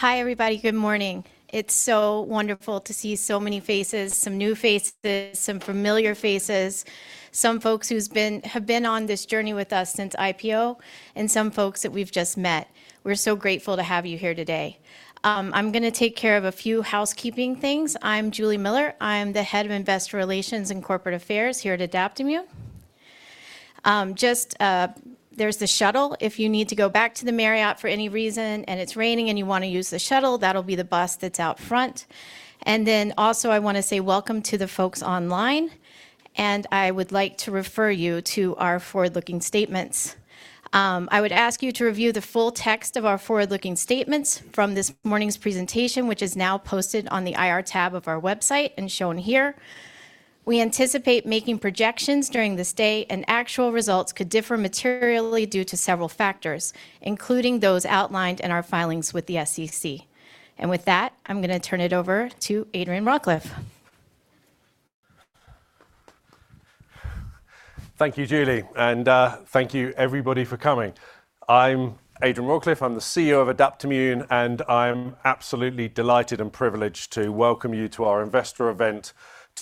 Hi, everybody. Good morning. It's so wonderful to see so many faces, some new faces, some familiar faces, some folks who have been on this journey with us since IPO, and some folks that we've just met. We're so grateful to have you here today. I'm gonna take care of a few housekeeping things. I'm Juli Miller. I'm the Head of Investor Relations and Corporate Affairs here at Adaptimmune. Just, there's the shuttle. If you need to go back to the Marriott for any reason, and it's raining, and you wanna use the shuttle, that'll be the bus that's out front. And then also, I wanna say welcome to the folks online, and I would like to refer you to our forward-looking statements. I would ask you to review the full text of our forward-looking statements from this morning's presentation, which is now posted on the IR tab of our website and shown here. We anticipate making projections during this day, and actual results could differ materially due to several factors, including those outlined in our filings with the SEC. With that, I'm gonna turn it over to Adrian Rawcliffe. Thank you, Juli, and thank you, everybody, for coming. I'm Adrian Rawcliffe. I'm the CEO of Adaptimmune, and I'm absolutely delighted and privileged to welcome you to our investor event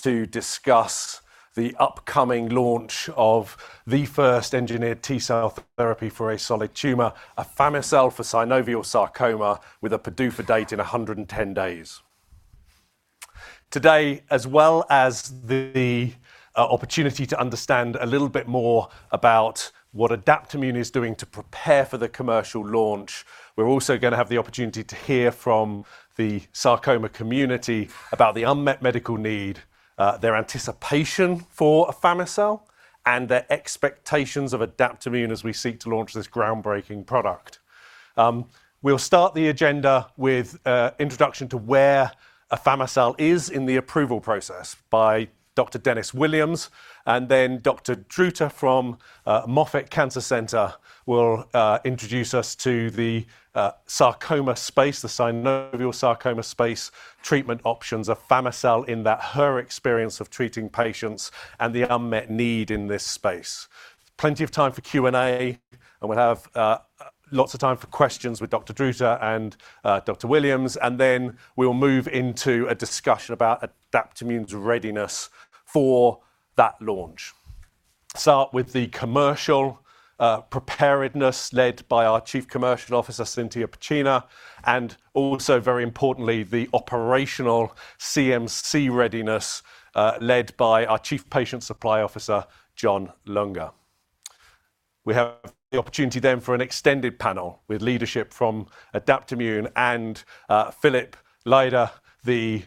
to discuss the upcoming launch of the first engineered T-cell therapy for a solid tumor, afami-cel for synovial sarcoma, with a PDUFA date in 110 days. Today, as well as the opportunity to understand a little bit more about what Adaptimmune is doing to prepare for the commercial launch, we're also gonna have the opportunity to hear from the sarcoma community about the unmet medical need. Their anticipation for afami-cel, and their expectations of Adaptimmune as we seek to launch this groundbreaking product. We'll start the agenda with introduction to where afami-cel is in the approval process by Dr. Dennis Williams, and then Dr. Druta from Moffitt Cancer Center will introduce us to the sarcoma space, the synovial sarcoma space treatment options, afami-cel, in that her experience of treating patients and the unmet need in this space. Plenty of time for Q&A, and we'll have lots of time for questions with Dr. Druta and Dr. Williams, and then we'll move into a discussion about Adaptimmune's readiness for that launch. Start with the commercial preparedness, led by our Chief Commercial Officer, Cintia Piccina, and also, very importantly, the operational CMC readiness, led by our Chief Patient Supply Officer, John Lunger. We have the opportunity then for an extended panel with leadership from Adaptimmune and Philip Leider, the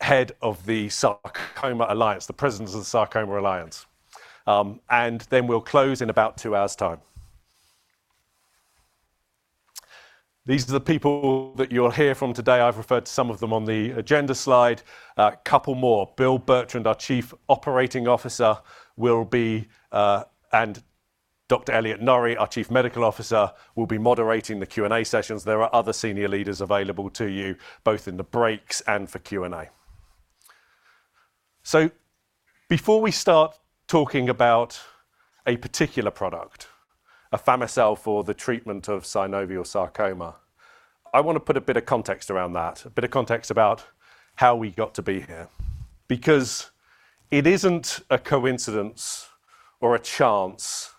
head of the Sarcoma Alliance, the president of the Sarcoma Alliance. And then we'll close in about two hours' time. These are the people that you'll hear from today. I've referred to some of them on the agenda slide. A couple more. Bill Bertrand, our Chief Operating Officer, will be. And Dr. Elliot Norry, our Chief Medical Officer, will be moderating the Q&A sessions. There are other senior leaders available to you, both in the breaks and for Q&A. So before we start talking about a particular product, afami-cel for the treatment of synovial sarcoma, I wanna put a bit of context around that, a bit of context about how we got to be here. Because it isn't a coincidence or a chance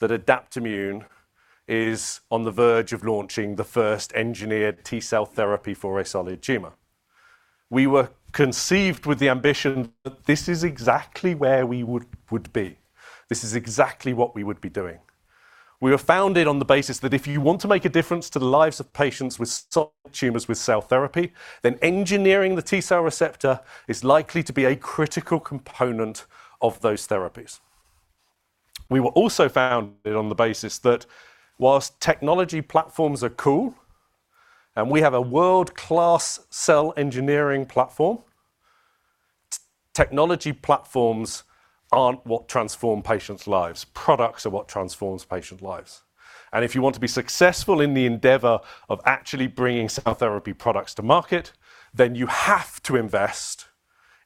that Adaptimmune is on the verge of launching the first engineered T-cell therapy for a solid tumor. We were conceived with the ambition that this is exactly where we would be. This is exactly what we would be doing. We were founded on the basis that if you want to make a difference to the lives of patients with solid tumors with cell therapy, then engineering the T-cell receptor is likely to be a critical component of those therapies. We were also founded on the basis that while technology platforms are cool, and we have a world-class cell engineering platform, technology platforms aren't what transform patients' lives. Products are what transforms patient lives. And if you want to be successful in the endeavor of actually bringing cell therapy products to market, then you have to invest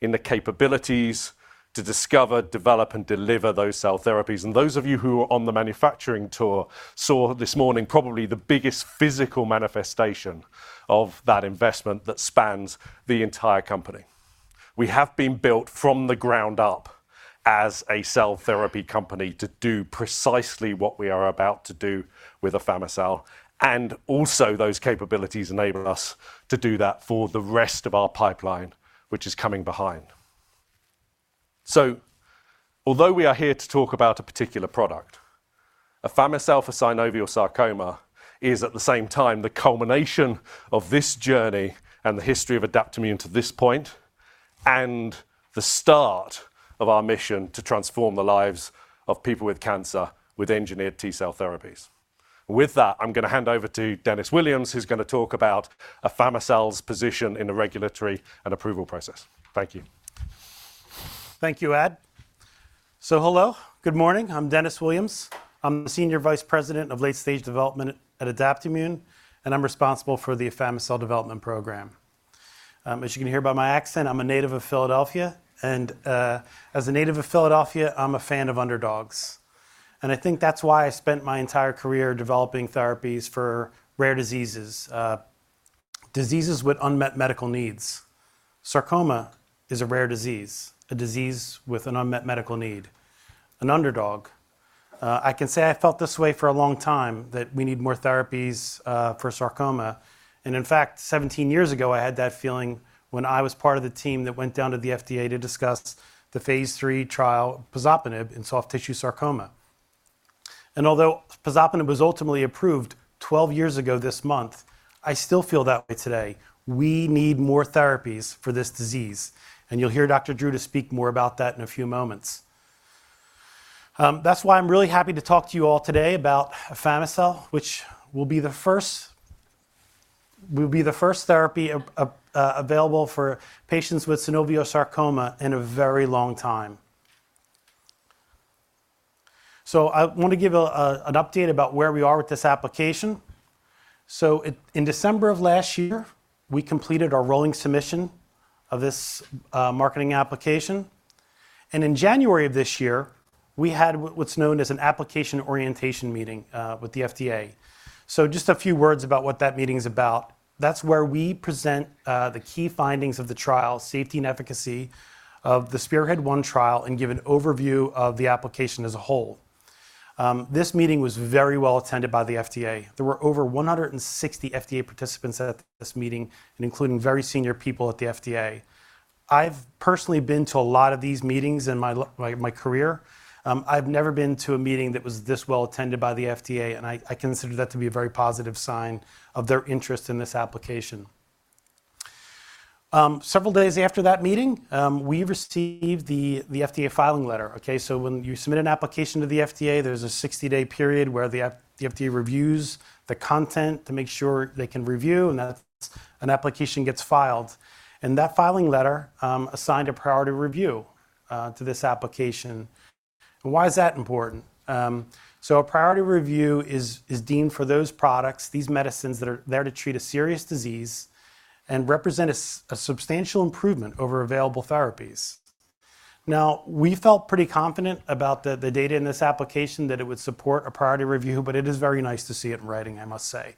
in the capabilities to discover, develop, and deliver those cell therapies. And those of you who were on the manufacturing tour saw this morning probably the biggest physical manifestation of that investment that spans the entire company. We have been built from the ground up as a cell therapy company to do precisely what we are about to do with afami-cel, and also, those capabilities enable us to do that for the rest of our pipeline, which is coming behind. So although we are here to talk about a particular product, afami-cel for synovial sarcoma is, at the same time, the culmination of this journey and the history of Adaptimmune to this point, and the start of our mission to transform the lives of people with cancer with engineered T-cell therapies. With that, I'm gonna hand over to Dennis Williams, who's gonna talk about afami-cel's position in the regulatory and approval process. Thank you. Thank you, Ad. Hello, good morning. I'm Dennis Williams. I'm the Senior Vice President of Late Stage Development at Adaptimmune, and I'm responsible for the afami-cel development program. As you can hear by my accent, I'm a native of Philadelphia, and as a native of Philadelphia, I'm a fan of underdogs. And I think that's why I spent my entire career developing therapies for rare diseases, diseases with unmet medical needs. Sarcoma is a rare disease, a disease with an unmet medical need, an underdog. I can say I felt this way for a long time, that we need more therapies for sarcoma. And in fact, 17 years ago, I had that feeling when I was part of the team that went down to the FDA to discuss the phase III trial of pazopanib in soft tissue sarcoma. And although pazopanib was ultimately approved 12 years ago this month, I still feel that way today. We need more therapies for this disease, and you'll hear Dr. Druta will speak more about that in a few moments. That's why I'm really happy to talk to you all today about afami-cel, which will be the first, will be the first therapy available for patients with synovial sarcoma in a very long time. I want to give an update about where we are with this application. In December of last year, we completed our rolling submission of this marketing application, and in January of this year, we had what's known as an application orientation meeting with the FDA. Just a few words about what that meeting is about. That's where we present the key findings of the trial, safety and efficacy of the SPEARHEAD-1 trial, and give an overview of the application as a whole. This meeting was very well attended by the FDA. There were over 160 FDA participants at this meeting, and including very senior people at the FDA. I've personally been to a lot of these meetings in my career. I've never been to a meeting that was this well attended by the FDA, and I consider that to be a very positive sign of their interest in this application. Several days after that meeting, we received the FDA filing letter. Okay, so when you submit an application to the FDA, there's a 60-day period where the FDA reviews the content to make sure they can review, and that an application gets filed. And that filing letter assigned a priority review to this application. Why is that important? So a priority review is deemed for those products, these medicines that are there to treat a serious disease and represent a substantial improvement over available therapies. Now, we felt pretty confident about the data in this application, that it would support a priority review, but it is very nice to see it in writing, I must say.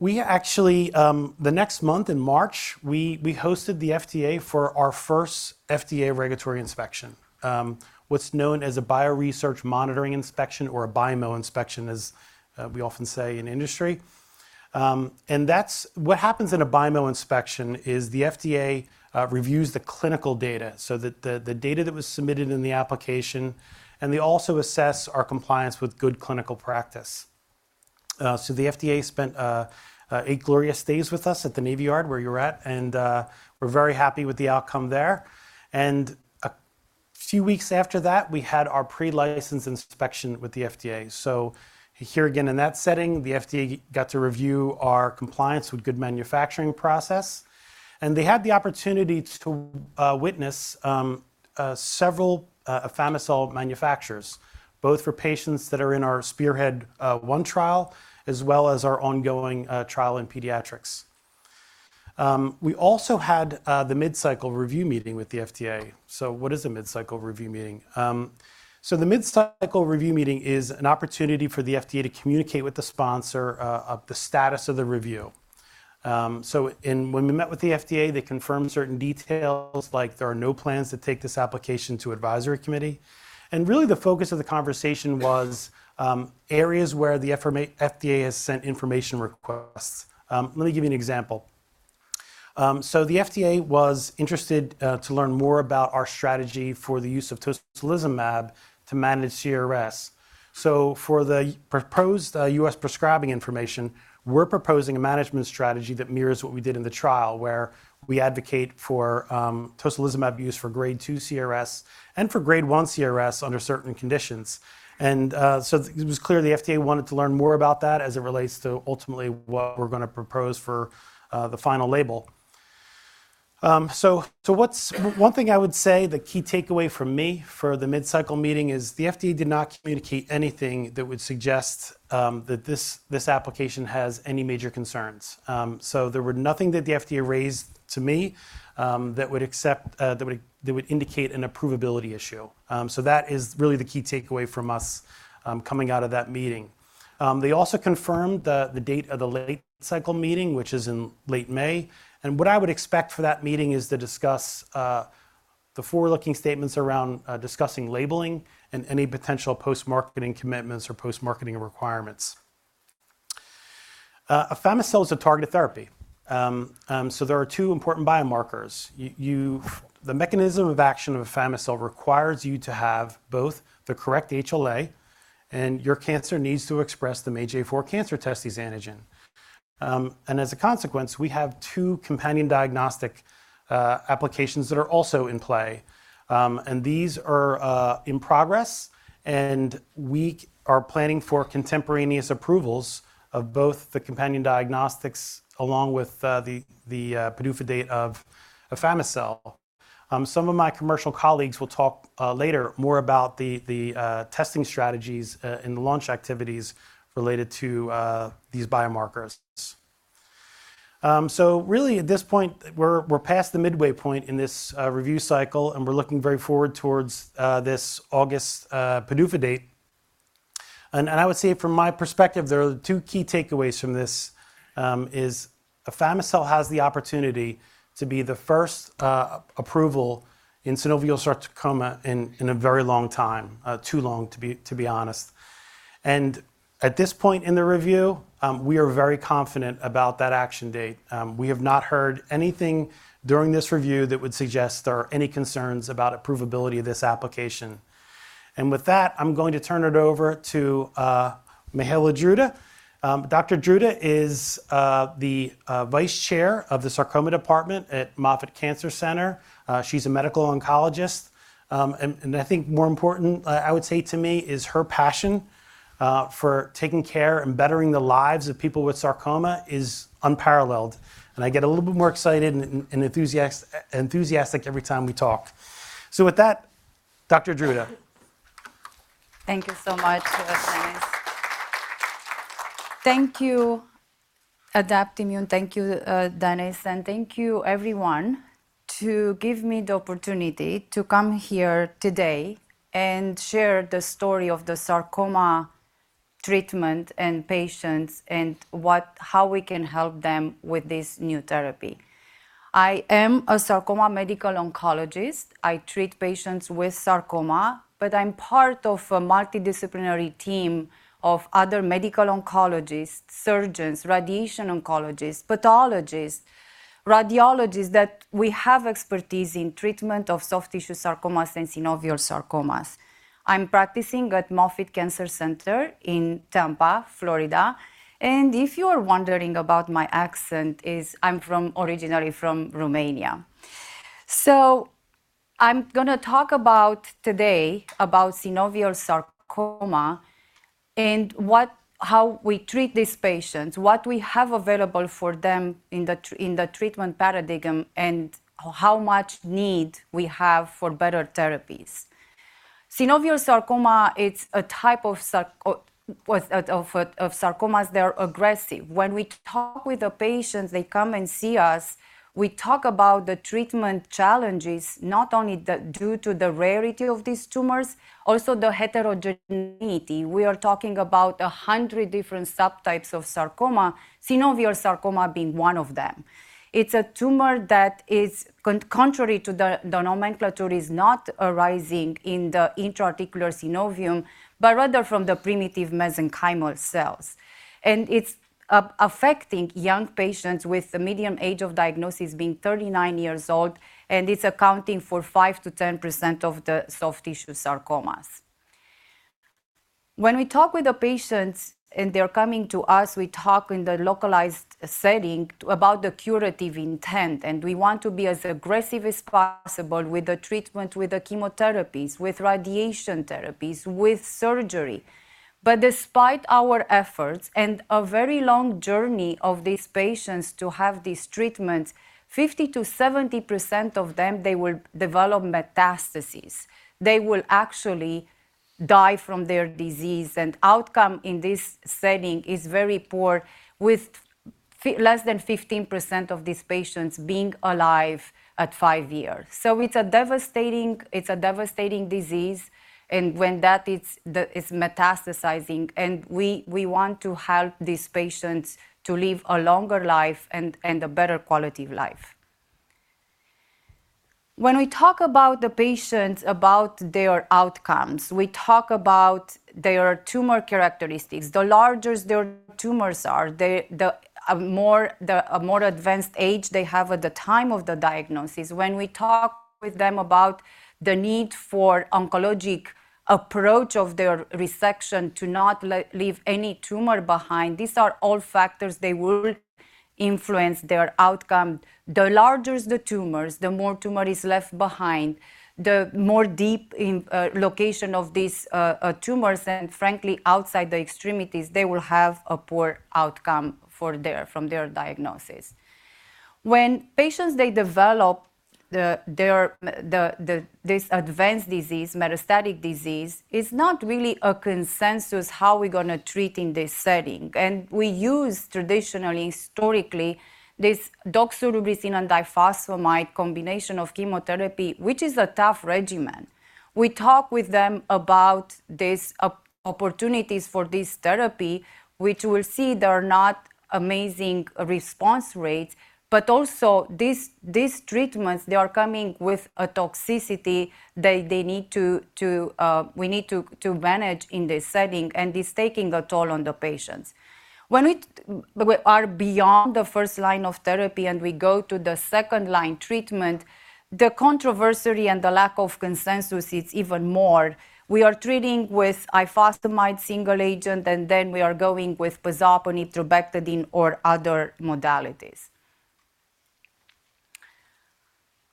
We actually, in March, we hosted the FDA for our first FDA regulatory inspection, what's known as a bioresearch monitoring inspection, or a BIMO inspection, as we often say in industry. And that's what happens in a BIMO inspection is the FDA reviews the clinical data, so the data that was submitted in the application, and they also assess our compliance with good clinical practice. So the FDA spent eight glorious days with us at the Navy Yard, where you're at, and we're very happy with the outcome there. A few weeks after that, we had our pre-license inspection with the FDA. So here again, in that setting, the FDA got to review our compliance with good manufacturing process, and they had the opportunity to witness several afami-cel manufacturers, both for patients that are in our SPEARHEAD-1 trial, as well as our ongoing trial in pediatrics. We also had the mid-cycle review meeting with the FDA. So what is a mid-cycle review meeting? The mid-cycle review meeting is an opportunity for the FDA to communicate with the sponsor the status of the review. When we met with the FDA, they confirmed certain details, like there are no plans to take this application to advisory committee. Really, the focus of the conversation was areas where the FDA has sent information requests. Let me give you an example. The FDA was interested to learn more about our strategy for the use of tocilizumab to manage CRS. For the proposed U.S. prescribing information, we're proposing a management strategy that mirrors what we did in the trial, where we advocate for tocilizumab use for Grade 2 CRS and for Grade 1 CRS under certain conditions. It was clear the FDA wanted to learn more about that as it relates to ultimately what we're going to propose for the final label. One thing I would say, the key takeaway from me for the mid-cycle meeting is the FDA did not communicate anything that would suggest that this application has any major concerns. There were nothing that the FDA raised to me that would indicate an approvability issue. That is really the key takeaway from us coming out of that meeting. They also confirmed the date of the late-cycle meeting, which is in late May. And what I would expect for that meeting is to discuss the forward-looking statements around discussing labeling and any potential post-marketing commitments or post-marketing requirements. Afami-cel is a targeted therapy. There are two important biomarkers. The mechanism of action of afami-cel requires you to have both the correct HLA and your cancer needs to express the MAGE-A4 cancer-testis antigen. And as a consequence, we have two companion diagnostic applications that are also in play. And these are in progress, and we are planning for contemporaneous approvals of both the companion diagnostics, along with the PDUFA date of afami-cel. Some of my commercial colleagues will talk later more about the testing strategies and the launch activities related to these biomarkers. So really, at this point, we're past the midway point in this review cycle, and we're looking very forward towards this August PDUFA date. I would say from my perspective, there are two key takeaways from this, afami-cel has the opportunity to be the first approval in synovial sarcoma in a very long time, too long, to be honest. And at this point in the review, we are very confident about that action date. We have not heard anything during this review that would suggest there are any concerns about approvability of this application. And with that, I'm going to turn it over to Mihaela Druta. Dr. Druta is the vice chair of the sarcoma department at Moffitt Cancer Center. She's a medical oncologist. I think more important, I would say to me, is her passion for taking care and bettering the lives of people with sarcoma is unparalleled, and I get a little bit more excited and enthusiastic every time we talk. So with that, Dr. Druta. Thank you so much, Dennis. Thank you, Adaptimmune. Thank you, Dennis, and thank you everyone, to give me the opportunity to come here today and share the story of the sarcoma treatment and patients and how we can help them with this new therapy. I am a sarcoma medical oncologist. I treat patients with sarcoma, but I'm part of a multidisciplinary team of other medical oncologists, surgeons, radiation oncologists, pathologists, radiologists, that we have expertise in treatment of soft tissue sarcomas and synovial sarcomas. I'm practicing at Moffitt Cancer Center in Tampa, Florida, and if you are wondering about my accent, is I'm from, originally from Romania. So I'm gonna talk about today about synovial sarcoma and how we treat these patients, what we have available for them in the treatment paradigm, and how much need we have for better therapies. Synovial sarcoma, it's a type of sarcomas that are aggressive. When we talk with the patients, they come and see us, we talk about the treatment challenges, not only due to the rarity of these tumors, also the heterogeneity. We are talking about 100 different subtypes of sarcoma, synovial sarcoma being one of them. It's a tumor that is contrary to the nomenclature, is not arising in the intra-articular synovium, but rather from the primitive mesenchymal cells. And it's affecting young patients with the median age of diagnosis being 39 years old, and it's accounting for 5%-10% of the soft tissue sarcomas. When we talk with the patients, and they're coming to us, we talk in the localized setting about the curative intent, and we want to be as aggressive as possible with the treatment, with the chemotherapies, with radiation therapies, with surgery. But despite our efforts and a very long journey of these patients to have these treatments, 50%-70% of them, they will develop metastases. They will actually die from their disease, and outcome in this setting is very poor, with less than 15% of these patients being alive at five years. So it's a devastating, it's a devastating disease, and when it's metastasizing, and we want to help these patients to live a longer life and a better quality of life. When we talk about the patients, about their outcomes, we talk about their tumor characteristics. The larger their tumors are, the more advanced age they have at the time of the diagnosis. When we talk with them about the need for oncologic approach of their resection, to not leave any tumor behind, these are all factors that will influence their outcome. The larger the tumors, the more tumor is left behind, the more deep in location of these tumors, and frankly, outside the extremities, they will have a poor outcome from their diagnosis. When patients, they develop this advanced disease, metastatic disease, it's not really a consensus how we're gonna treat in this setting. And we use traditionally, historically, this doxorubicin and ifosfamide combination of chemotherapy, which is a tough regimen. We talk with them about these opportunities for this therapy, which we will see they are not amazing response rates, but also, these treatments, they are coming with a toxicity that we need to manage in this setting, and it's taking a toll on the patients. When we are beyond the first line of therapy, and we go to the second line treatment, the controversy and the lack of consensus is even more. We are treating with ifosfamide single agent, and then we are going with pazopanib, trabectedin, or other modalities.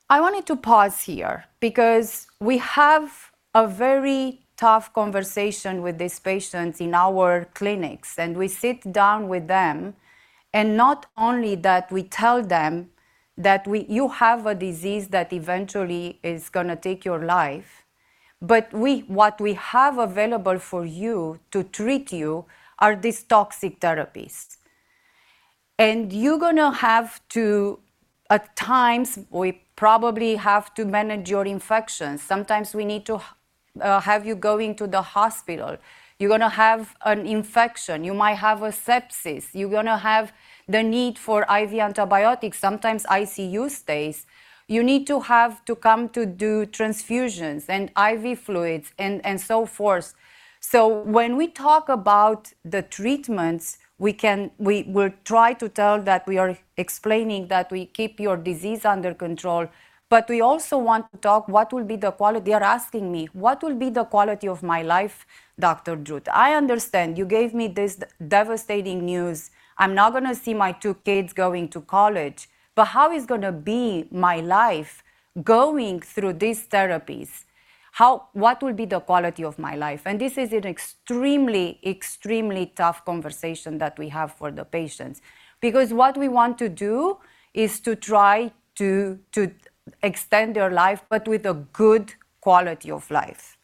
I wanted to pause here because we have a very tough conversation with these patients in our clinics, and we sit down with them, and not only that, we tell them that we-- "You have a disease that eventually is gonna take your life." but we, what we have available for you to treat you are these toxic therapies. And you're gonna have to, at times, we probably have to manage your infection. Sometimes we need to have you going to the hospital. You're gonna have an infection. You might have a sepsis. You're gonna have the need for IV antibiotics, sometimes ICU stays. You need to have to come to do transfusions and IV fluids, and, and so forth. So when we talk about the treatments, we can- we will try to tell that we are explaining that we keep your disease under control, but we also want to talk what will be the quality. They are asking me: "What will be the quality of my life, Dr. Druta? I understand you gave me this devastating news. I'm not gonna see my two kids going to college, but how is gonna be my life going through these therapies? How—what will be the quality of my life?" And this is an extremely, extremely tough conversation that we have for the patients, because what we want to do is to try to, to extend their life, but with a good quality of life.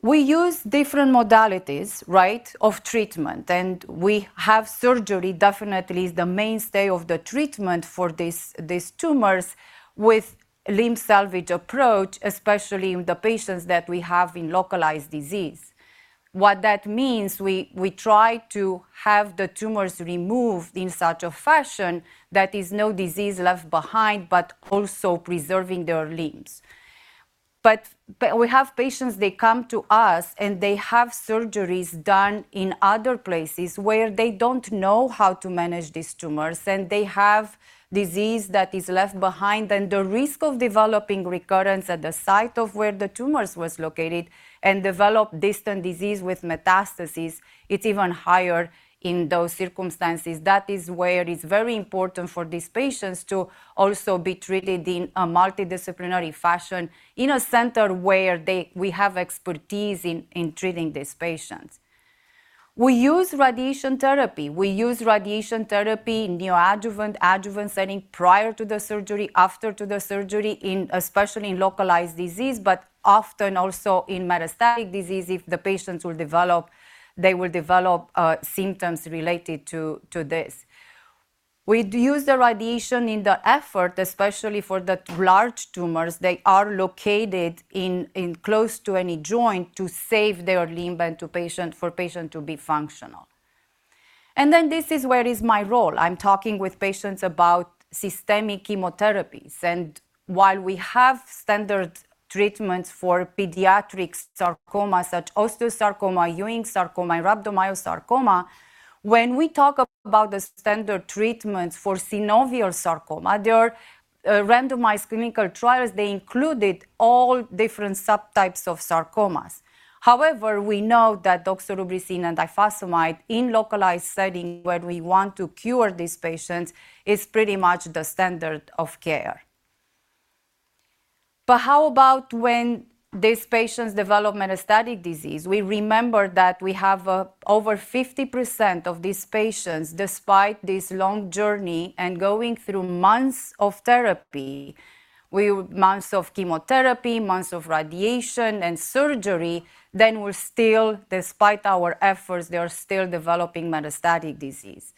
We use different modalities, right, of treatment, and we have surgery definitely is the mainstay of the treatment for these, these tumors with limb salvage approach, especially in the patients that we have in localized disease. What that means, we, we try to have the tumors removed in such a fashion that is no disease left behind, but also preserving their limbs. But we have patients, they come to us, and they have surgeries done in other places where they don't know how to manage these tumors, and they have disease that is left behind. And the risk of developing recurrence at the site of where the tumors was located and develop distant disease with metastasis, it's even higher in those circumstances. That is where it's very important for these patients to also be treated in a multidisciplinary fashion in a center where they, we have expertise in, in treating these patients. We use radiation therapy. We use radiation therapy in neoadjuvant, adjuvant setting prior to the surgery, after to the surgery, in especially in localized disease, but often also in metastatic disease, if the patients will develop symptoms related to, to this. We use the radiation in the effort, especially for the large tumors they are located in close to any joint to save their limb and for the patient to be functional. And then this is where my role is. I'm talking with patients about systemic chemotherapies, and while we have standard treatments for pediatric sarcomas, such as osteosarcoma, Ewing sarcoma, rhabdomyosarcoma, when we talk about the standard treatments for synovial sarcoma, there are randomized clinical trials, they included all different subtypes of sarcomas. However, we know that doxorubicin and ifosfamide in the localized setting, where we want to cure these patients, is pretty much the standard of care. But how about when these patients develop metastatic disease? We remember that we have over 50% of these patients, despite this long journey and going through months of therapy, we... Months of chemotherapy, months of radiation and surgery, then we're still, despite our efforts, they are still developing metastatic disease.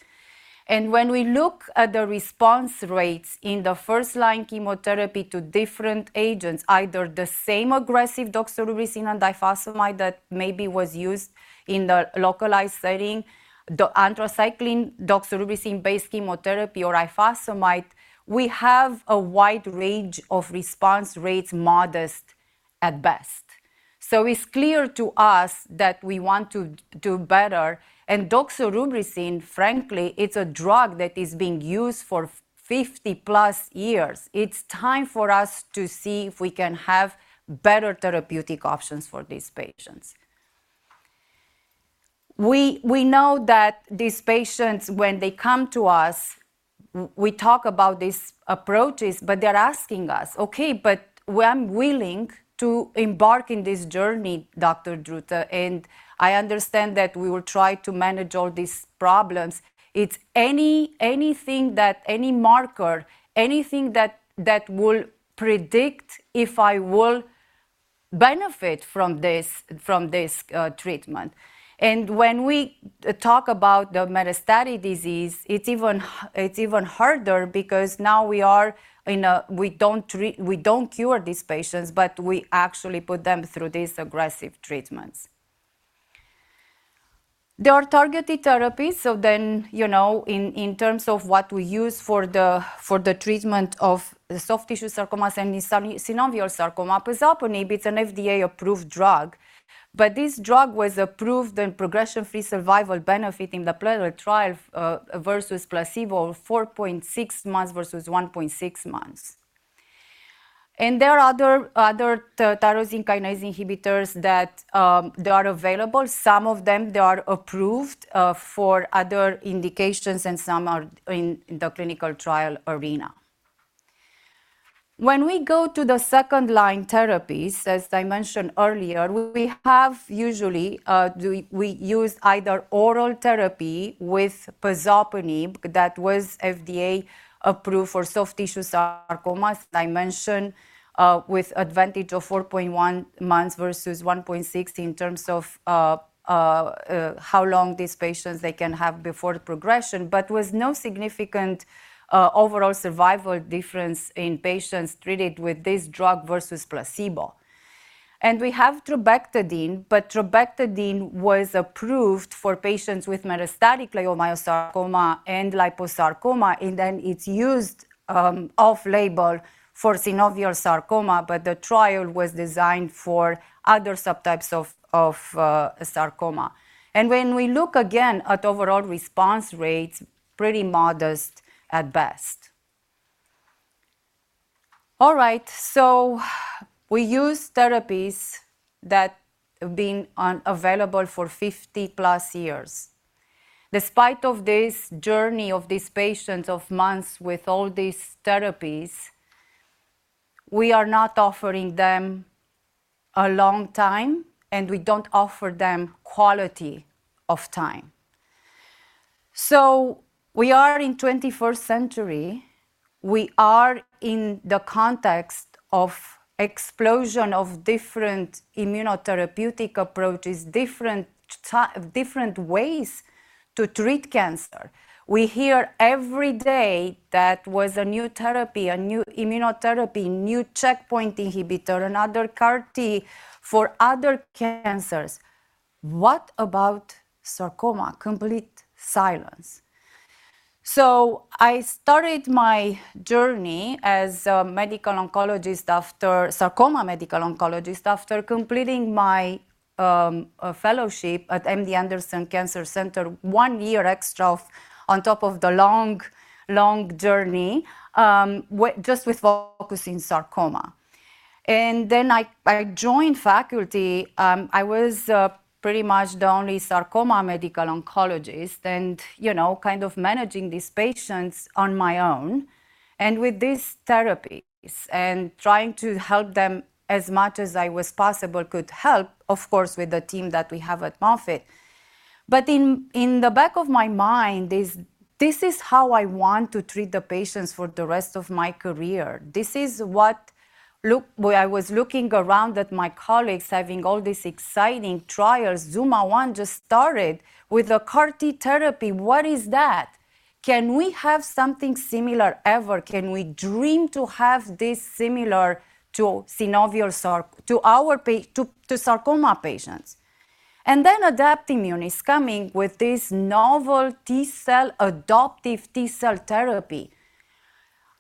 And when we look at the response rates in the first-line chemotherapy to different agents, either the same aggressive doxorubicin and ifosfamide that maybe was used in the localized setting, the anthracycline doxorubicin-based chemotherapy or ifosfamide, we have a wide range of response rates, modest at best. So it's clear to us that we want to do better, and doxorubicin, frankly, it's a drug that is being used for 50+ years. It's time for us to see if we can have better therapeutic options for these patients. We know that these patients, when they come to us, we talk about these approaches, but they're asking us, "Okay, but well, I'm willing to embark in this journey, Dr. Druta, and I understand that we will try to manage all these problems. It's anything that, any marker, anything that will predict if I will benefit from this treatment? And when we talk about the metastatic disease, it's even harder because now we are in a... We don't cure these patients, but we actually put them through these aggressive treatments. There are targeted therapies, so then, you know, in terms of what we use for the treatment of the soft tissue sarcomas and synovial sarcoma. Vismodegib, it's an FDA-approved drug, but this drug was approved in progression-free survival benefit in the pivotal trial versus placebo, 4.6 months versus 1.6 months. And there are other tyrosine kinase inhibitors that they are available. Some of them, they are approved for other indications, and some are in the clinical trial arena. When we go to the second-line therapies, as I mentioned earlier, we usually use either oral therapy with pazopanib that was FDA-approved for soft tissue sarcomas, as I mentioned, with advantage of 4.1 months versus 1.6 in terms of how long these patients they can have before the progression, but with no significant overall survival difference in patients treated with this drug versus placebo. And we have trabectedin, but trabectedin was approved for patients with metastatic leiomyosarcoma and liposarcoma, and then it's used off-label for synovial sarcoma, but the trial was designed for other subtypes of sarcoma. And when we look again at overall response rates, pretty modest at best. All right, so we use therapies that have been unavailable for 50+ years. Despite of this journey of these patients of months with all these therapies, we are not offering them a long time, and we don't offer them quality of time. So we are in 21st century. We are in the context of explosion of different immunotherapeutic approaches, different ways to treat cancer. We hear every day that was a new therapy, a new immunotherapy, new checkpoint inhibitor, another CAR T for other cancers. What about sarcoma? Complete silence. So I started my journey as a medical oncologist after sarcoma medical oncologist, after completing my fellowship at MD Anderson Cancer Center, 1 year extra on top of the long, long journey, just with focusing sarcoma. And then I joined faculty. I was pretty much the only sarcoma medical oncologist and, you know, kind of managing these patients on my own and with these therapies and trying to help them as much as possible I could help, of course, with the team that we have at Moffitt. But in the back of my mind, this is how I want to treat the patients for the rest of my career. This is what... Look, where I was looking around at my colleagues having all these exciting trials. ZUMA-1 just started with a CAR T therapy. What is that? Can we have something similar ever? Can we dream to have this similar to synovial sarcoma patients? And then Adaptimmune is coming with this novel T-cell, adoptive T-cell therapy.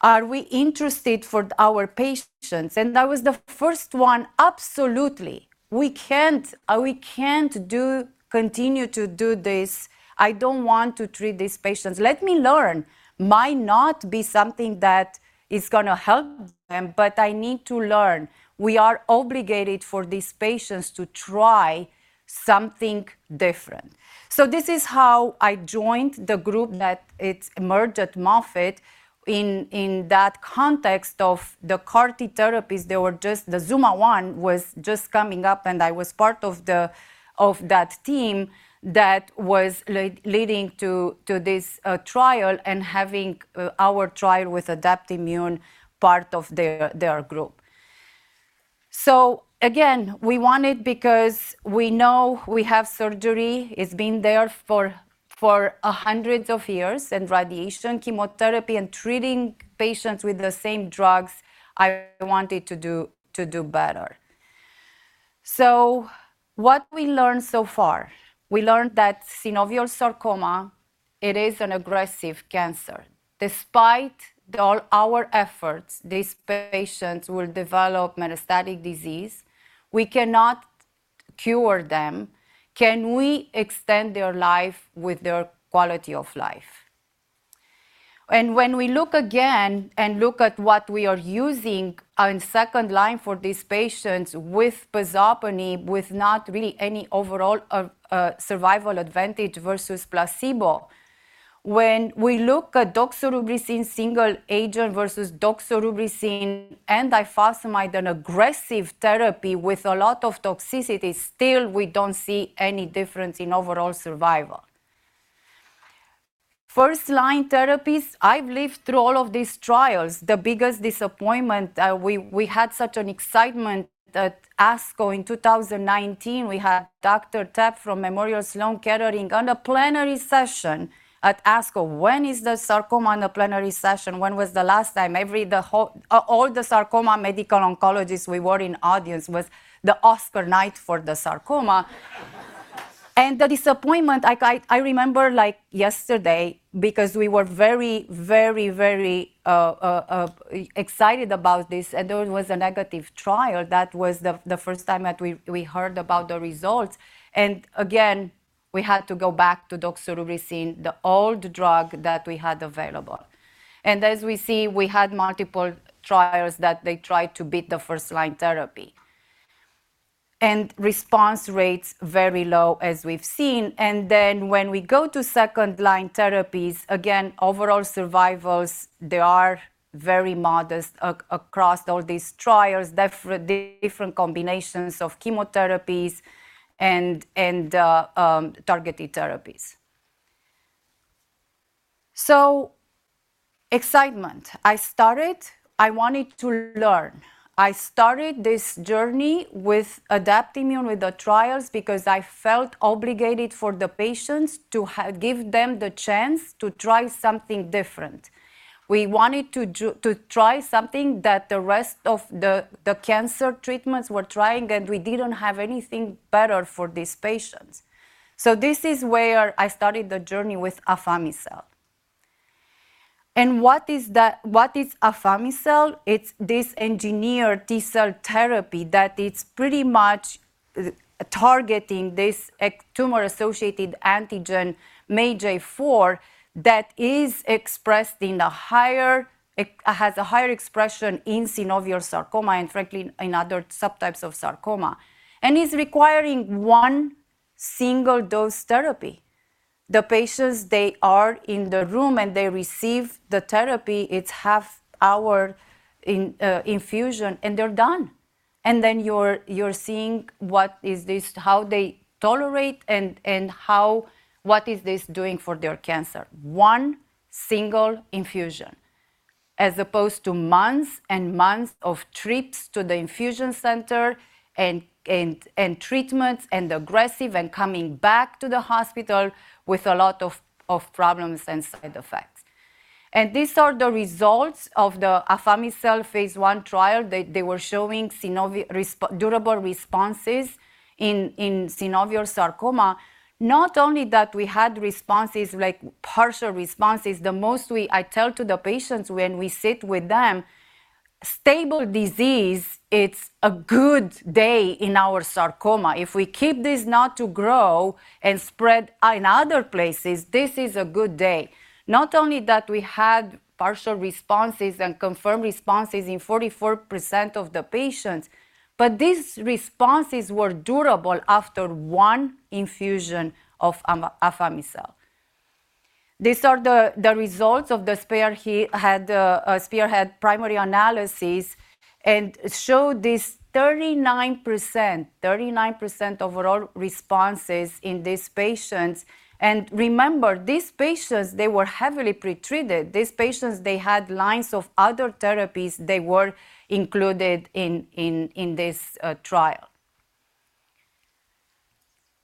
Are we interested for our patients? That was the first one. Absolutely! We can't continue to do this. I don't want to treat these patients. Let me learn. Might not be something that is gonna help them, but I need to learn. We are obligated for these patients to try something different. So this is how I joined the group that it's emerged at Moffitt in that context of the CAR T therapies. The ZUMA-1 was just coming up, and I was part of that team that was leading to this trial and having our trial with Adaptimmune part of their group. So again, we want it because we know we have surgery. It's been there for hundreds of years, and radiation, chemotherapy, and treating patients with the same drugs. I wanted to do better. So what we learned so far: we learned that synovial sarcoma, it is an aggressive cancer. Despite all our efforts, these patients will develop metastatic disease. We cannot cure them. Can we extend their life with their quality of life? And when we look again and look at what we are using in second line for these patients with pazopanib, with not really any overall survival advantage versus placebo, when we look at doxorubicin single agent versus doxorubicin and ifosfamide, an aggressive therapy with a lot of toxicity, still, we don't see any difference in overall survival. First-line therapies, I've lived through all of these trials. The biggest disappointment, we had such an excitement at ASCO in 2019. We had Dr. Tap from Memorial Sloan Kettering on the plenary session at ASCO. When is the sarcoma on the plenary session? When was the last time? All the sarcoma medical oncologists we were in audience, was the Oscar night for the sarcoma. And the disappointment, I remember like yesterday because we were very, very, very excited about this, and there was a negative trial. That was the first time that we heard about the results. And again, we had to go back to doxorubicin, the old drug that we had available. And as we see, we had multiple trials that they tried to beat the first-line therapy and response rates very low, as we've seen. And then when we go to second-line therapies, again, overall survivals, they are very modest across all these trials, different combinations of chemotherapies and targeted therapies. So excitement. I started I wanted to learn. I started this journey with Adaptimmune with the trials because I felt obligated for the patients to give them the chance to try something different. We wanted to try something that the rest of the cancer treatments were trying, and we didn't have anything better for these patients. So this is where I started the journey with afami-cel. What is afami-cel? It's this engineered T-cell therapy that it's pretty much targeting this tumor-associated antigen MAGE-A4 that has a higher expression in synovial sarcoma and frankly, in other subtypes of sarcoma, and is requiring one single-dose therapy. The patients, they are in the room, and they receive the therapy. It's half-hour in infusion, and they're done. Then you're seeing what this is, how they tolerate, and how what this is doing for their cancer? One single infusion, as opposed to months and months of trips to the infusion center, and treatments, and aggressive, and coming back to the hospital with a lot of problems and side effects. These are the results of the afami-cel phase I trial. They were showing synovial responses—durable responses in synovial sarcoma. Not only that we had responses, like partial responses, the most I tell to the patients when we sit with them, "Stable disease, it's a good day in our sarcoma. If we keep this not to grow and spread in other places, this is a good day." Not only that we had partial responses and confirmed responses in 44% of the patients, but these responses were durable after one infusion of afami-cel. These are the results of the SPEARHEAD primary analysis, and it showed this 39%, 39% overall responses in these patients. And remember, these patients, they were heavily pretreated. These patients, they had lines of other therapies they were included in this trial.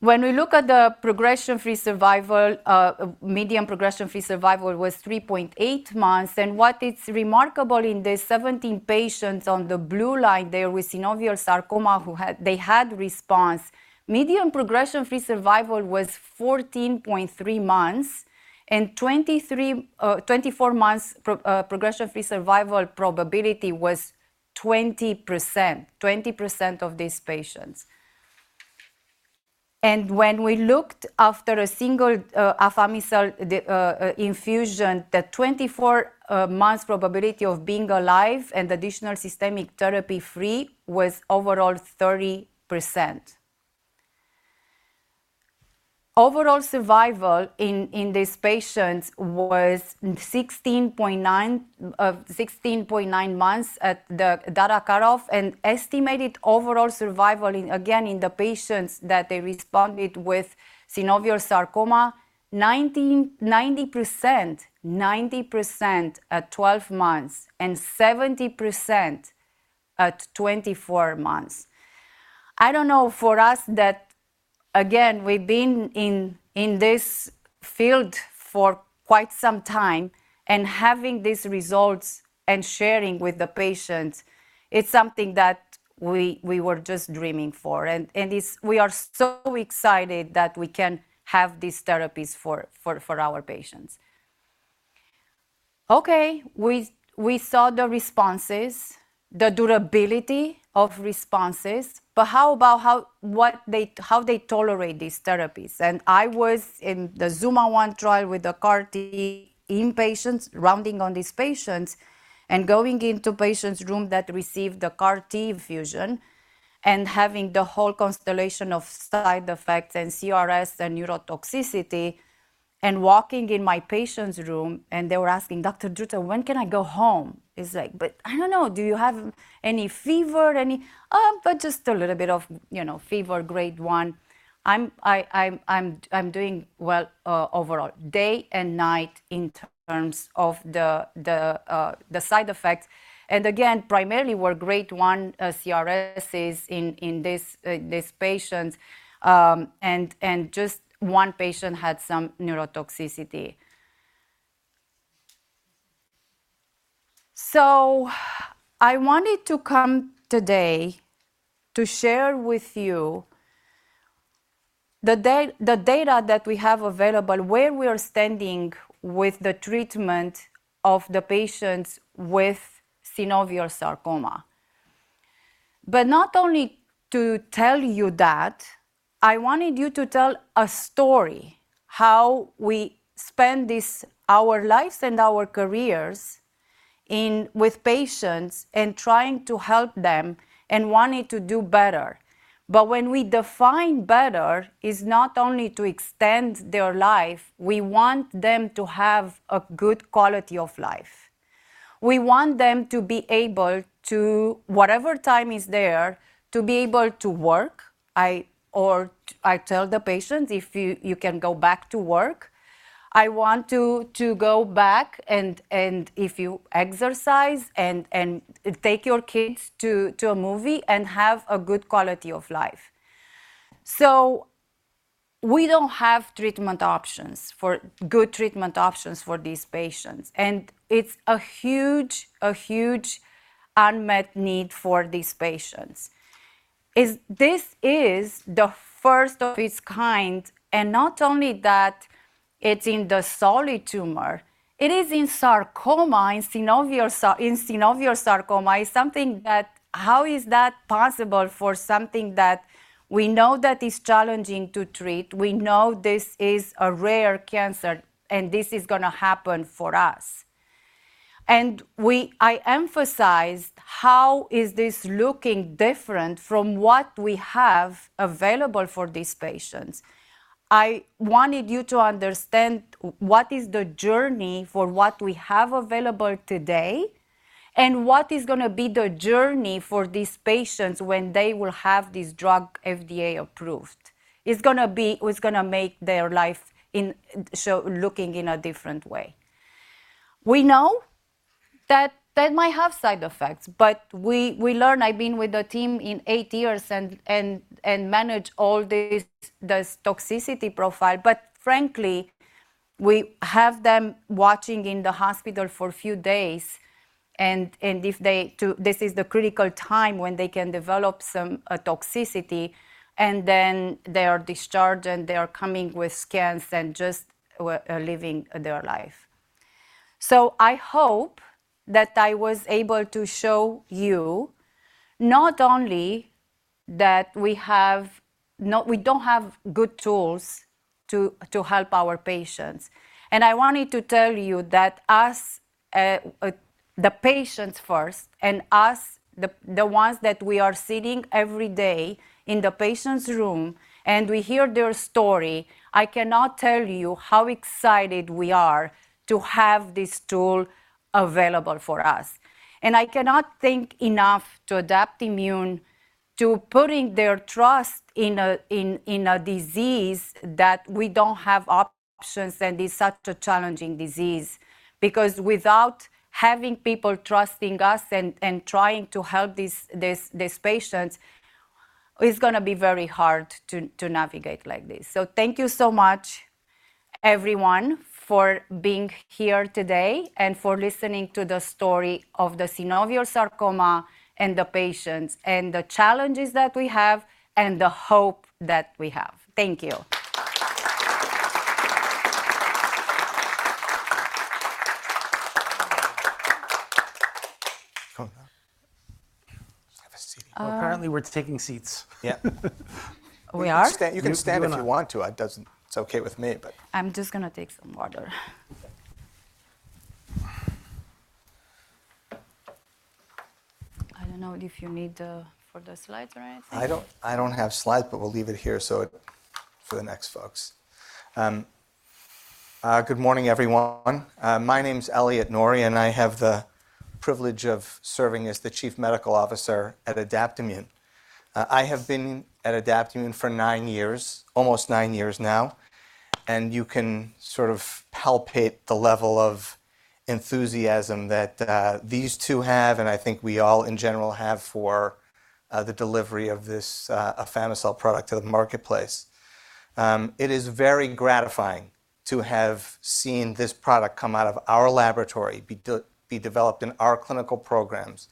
When we look at the progression-free survival, median progression-free survival was 3.8 months, and what's remarkable in the 17 patients on the blue line there with synovial sarcoma who had... They had response. Median progression-free survival was 14.3 months, and 24 months progression-free survival probability was 20%. 20% of these patients. And when we looked after a single afami-cel infusion, the 24 months probability of being alive and additional systemic therapy-free was overall 30%. Overall survival in these patients was 16.9 months at the data cut-off, and estimated overall survival in, again, in the patients that they responded with synovial sarcoma, 90%. 90% at 12 months, and 70% at 24 months. I don't know for us that, again, we've been in, in this field for quite some time, and having these results and sharing with the patients, it's something that we, we were just dreaming for, and, and it's, we are so excited that we can have these therapies for, for, for our patients. Okay. We, we saw the responses, the durability of responses, but how about how, what they - how they tolerate these therapies? And I was in the ZUMA-1 trial with the CAR T in patients, rounding on these patients, and going into patients' room that received the CAR T infusion, and having the whole constellation of side effects, and CRS, and neurotoxicity, and walking in my patient's room, and they were asking: "Dr. Druta, when can I go home?" It's like: "But I don't know. Do you have any fever? but just a little bit of, you know, fever, grade one. I'm doing well, overall." Day and night in terms of the side effects, and again, primarily were grade one CRS's in these patients, and just one patient had some neurotoxicity. So I wanted to come today to share with you the data that we have available, where we are standing with the treatment of the patients with synovial sarcoma. But not only to tell you that, I wanted you to tell a story, how we spend our lives and our careers in with patients and trying to help them and wanting to do better. But when we define better, it's not only to extend their life, we want them to have a good quality of life. We want them to be able to, whatever time is there, to be able to work. Or I tell the patients, "If you can go back to work, I want you to go back and if you exercise, and take your kids to a movie and have a good quality of life." So we don't have good treatment options for these patients, and it's a huge unmet need for these patients. This is the first of its kind, and not only that it's in the solid tumor, it is in sarcoma, in synovial sarcoma, is something that how is that possible for something that we know that is challenging to treat, we know this is a rare cancer, and this is gonna happen for us? I emphasized how is this looking different from what we have available for these patients. I wanted you to understand what is the journey for what we have available today, and what is gonna be the journey for these patients when they will have this drug FDA-approved. It's gonna be- it's gonna make their life in sh- looking in a different way. We know that that might have side effects, but we, we learn. I've been with the team in eight years and manage all this, this toxicity profile, but frankly, we have them watching in the hospital for a few days, and if they this is the critical time when they can develop some, a toxicity, and then they are discharged, and they are coming with scans and just living their life. So I hope that I was able to show you not only that we don't have good tools to help our patients, and I wanted to tell you that us, the patients first, and us, the ones that we are sitting every day in the patient's room, and we hear their story. I cannot tell you how excited we are to have this tool available for us. And I cannot thank enough to Adaptimmune to putting their trust in a disease that we don't have options, and it's such a challenging disease. Because without having people trusting us and trying to help these patients, it's gonna be very hard to navigate like this. Thank you so much, everyone, for being here today and for listening to the story of the synovial sarcoma and the patients, and the challenges that we have and the hope that we have. Thank you. Come on. Have a seat. Apparently, we're taking seats. Yeah. We are? You can stand if you want to. It doesn't. It's okay with me, but- I'm just gonna take some water. Okay. I don't know if you need for the slides or anything. I don't have slides, but we'll leave it here, so it... for the next folks. Good morning, everyone. My name's Elliot Norry, and I have the privilege of serving as the Chief Medical Officer at Adaptimmune. I have been at Adaptimmune for nine years, almost nine years now, and you can sort of palpate the level of enthusiasm that these two have, and I think we all in general have for the delivery of this afami-cel product to the marketplace. It is very gratifying to have seen this product come out of our laboratory, be developed in our clinical programs,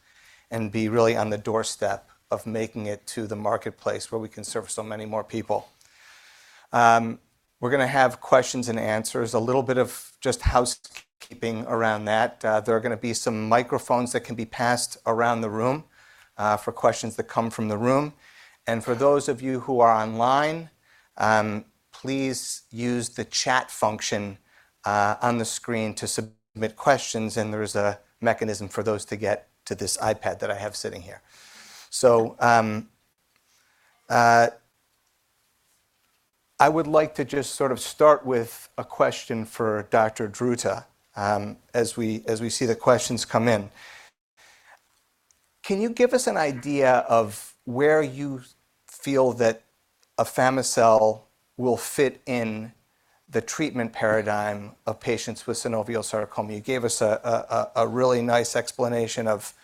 and be really on the doorstep of making it to the marketplace, where we can serve so many more people. We're gonna have questions and answers. A little bit of just housekeeping around that. There are gonna be some microphones that can be passed around the room for questions that come from the room. And for those of you who are online, please use the chat function on the screen to submit questions, and there's a mechanism for those to get to this iPad that I have sitting here. So, I would like to just sort of start with a question for Dr. Druta, as we see the questions come in. Can you give us an idea of where you feel that afami-cel will fit in the treatment paradigm of patients with synovial sarcoma? You gave us a really nice explanation of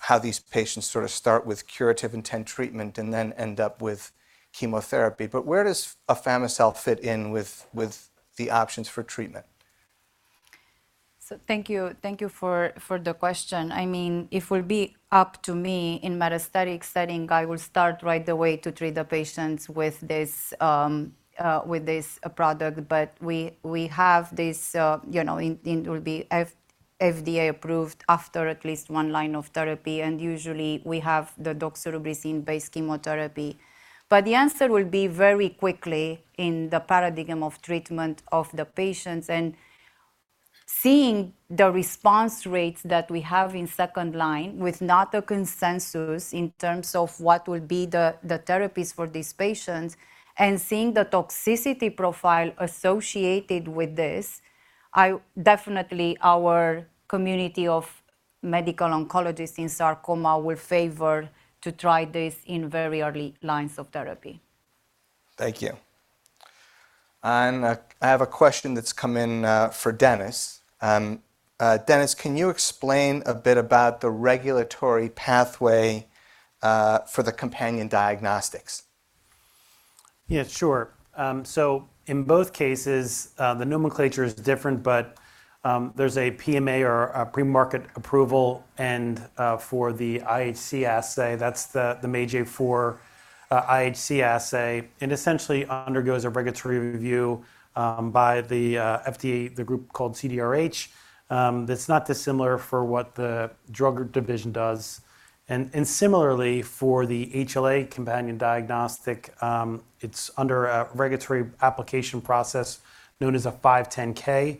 how these patients sort of start with curative intent treatment and then end up with chemotherapy. But where does afami-cel fit in with the options for treatment? So thank you. Thank you for, for the question. I mean, if it would be up to me in metastatic setting, I would start right away to treat the patients with this, with this product. But we, we have this, you know, it, it will be FDA-approved after at least one line of therapy, and usually we have the doxorubicin-based chemotherapy. But the answer will be very quickly in the paradigm of treatment of the patients, seeing the response rates that we have in second line with not a consensus in terms of what will be the, the therapies for these patients, and seeing the toxicity profile associated with this, I definitely, our community of medical oncologists in sarcoma will favor to try this in very early lines of therapy. Thank you. I have a question that's come in for Dennis. Dennis, can you explain a bit about the regulatory pathway for the companion diagnostics? Yeah, sure. So in both cases, the nomenclature is different, but there's a PMA or a pre-market approval, and for the IHC assay, that's the MAGE-A4 IHC assay, and essentially undergoes a regulatory review by the FDA, the group called CDRH. That's not dissimilar for what the drug division does. And similarly, for the HLA companion diagnostic, it's under a regulatory application process known as a 510(k).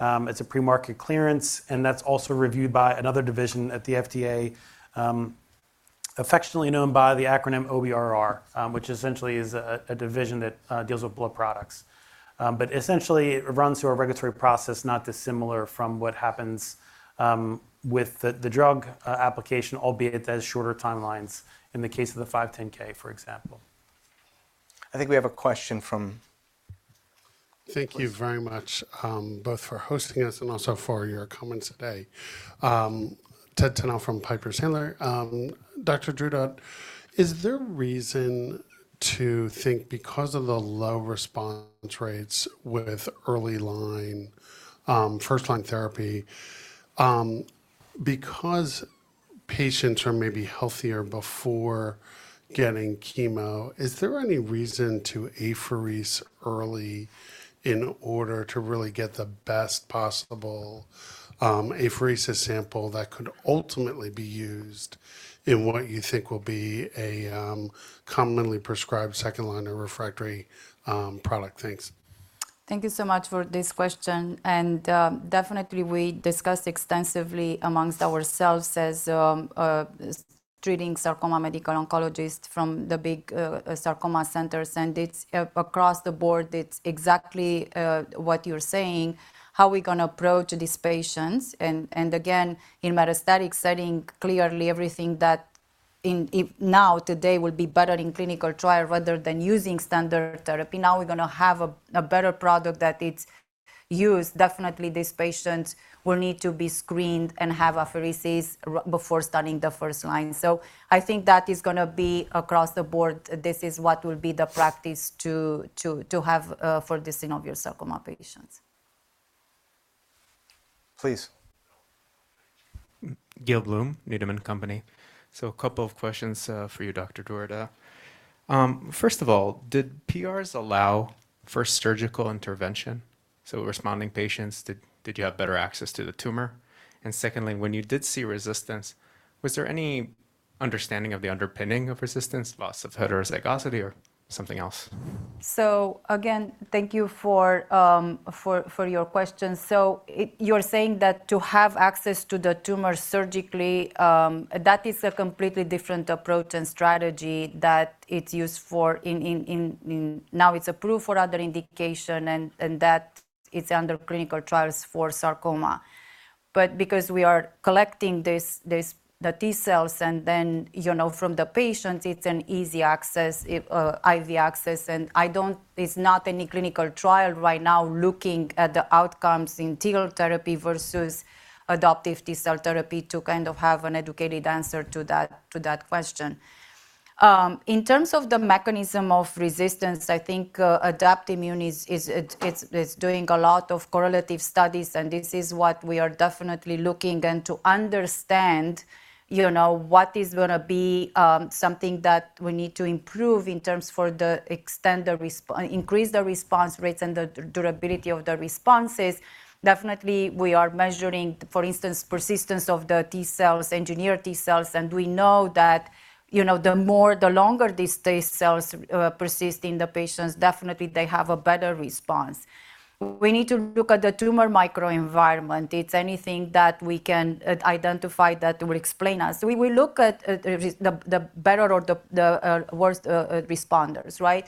It's a pre-market clearance, and that's also reviewed by another division at the FDA, affectionately known by the acronym OBRR, which essentially is a division that deals with blood products. But essentially, it runs through a regulatory process not dissimilar from what happens with the drug application, albeit it has shorter timelines in the case of the 510(k), for example. I think we have a question from- Thank you very much, both for hosting us and also for your comments today. Ted Tenthoff from Piper Sandler. Dr. Druta, is there a reason to think because of the low response rates with early line, first-line therapy, because patients are maybe healthier before getting chemo, is there any reason to apheresis early in order to really get the best possible, apheresis sample that could ultimately be used in what you think will be a, commonly prescribed second-line or refractory, product? Thanks. Thank you so much for this question, and definitely we discussed extensively amongst ourselves as treating sarcoma medical oncologist from the big sarcoma centers, and it's across the board, it's exactly what you're saying, how we're gonna approach these patients. And again, in metastatic setting, clearly everything that if now, today will be better in clinical trial rather than using standard therapy, now we're gonna have a better product that it's used. Definitely, these patients will need to be screened and have apheresis before starting the first line. So I think that is gonna be across the board. This is what will be the practice to have for the synovial sarcoma patients. Please. Gil Blum, Needham & Company. So a couple of questions for you, Dr. Druta. First of all, did PRs allow for surgical intervention? So responding patients, did you have better access to the tumor? And secondly, when you did see resistance, was there any understanding of the underpinning of resistance, loss of heterozygosity or something else? So again, thank you for your question. So you're saying that to have access to the tumor surgically, that is a completely different approach and strategy that it's used for. Now it's approved for other indication, and that it's under clinical trials for sarcoma. But because we are collecting the T-cells, and then, you know, from the patient, it's an easy access, IV access, and it's not any clinical trial right now looking at the outcomes in TIL therapy versus adoptive T-cell therapy to kind of have an educated answer to that question. In terms of the mechanism of resistance, I think, Adaptimmune is doing a lot of correlative studies, and this is what we are definitely looking to understand, you know, what is gonna be something that we need to improve in terms of increasing the response rates and the durability of the responses. Definitely, we are measuring, for instance, persistence of the T-cells, engineered T-cells, and we know that, you know, the longer these T-cells persist in the patients, definitely they have a better response. We need to look at the tumor microenvironment. It's anything that we can identify that will explain us. We will look at the better or the worst responders, right?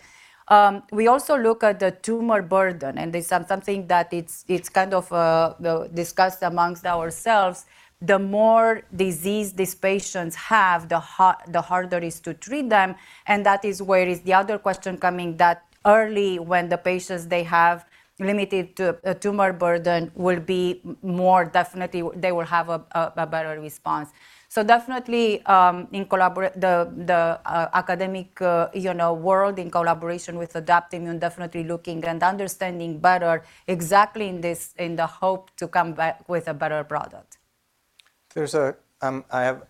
We also look at the tumor burden, and this is something that's kind of discussed amongst ourselves. The more disease these patients have, the harder it is to treat them, and that is where the other question coming that early, when the patients they have limited tumor burden, will be more definitely they will have a better response. So definitely, in collaboration the academic you know world in collaboration with Adaptimmune, definitely looking and understanding better exactly in this, in the hope to come back with a better product. There's a, I have...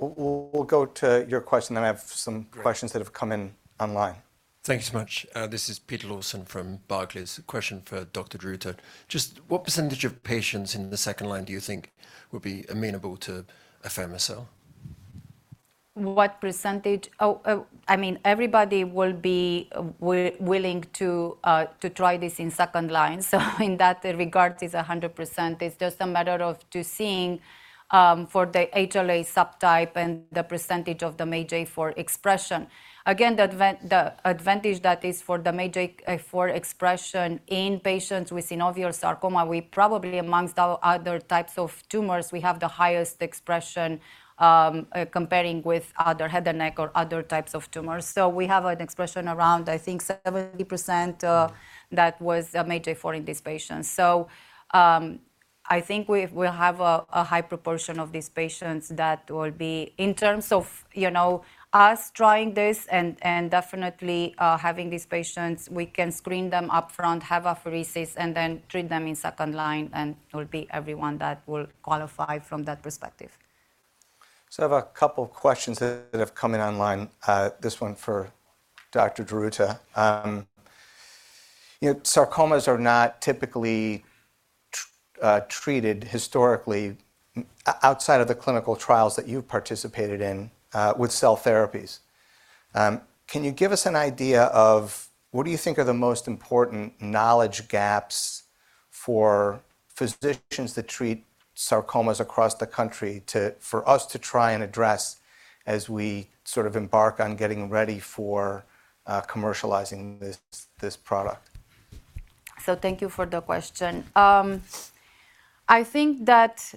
We'll go to your question, then I have some- Great. - questions that have come in online. Thank you so much. This is Peter Lawson from Barclays. A question for Dr. Druta. Just what percentage of patients in the second line do you think would be amenable to apheresis? What percentage? I mean, everybody will be willing to try this in second line, so in that regard, it's 100%. It's just a matter of seeing for the HLA subtype and the percentage of the MAGE-A4 expression. Again, the advantage that is for the MAGE-A4 expression in patients with synovial sarcoma, we probably amongst all other types of tumors, we have the highest expression, comparing with other head and neck or other types of tumors. So we have an expression around, I think, 70%, that was MAGE-A4 in these patients. So, I think we will have a high proportion of these patients that will be in terms of, you know, us trying this and definitely having these patients, we can screen them upfront, have apheresis, and then treat them in second line, and it will be everyone that will qualify from that perspective. So I have a couple questions that have come in online, this one for Dr. Druta. You know, sarcomas are not typically treated historically, outside of the clinical trials that you've participated in, with cell therapies. Can you give us an idea of what do you think are the most important knowledge gaps for physicians that treat sarcomas across the country for us to try and address as we sort of embark on getting ready for, commercializing this, this product? So thank you for the question. I think that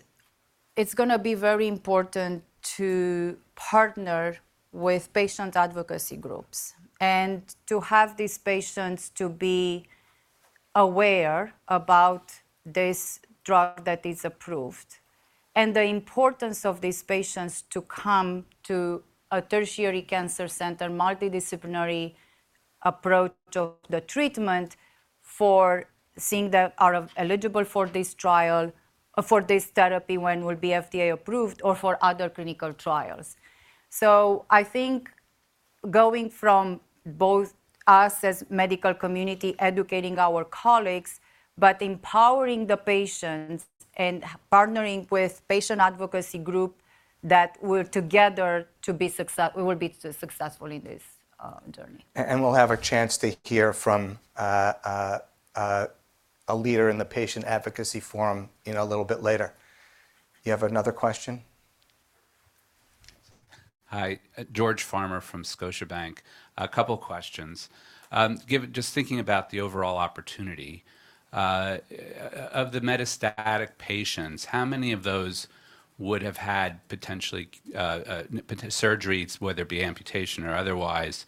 it's going to be very important to partner with patient advocacy groups, and to have these patients to be aware about this drug that is approved, and the importance of these patients to come to a tertiary cancer center, multidisciplinary approach of the treatment for seeing that are eligible for this trial, or for this therapy when will be FDA approved or for other clinical trials. I think going from both us as medical community, educating our colleagues, but empowering the patients and partnering with patient advocacy group that we're together to be success- we will be successful in this journey. We'll have a chance to hear from a leader in the patient advocacy forum, you know, a little bit later. You have another question? Hi, George Farmer from Scotiabank. A couple questions. Just thinking about the overall opportunity of the metastatic patients, how many of those would have had potentially surgeries, whether it be amputation or otherwise,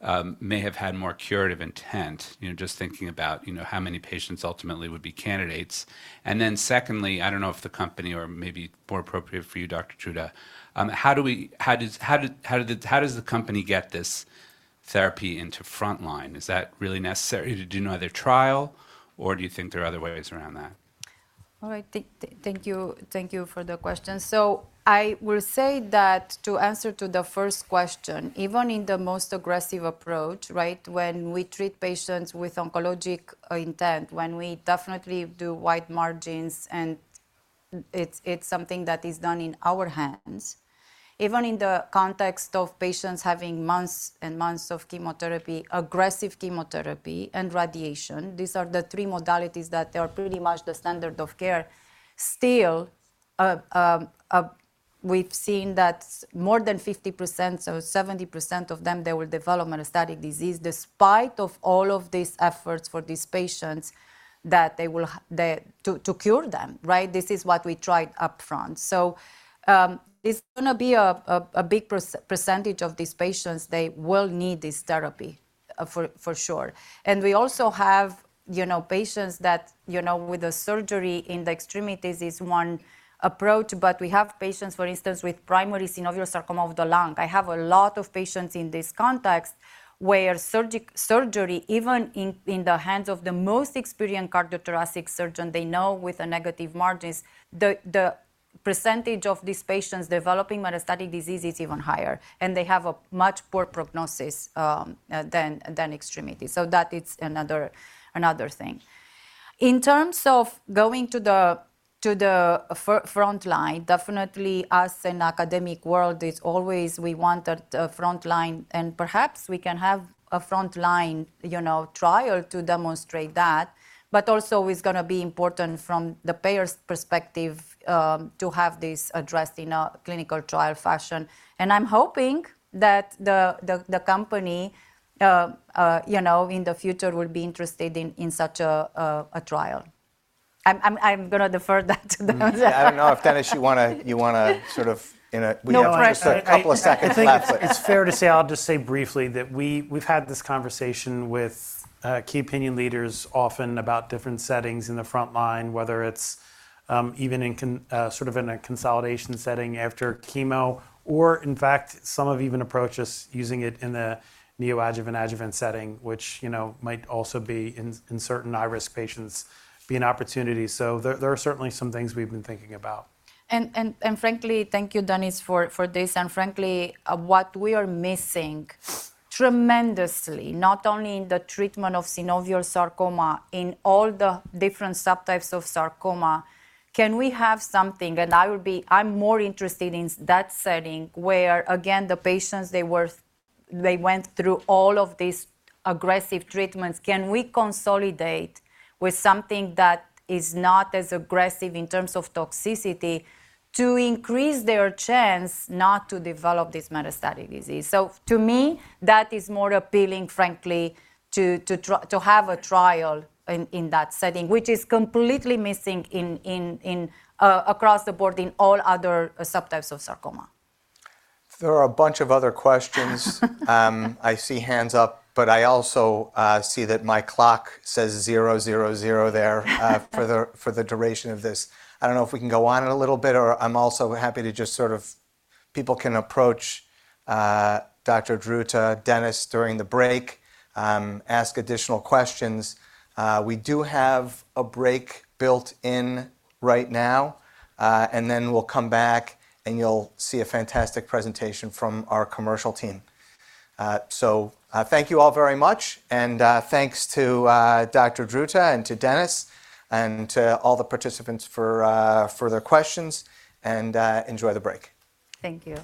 that may have had more curative intent? You know, just thinking about, you know, how many patients ultimately would be candidates. And then secondly, I don't know if the company or maybe more appropriate for you, Dr. Druta, how does the company get this therapy into frontline? Is that really necessary to do another trial, or do you think there are other ways around that? All right. Thank you, thank you for the question. So I will say that to answer to the first question, even in the most aggressive approach, right, when we treat patients with oncologic intent, when we definitely do wide margins, and it's, it's something that is done in our hands. Even in the context of patients having months and months of chemotherapy, aggressive chemotherapy and radiation, these are the three modalities that are pretty much the standard of care. Still, we've seen that more than 50% or 70% of them, they will develop metastatic disease despite of all of these efforts for these patients, that they will that to cure them, right? This is what we tried upfront. So, it's going to be a big percentage of these patients, they will need this therapy, for sure. And we also have, you know, patients that, you know, with a surgery in the extremities is one approach, but we have patients, for instance, with primary synovial sarcoma of the lung. I have a lot of patients in this context where surgery, even in the hands of the most experienced cardiothoracic surgeon, they know with a negative margins, the percentage of these patients developing metastatic disease is even higher, and they have a much poor prognosis, than extremity. So that's another thing. In terms of going to the frontline, definitely us in academic world, it's always we want the frontline, and perhaps we can have a frontline, you know, trial to demonstrate that. But also, it's going to be important from the payer's perspective to have this addressed in a clinical trial fashion. And I'm hoping that the company, you know, in the future will be interested in such a trial. I'm going to defer that to them. Yeah. I don't know if, Dennis, you want to, you want to sort of in a- No pressure. We have just a couple of seconds left. I think it's fair to say, I'll just say briefly, that we've had this conversation with key opinion leaders often about different settings in the frontline, whether it's even in sort of in a consolidation setting after chemo, or in fact, some have even approached us using it in the neoadjuvant adjuvant setting, which, you know, might also be in certain high-risk patients, be an opportunity. So there are certainly some things we've been thinking about. Frankly, thank you, Dennis, for this. Frankly, what we are missing tremendously, not only in the treatment of synovial sarcoma, in all the different subtypes of sarcoma. Can we have something? I would be. I'm more interested in that setting, where, again, the patients went through all of these aggressive treatments. Can we consolidate with something that is not as aggressive in terms of toxicity, to increase their chance not to develop this metastatic disease? So to me, that is more appealing, frankly, to try to have a trial in that setting, which is completely missing across the board in all other subtypes of sarcoma. There are a bunch of other questions. I see hands up, but I also see that my clock says zero, zero, zero there for the duration of this. I don't know if we can go on a little bit, or I'm also happy to just sort of... People can approach Dr. Druta, Dennis, during the break, ask additional questions. We do have a break built in right now, and then we'll come back, and you'll see a fantastic presentation from our commercial team. So, thank you all very much, and thanks to Dr. Druta and to Dennis, and to all the participants for their questions, and enjoy the break. Thank you.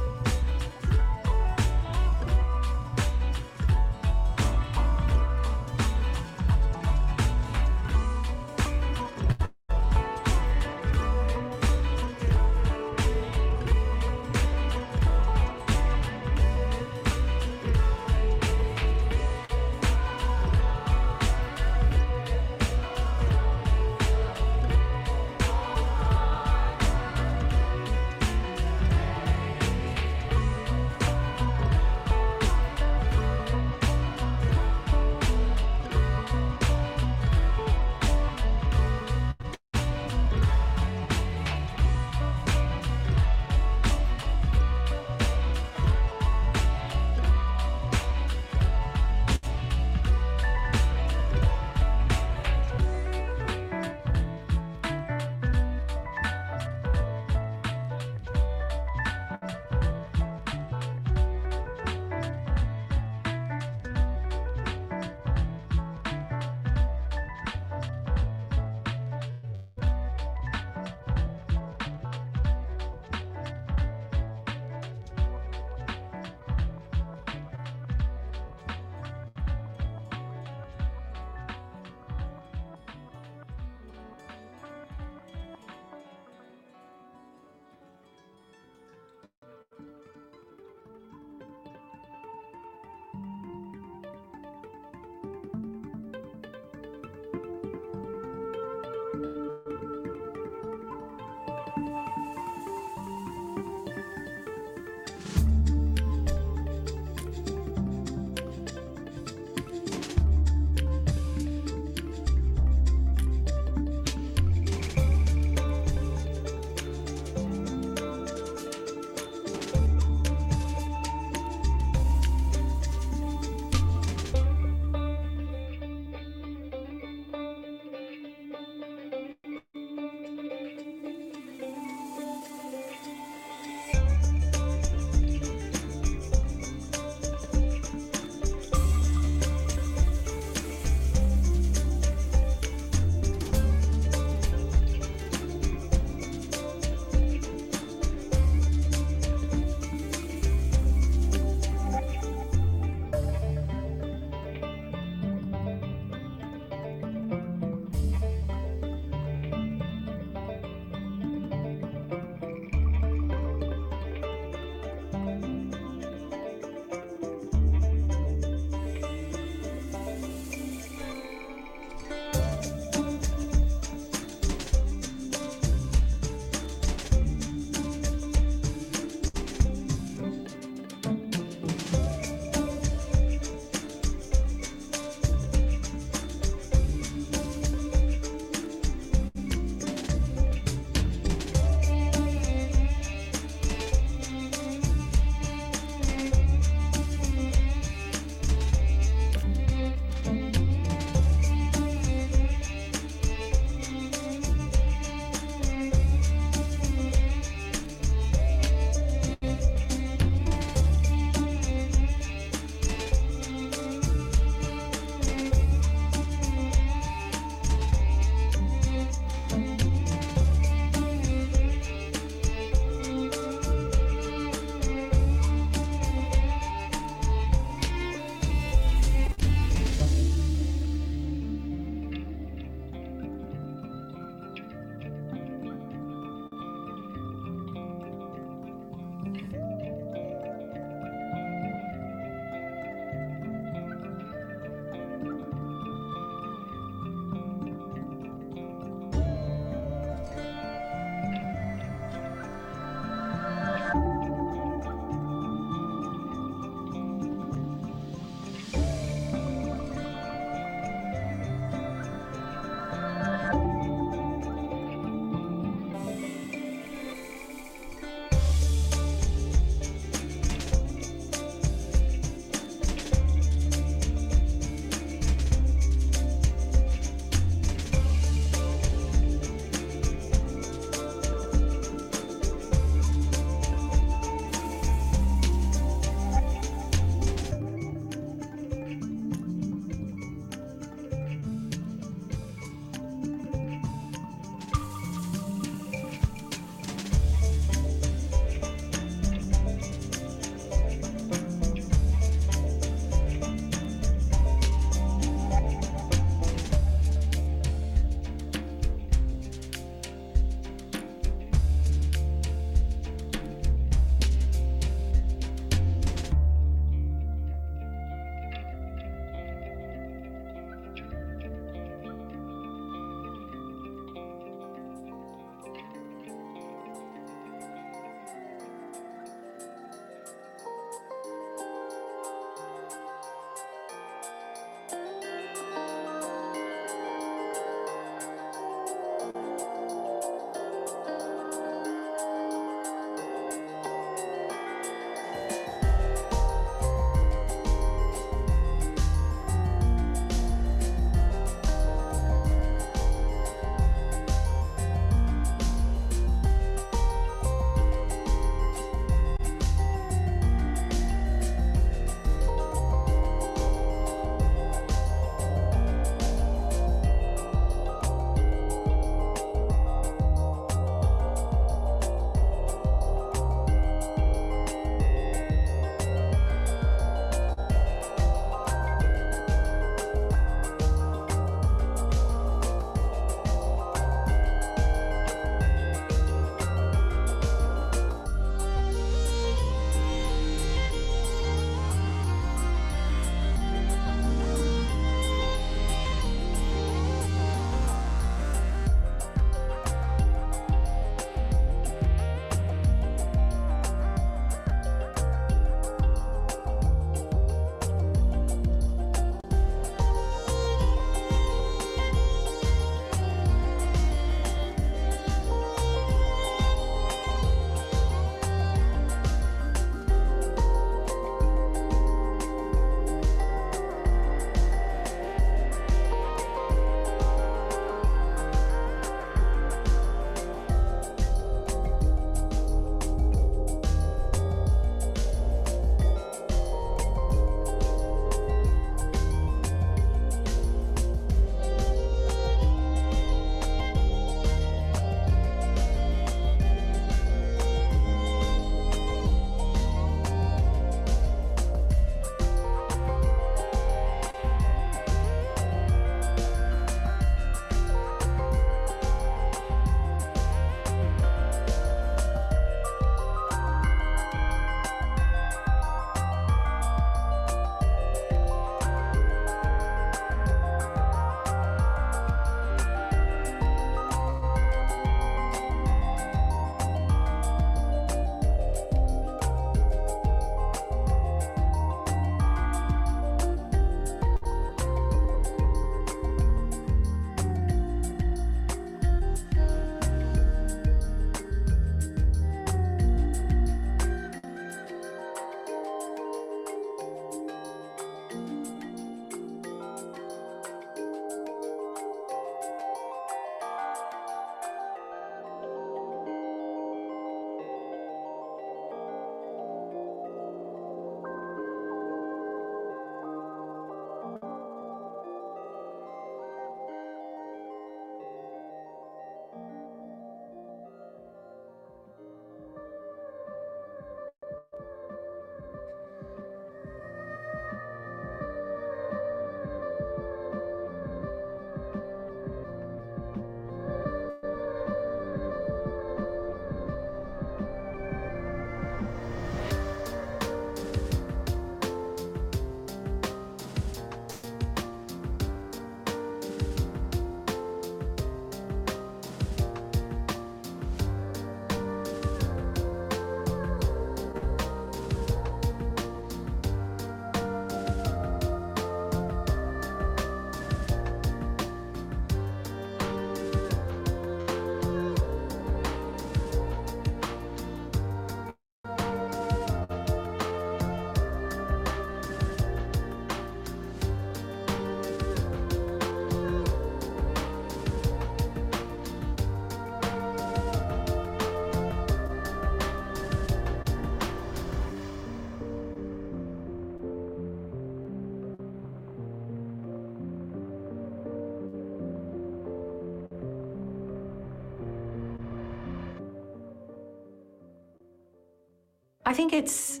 I think it's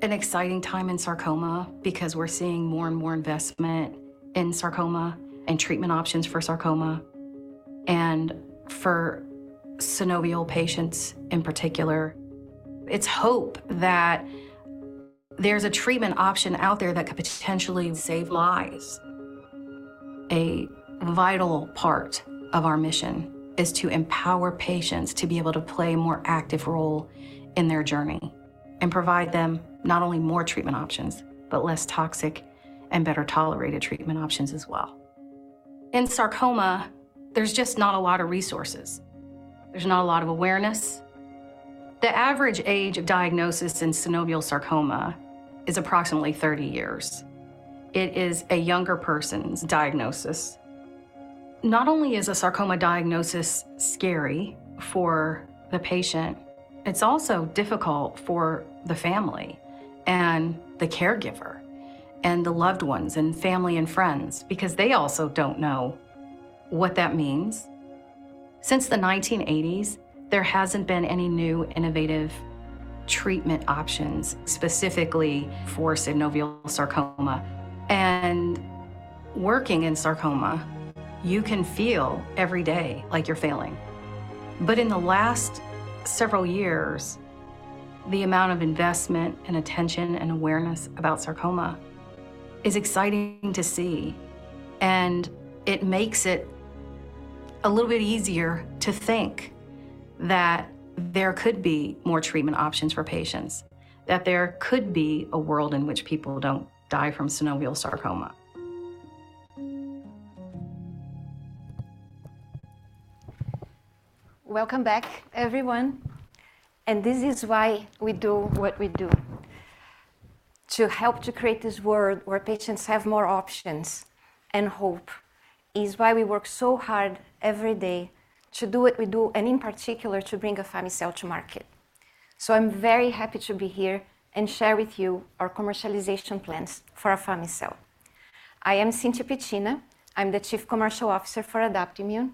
an exciting time in sarcoma because we're seeing more and more investment in sarcoma and treatment options for sarcoma, and for synovial patients in particular. It's hope that there's a treatment option out there that could potentially save lives. A vital part of our mission is to empower patients to be able to play a more active role in their journey and provide them not only more treatment options, but less toxic and better-tolerated treatment options as well. In sarcoma, there's just not a lot of resources. There's not a lot of awareness. The average age of diagnosis in synovial sarcoma is approximately 30 years. It is a younger person's diagnosis. Not only is a sarcoma diagnosis scary for the patient, it's also difficult for the family and the caregiver and the loved ones and family and friends because they also don't know what that means. Since the 1980s, there hasn't been any new innovative treatment options, specifically for synovial sarcoma. And working in sarcoma, you can feel every day like you're failing. But in the last several years, the amount of investment and attention and awareness about sarcoma is exciting to see, and it makes it a little bit easier to think that there could be more treatment options for patients, that there could be a world in which people don't die from synovial sarcoma. Welcome back, everyone. This is why we do what we do. To help to create this world where patients have more options and hope is why we work so hard every day to do what we do, and in particular, to bring afami-cel to market. I'm very happy to be here and share with you our commercialization plans for afami-cel. I am Cintia Piccina. I'm the Chief Commercial Officer for Adaptimmune,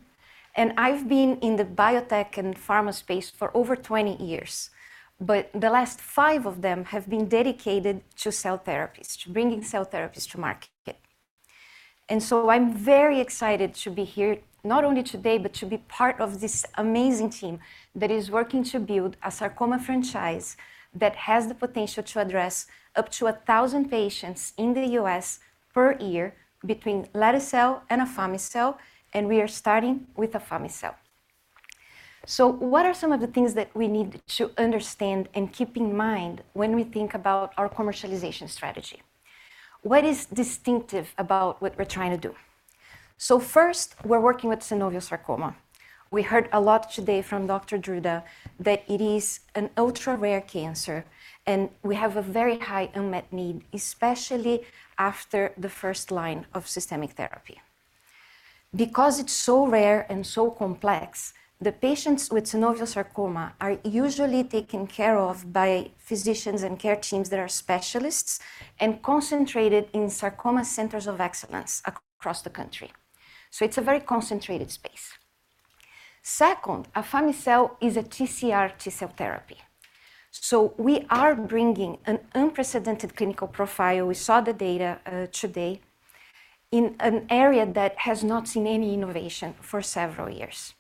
and I've been in the biotech and pharma space for over 20 years, but the last 5 of them have been dedicated to cell therapies, to bringing cell therapies to market. I'm very excited to be here, not only today, but to be part of this amazing team that is working to build a sarcoma franchise that has the potential to address up to 1,000 patients in the U.S. per year between lete-cel and afami-cel, and we are starting with afami-cel. What are some of the things that we need to understand and keep in mind when we think about our commercialization strategy? What is distinctive about what we're trying to do? First, we're working with synovial sarcoma. We heard a lot today from Dr. Druta that it is an ultra-rare cancer, and we have a very high unmet need, especially after the first line of systemic therapy. Because it's so rare and so complex, the patients with synovial sarcoma are usually taken care of by physicians and care teams that are specialists and concentrated in sarcoma centers of excellence across the country. So it's a very concentrated space. Second, afami-cel is a TCR T-cell therapy. So we are bringing an unprecedented clinical profile, we saw the data, today, in an area that has not seen any innovation for several years,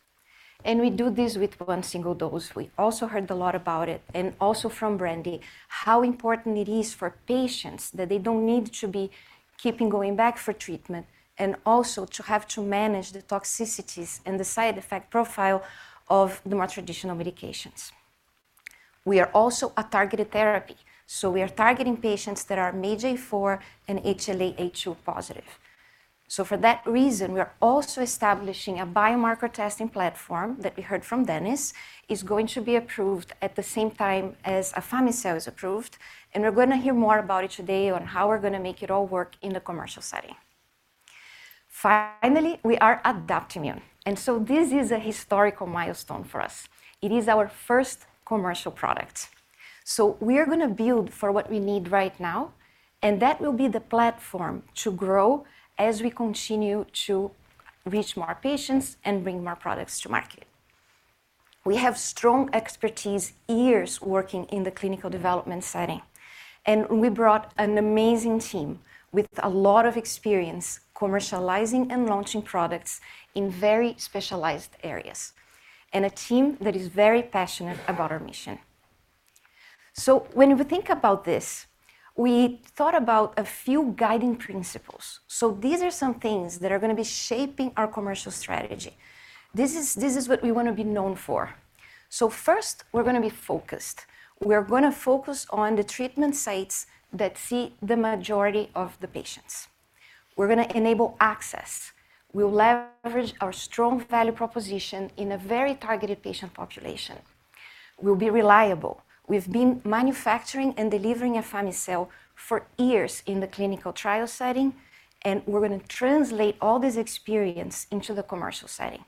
and we do this with one single dose. We also heard a lot about it, and also from Brandy, how important it is for patients that they don't need to be keeping going back for treatment, and also to have to manage the toxicities and the side effect profile of the more traditional medications. We are also a targeted therapy, so we are targeting patients that are MAGE-A4 and HLA-A*02 positive. So for that reason, we are also establishing a biomarker testing platform that we heard from Dennis, is going to be approved at the same time as afami-cel is approved, and we're gonna hear more about it today on how we're gonna make it all work in the commercial setting. Finally, we are Adaptimmune, and so this is a historical milestone for us. It is our first commercial product. So we are gonna build for what we need right now, and that will be the platform to grow as we continue to reach more patients and bring more products to market. We have strong expertise, years working in the clinical development setting, and we brought an amazing team with a lot of experience commercializing and launching products in very specialized areas, and a team that is very passionate about our mission. So when we think about this, we thought about a few guiding principles. So these are some things that are gonna be shaping our commercial strategy. This is, this is what we wanna be known for. So first, we're gonna be focused. We're gonna focus on the treatment sites that see the majority of the patients. We're gonna enable access. We'll leverage our strong value proposition in a very targeted patient population. We'll be reliable. We've been manufacturing and delivering afami-cel for years in the clinical trial setting, and we're gonna translate all this experience into the commercial setting,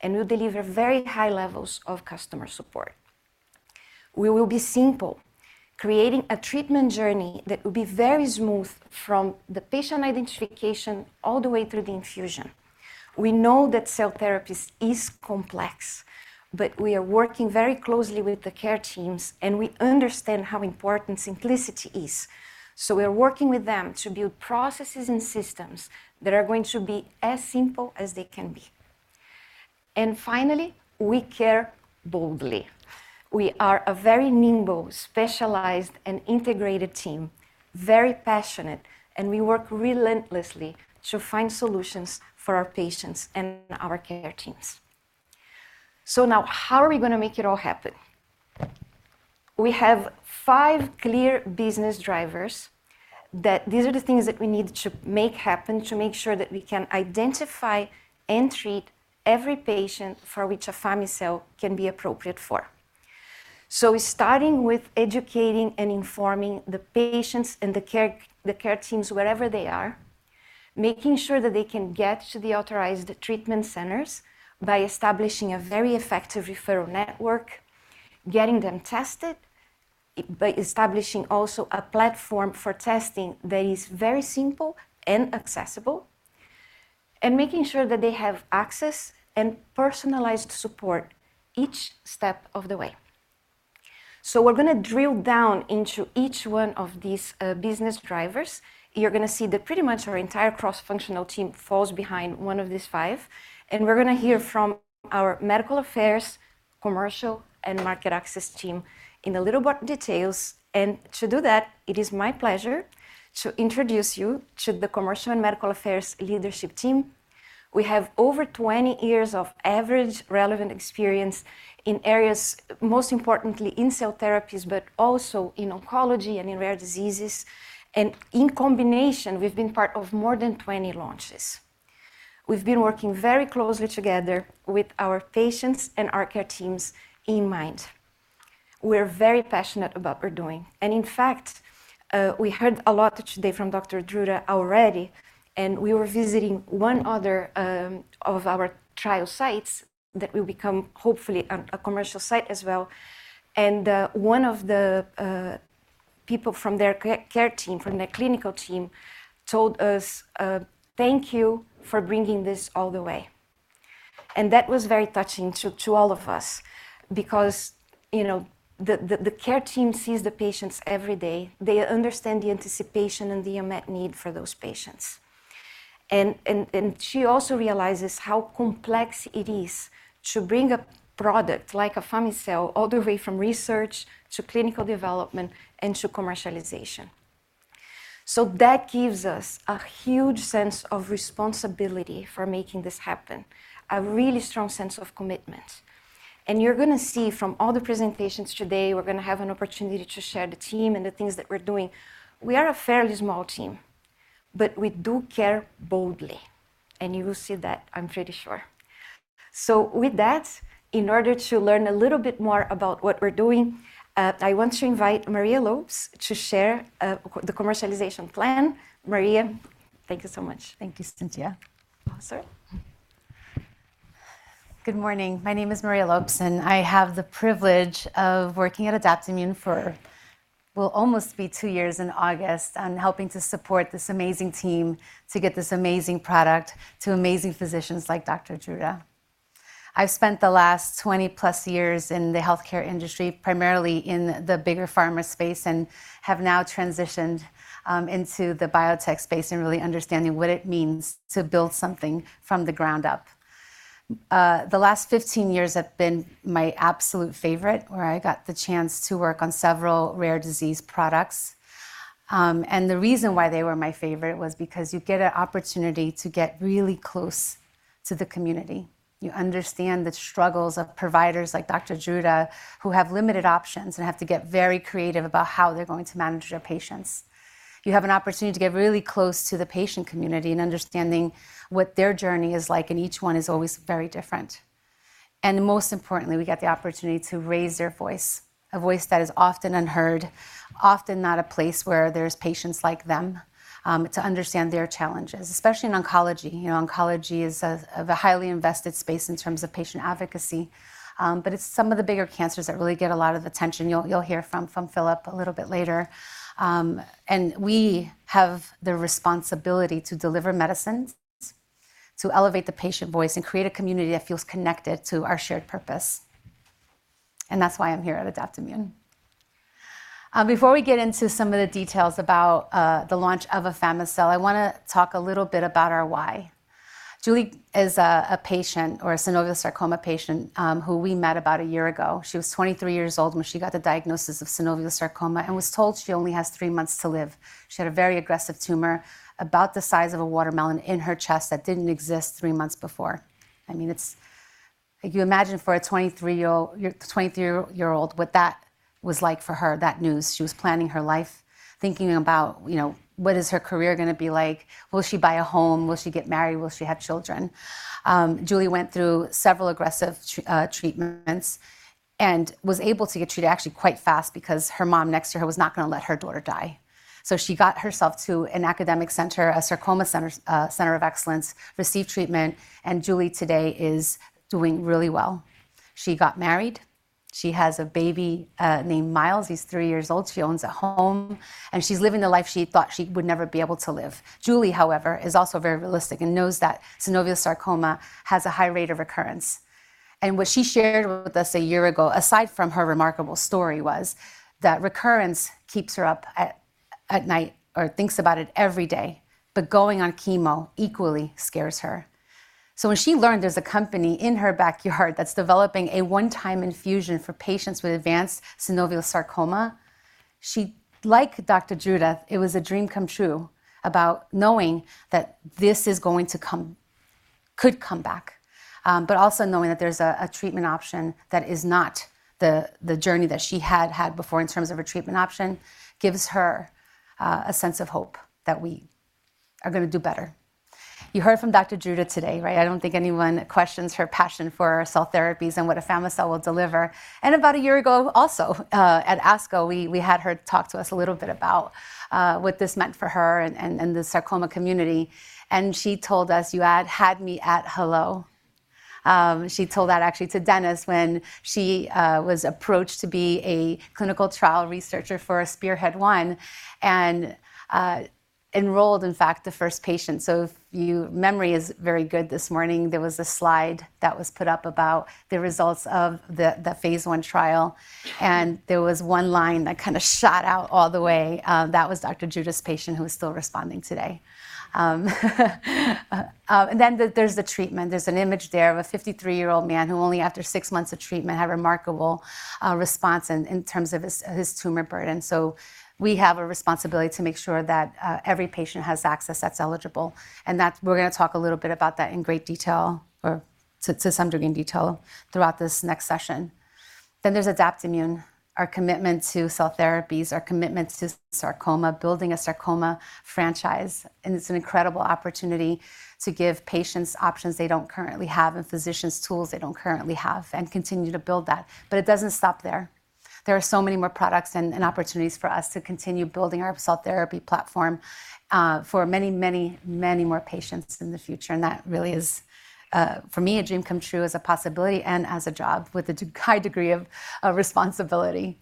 and we'll deliver very high levels of customer support. We will be simple, creating a treatment journey that will be very smooth from the patient identification all the way through the infusion. We know that cell therapies is complex, but we are working very closely with the care teams, and we understand how important simplicity is. So we are working with them to build processes and systems that are going to be as simple as they can be. And finally, we care boldly. We are a very nimble, specialized, and integrated team, very passionate, and we work relentlessly to find solutions for our patients and our care teams. So now how are we gonna make it all happen? We have five clear business drivers that these are the things that we need to make happen to make sure that we can identify and treat every patient for which afami-cel can be appropriate for. So we're starting with educating and informing the patients and the care, the care teams wherever they are, making sure that they can get to the authorized treatment centers by establishing a very effective referral network, getting them tested, by establishing also a platform for testing that is very simple and accessible, and making sure that they have access and personalized support each step of the way. So we're gonna drill down into each one of these, business drivers. You're gonna see that pretty much our entire cross-functional team falls behind one of these five, and we're gonna hear from our medical affairs, commercial, and market access team in a little more details. To do that, it is my pleasure to introduce you to the commercial and medical affairs leadership team. We have over 20 years of average relevant experience in areas, most importantly in cell therapies, but also in oncology and in rare diseases. We've been part of more than 20 launches. We've been working very closely together with our patients and our care teams in mind. We're very passionate about we're doing, and in fact, we heard a lot today from Dr. Druta already, and we were visiting one other of our trial sites that will become hopefully a commercial site as well. One of the people from their care team, from the clinical team, told us, "Thank you for bringing this all the way." That was very touching to all of us because, you know, the care team sees the patients every day. They understand the anticipation and the unmet need for those patients. And she also realizes how complex it is to bring a product like afami-cel all the way from research to clinical development and to commercialization. So that gives us a huge sense of responsibility for making this happen, a really strong sense of commitment. And you're gonna see from all the presentations today, we're gonna have an opportunity to share the team and the things that we're doing. We are a fairly small team, but we do care boldly, and you will see that, I'm pretty sure. So with that, in order to learn a little bit more about what we're doing, I want to invite Maria Lopes to share the commercialization plan. Maria, thank you so much. Thank you, Cintia. Awesome. Good morning. My name is Maria Lopes, and I have the privilege of working at Adaptimmune for, will almost be two years in August, and helping to support this amazing team to get this amazing product to amazing physicians like Dr. Druta. I've spent the last 20-plus years in the healthcare industry, primarily in the bigger pharma space, and have now transitioned into the biotech space, and really understanding what it means to build something from the ground up. The last 15 years have been my absolute favorite, where I got the chance to work on several rare disease products. The reason why they were my favorite was because you get an opportunity to get really close to the community. You understand the struggles of providers like Dr. Druta, who have limited options and have to get very creative about how they're going to manage their patients. You have an opportunity to get really close to the patient community and understanding what their journey is like, and each one is always very different. Most importantly, we get the opportunity to raise their voice, a voice that is often unheard, often not a place where there's patients like them, to understand their challenges, especially in oncology. You know, oncology is a highly invested space in terms of patient advocacy, but it's some of the bigger cancers that really get a lot of attention. You'll hear from Philip a little bit later. We have the responsibility to deliver medicines, to elevate the patient voice, and create a community that feels connected to our shared purpose, and that's why I'm here at Adaptimmune. Before we get into some of the details about the launch of afami-cel, I wanna talk a little bit about our why. Juli is a patient, or a synovial sarcoma patient, who we met about a year ago. She was 23 years old when she got the diagnosis of synovial sarcoma and was told she only has three months to live. She had a very aggressive tumor about the size of a watermelon in her chest that didn't exist three months before. I mean, it's like you imagine for a 23-year-old, 23-year-old, what that was like for her, that news. She was planning her life, thinking about, you know, what is her career gonna be like? Will she buy a home? Will she get married? Will she have children? Julie went through several aggressive treatments and was able to get treated actually quite fast because her mom next to her was not gonna let her daughter die. So she got herself to an academic center, a sarcoma center, center of excellence, received treatment, and Julie today is doing really well. She got married. She has a baby named Miles. He's three years old. She owns a home, and she's living the life she thought she would never be able to live. Julie, however, is also very realistic and knows that synovial sarcoma has a high rate of recurrence. And what she shared with us a year ago, aside from her remarkable story, was that recurrence keeps her up at night, or thinks about it every day, but going on chemo equally scares her. So when she learned there's a company in her backyard that's developing a one-time infusion for patients with advanced synovial sarcoma, she—like Dr. Druta, it was a dream come true about knowing that this is going to come, could come back. But also knowing that there's a treatment option that is not the journey that she had had before in terms of a treatment option, gives her a sense of hope that we are gonna do better. You heard from Dr. Druta today, right? I don't think anyone questions her passion for our cell therapies and what afami-cel will deliver. And about a year ago, also, at ASCO, we had her talk to us a little bit about what this meant for her and the sarcoma community, and she told us, "You had had me at hello." She told that actually to Dennis when she was approached to be a clinical trial researcher for SPEARHEAD-1, and enrolled, in fact, the first patient. So if your memory is very good this morning, there was a slide that was put up about the results of the phase I trial, and there was one line that kind of shot out all the way. That was Dr. Druta's patient, who is still responding today. And then there, there's the treatment. There's an image there of a 53-year-old man who only after 6 months of treatment, had a remarkable response in terms of his tumor burden. So we have a responsibility to make sure that every patient has access that's eligible, and that's- we're gonna talk a little bit about that in great detail or to some degree in detail throughout this next session. Then there's Adaptimmune, our commitment to cell therapies, our commitment to sarcoma, building a sarcoma franchise, and it's an incredible opportunity to give patients options they don't currently have and physicians tools they don't currently have, and continue to build that. But it doesn't stop there. There are so many more products and, and opportunities for us to continue building our cell therapy platform, for many, many, many more patients in the future, and that really is, for me, a dream come true as a possibility and as a job with a high degree of, of responsibility.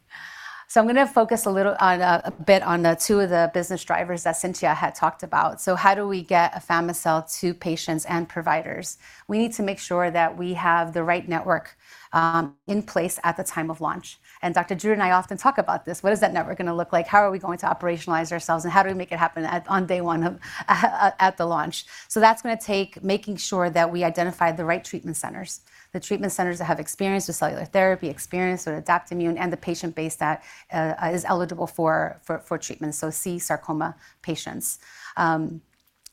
So I'm gonna focus a little on, a bit on the two of the business drivers that Cintia had talked about. So how do we get afami-cel to patients and providers? We need to make sure that we have the right network, in place at the time of launch. And Dr. Druta and I often talk about this. What is that network gonna look like? How are we going to operationalize ourselves, and how do we make it happen on day one of the launch? So that's gonna take making sure that we identify the right treatment centers, the treatment centers that have experience with cellular therapy, experience with Adaptimmune, and the patient base that is eligible for treatment, so sarcoma patients.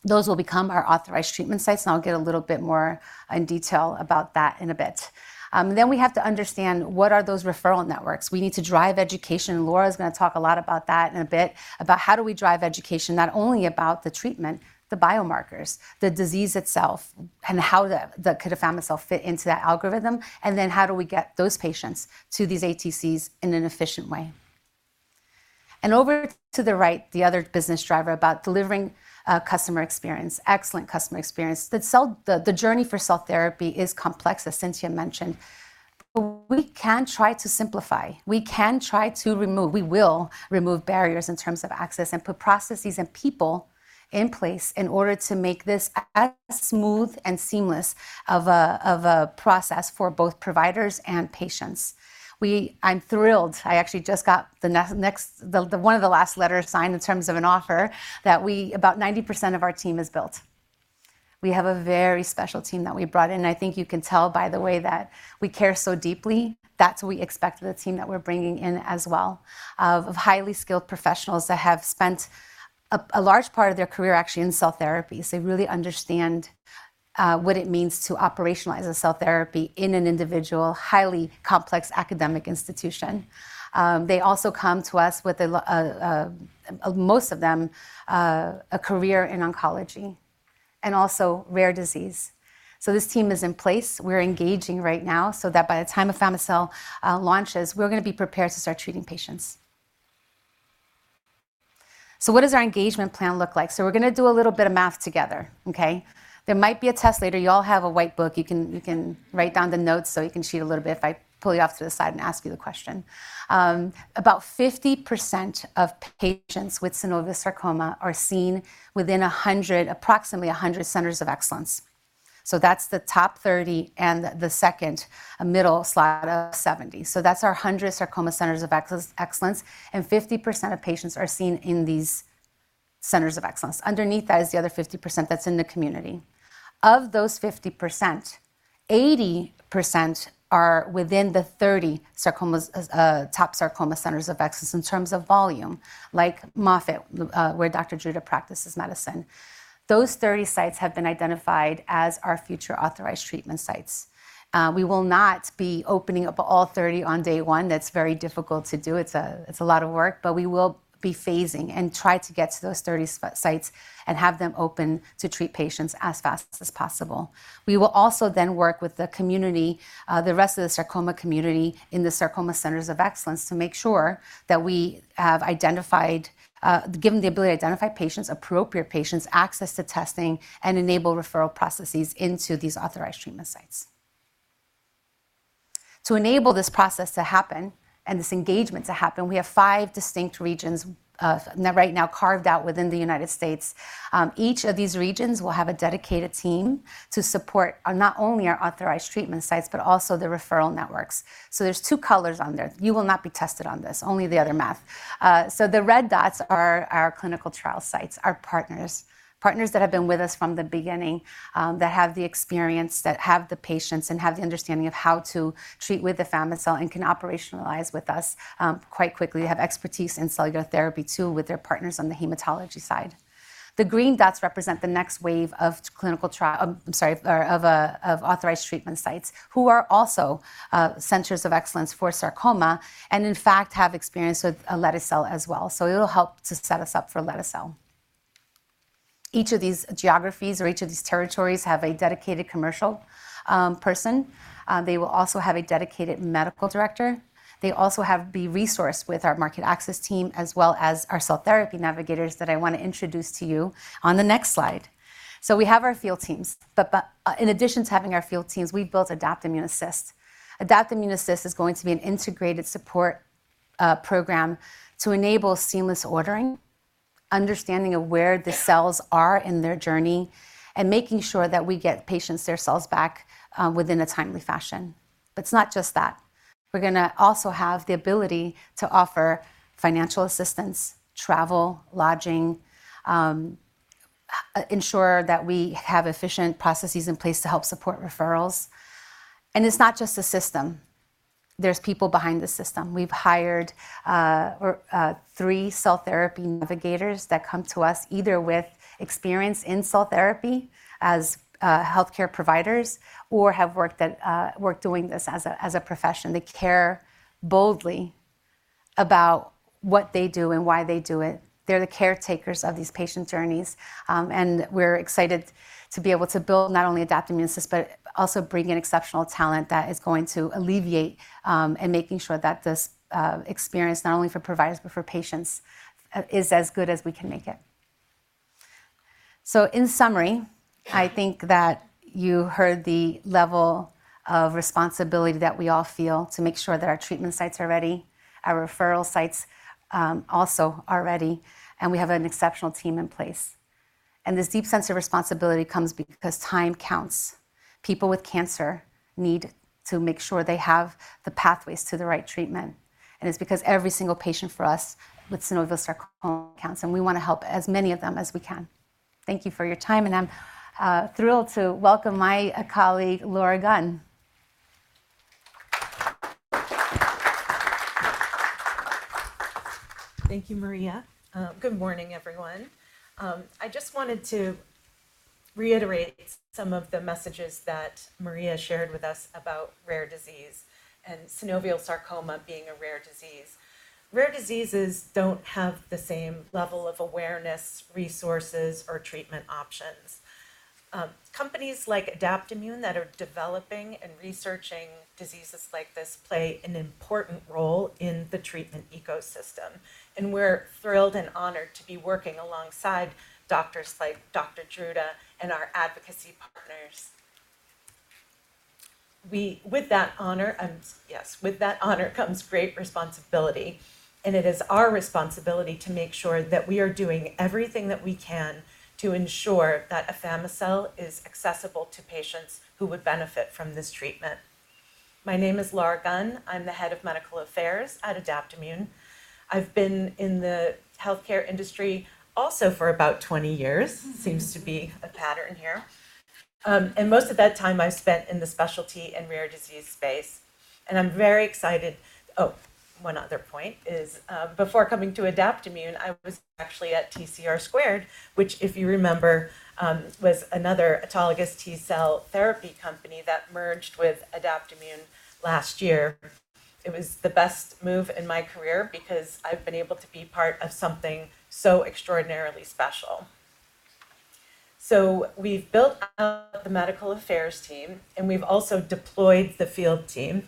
Those will become our authorized treatment sites, and I'll get a little bit more in detail about that in a bit. Then we have to understand, what are those referral networks? We need to drive education, and Laura's gonna talk a lot about that in a bit, about how do we drive education, not only about the treatment, the biomarkers, the disease itself, and how the afami-cel fit into that algorithm, and then how do we get those patients to these ATCs in an efficient way? And over to the right, the other business driver about delivering customer experience, excellent customer experience. The journey for cell therapy is complex, as Cintia mentioned. But we can try to simplify. We can try to remove. We will remove barriers in terms of access and put processes and people in place in order to make this as smooth and seamless of a process for both providers and patients. I'm thrilled. I actually just got the next, the one of the last letter signed in terms of an offer, that we, about 90% of our team is built. We have a very special team that we brought in, and I think you can tell by the way that we care so deeply. That's what we expect of the team that we're bringing in as well, of highly skilled professionals that have spent a large part of their career actually in cell therapies. They really understand what it means to operationalize a cell therapy in an individual, highly complex academic institution. They also come to us with, most of them, a career in oncology and also rare disease. So this team is in place. We're engaging right now so that by the time afami-cel launches, we're going to be prepared to start treating patients. So what does our engagement plan look like? So we're going to do a little bit of math together, okay? There might be a test later. You all have a white book. You can write down the notes, so you can cheat a little bit if I pull you off to the side and ask you the question. About 50% of patients with synovial sarcoma are seen within 100, approximately 100 centers of excellence. So that's the top 30 and the second, a middle slot of 70. So that's our 100 sarcoma centers of excellence, and 50% of patients are seen in these centers of excellence. Underneath that is the other 50% that's in the community. Of those 50%, 80% are within the 30 sarcomas, top sarcoma centers of excellence in terms of volume, like Moffitt, where Dr. Druta practices medicine. Those 30 sites have been identified as our future authorized treatment sites. We will not be opening up all 30 on day one. That's very difficult to do. It's a lot of work, but we will be phasing and try to get to those 30 sites and have them open to treat patients as fast as possible. We will also then work with the community, the rest of the sarcoma community in the sarcoma centers of excellence to make sure that we have identified, given the ability to identify patients, appropriate patients, access to testing, and enable referral processes into these authorized treatment sites. To enable this process to happen and this engagement to happen, we have five distinct regions of... right now carved out within the United States. Each of these regions will have a dedicated team to support, not only our authorized treatment sites, but also the referral networks. So there's two colors on there. You will not be tested on this, only the other math. So the red dots are our clinical trial sites, our partners, partners that have been with us from the beginning, that have the experience, that have the patients, and have the understanding of how to treat with afami-cel and can operationalize with us, quite quickly, have expertise in cellular therapy, too, with their partners on the hematology side. The green dots represent the next wave of authorized treatment sites, who are also, centers of excellence for sarcoma, and in fact, have experience with lete-cel as well. So it'll help to set us up for lete-cel. Each of these geographies or each of these territories have a dedicated commercial person. They will also have a dedicated medical director. They also have the resource with our market access team, as well as our cell therapy navigators that I want to introduce to you on the next slide. So we have our field teams, but in addition to having our field teams, we built Adaptimmune Assist. Adaptimmune Assist is going to be an integrated support program to enable seamless ordering, understanding of where the cells are in their journey, and making sure that we get patients their cells back within a timely fashion. But it's not just that. We're going to also have the ability to offer financial assistance, travel, lodging, ensure that we have efficient processes in place to help support referrals. It's not just the system. There's people behind the system. We've hired three cell therapy navigators that come to us either with experience in cell therapy as healthcare providers or have worked doing this as a profession. They care boldly about what they do and why they do it. They're the caretakers of these patient journeys. And we're excited to be able to build not only Adaptimmune Assist, but also bring in exceptional talent that is going to alleviate and making sure that this experience, not only for providers, but for patients, is as good as we can make it. So in summary, I think that you heard the level of responsibility that we all feel to make sure that our treatment sites are ready, our referral sites also are ready, and we have an exceptional team in place. This deep sense of responsibility comes because time counts. People with cancer need to make sure they have the pathways to the right treatment, and it's because every single patient for us with synovial sarcoma counts, and we want to help as many of them as we can. Thank you for your time, and I'm thrilled to welcome my colleague, Laura Gunn. Thank you, Maria. Good morning, everyone. I just wanted to reiterate some of the messages that Maria shared with us about rare disease and synovial sarcoma being a rare disease. Rare diseases don't have the same level of awareness, resources, or treatment options. Companies like Adaptimmune that are developing and researching diseases like this play an important role in the treatment ecosystem, and we're thrilled and honored to be working alongside doctors like Dr. Druta and our advocacy partners. With that honor comes great responsibility, and it is our responsibility to make sure that we are doing everything that we can to ensure that afami-cel is accessible to patients who would benefit from this treatment. My name is Laura Gunn. I'm the Head of Medical Affairs at Adaptimmune. I've been in the healthcare industry also for about 20 years. Seems to be a pattern here. And most of that time I've spent in the specialty and rare disease space, and I'm very excited. Oh, one other point is, before coming to Adaptimmune, I was actually at TCR2, which, if you remember, was another autologous T-cell therapy company that merged with Adaptimmune last year. It was the best move in my career because I've been able to be part of something so extraordinarily special. So we've built out the medical affairs team, and we've also deployed the field team.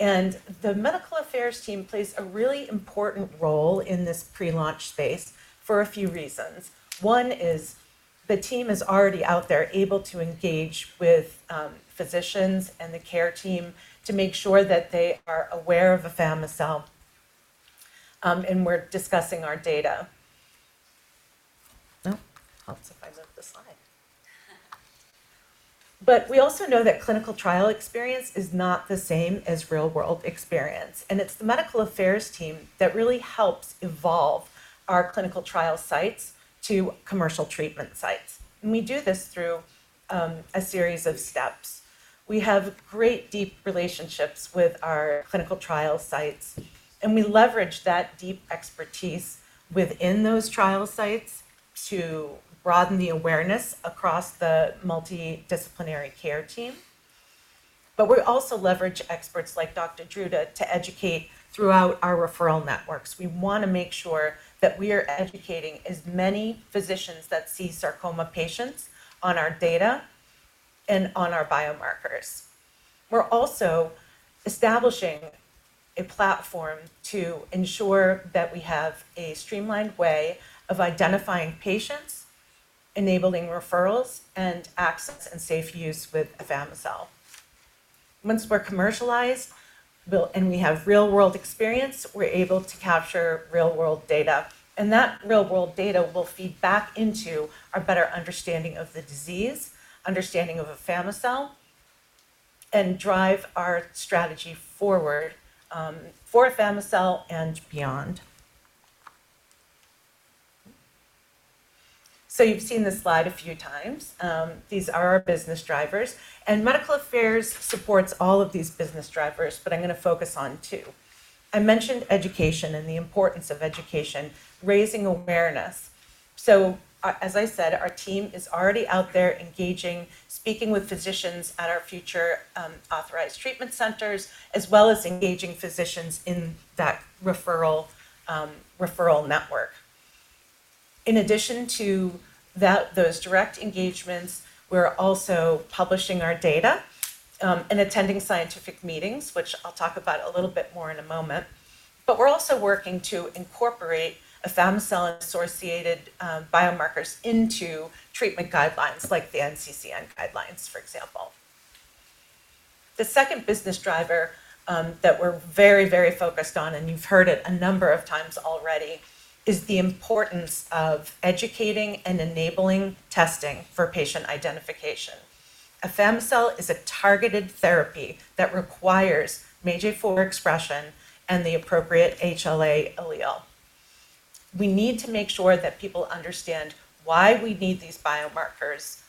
And the medical affairs team plays a really important role in this pre-launch space for a few reasons. One is the team is already out there, able to engage with, physicians and the care team to make sure that they are aware of afami-cel, and we're discussing our data. Oh, helps if I move the slide. But we also know that clinical trial experience is not the same as real-world experience, and it's the medical affairs team that really helps evolve our clinical trial sites to commercial treatment sites. And we do this through a series of steps. We have great, deep relationships with our clinical trial sites, and we leverage that deep expertise within those trial sites to broaden the awareness across the multidisciplinary care team. But we also leverage experts like Dr. Druta to educate throughout our referral networks. We want to make sure that we are educating as many physicians that see sarcoma patients on our data and on our biomarkers. We're also establishing a platform to ensure that we have a streamlined way of identifying patients, enabling referrals, and access, and safe use with afami-cel. Once we're commercialized and we have real-world experience, we're able to capture real-world data, and that real-world data will feed back into our better understanding of the disease, understanding of afami-cel, and drive our strategy forward, for afami-cel and beyond. So you've seen this slide a few times. These are our business drivers, and medical affairs supports all of these business drivers, but I'm going to focus on two. I mentioned education and the importance of education, raising awareness. So, as I said, our team is already out there engaging, speaking with physicians at our future, authorized treatment centers, as well as engaging physicians in that referral, referral network. In addition to those direct engagements, we're also publishing our data, and attending scientific meetings, which I'll talk about a little bit more in a moment. But we're also working to incorporate afami-cel-associated biomarkers into treatment guidelines like the NCCN guidelines, for example. The second business driver that we're very, very focused on, and you've heard it a number of times already, is the importance of educating and enabling testing for patient identification. Afami-cel is a targeted therapy that requires MAGE-A4 expression and the appropriate HLA allele. We need to make sure that people understand why we need these biomarkers,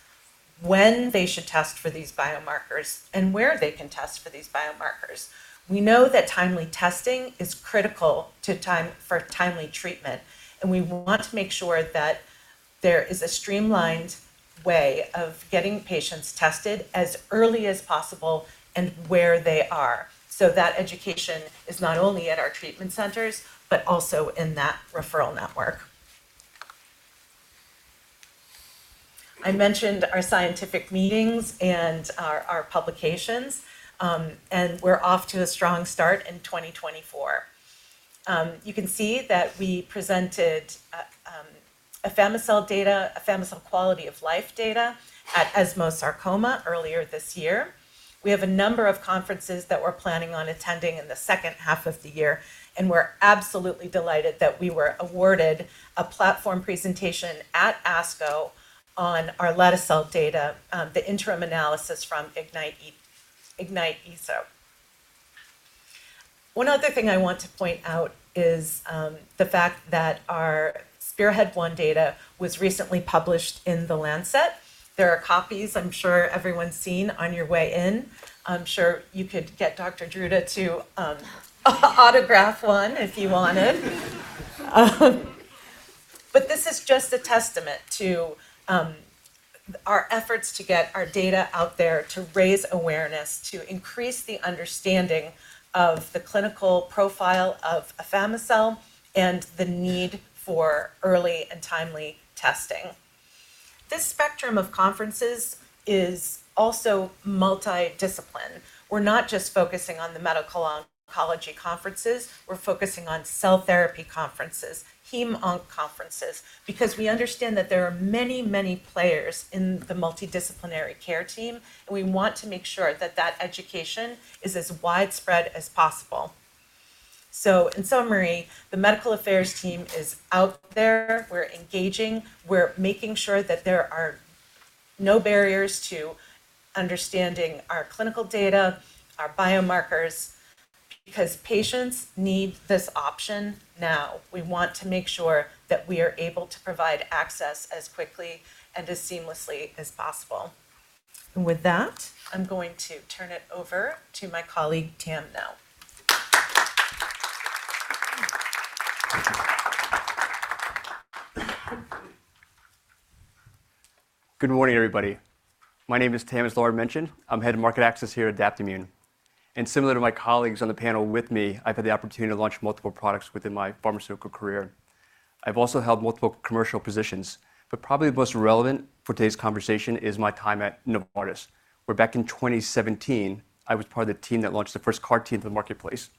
when they should test for these biomarkers, and where they can test for these biomarkers. We know that timely testing is critical for timely treatment, and we want to make sure that there is a streamlined way of getting patients tested as early as possible and where they are. So that education is not only at our treatment centers but also in that referral network. I mentioned our scientific meetings and our, our publications, and we're off to a strong start in 2024. You can see that we presented afami-cel data, afami-cel quality of life data at ESMO Sarcoma earlier this year. We have a number of conferences that we're planning on attending in the second half of the year, and we're absolutely delighted that we were awarded a platform presentation at ASCO on our lete-cel data, the interim analysis from IGNITE-ESO. One other thing I want to point out is the fact that our SPEARHEAD-1 data was recently published in The Lancet. There are copies I'm sure everyone's seen on your way in. I'm sure you could get Dr. Druta to autograph one if you wanted. But this is just a testament to our efforts to get our data out there, to raise awareness, to increase the understanding of the clinical profile of afami-cel, and the need for early and timely testing. This spectrum of conferences is also multidisciplinary. We're not just focusing on the medical oncology conferences. We're focusing on cell therapy conferences, hem onc conferences, because we understand that there are many, many players in the multidisciplinary care team, and we want to make sure that that education is as widespread as possible. So in summary, the medical affairs team is out there. We're engaging, we're making sure that there are no barriers to understanding our clinical data, our biomarkers, because patients need this option now. We want to make sure that we are able to provide access as quickly and as seamlessly as possible. With that, I'm going to turn it over to my colleague, Tam, now. Good morning, everybody. My name is Tam, as Laura mentioned. I'm Head of Market Access here at Adaptimmune, and similar to my colleagues on the panel with me, I've had the opportunity to launch multiple products within my pharmaceutical career. I've also held multiple commercial positions, but probably the most relevant for today's conversation is my time at Novartis, where back in 2017, I was part of the team that launched the first CAR T to the marketplace.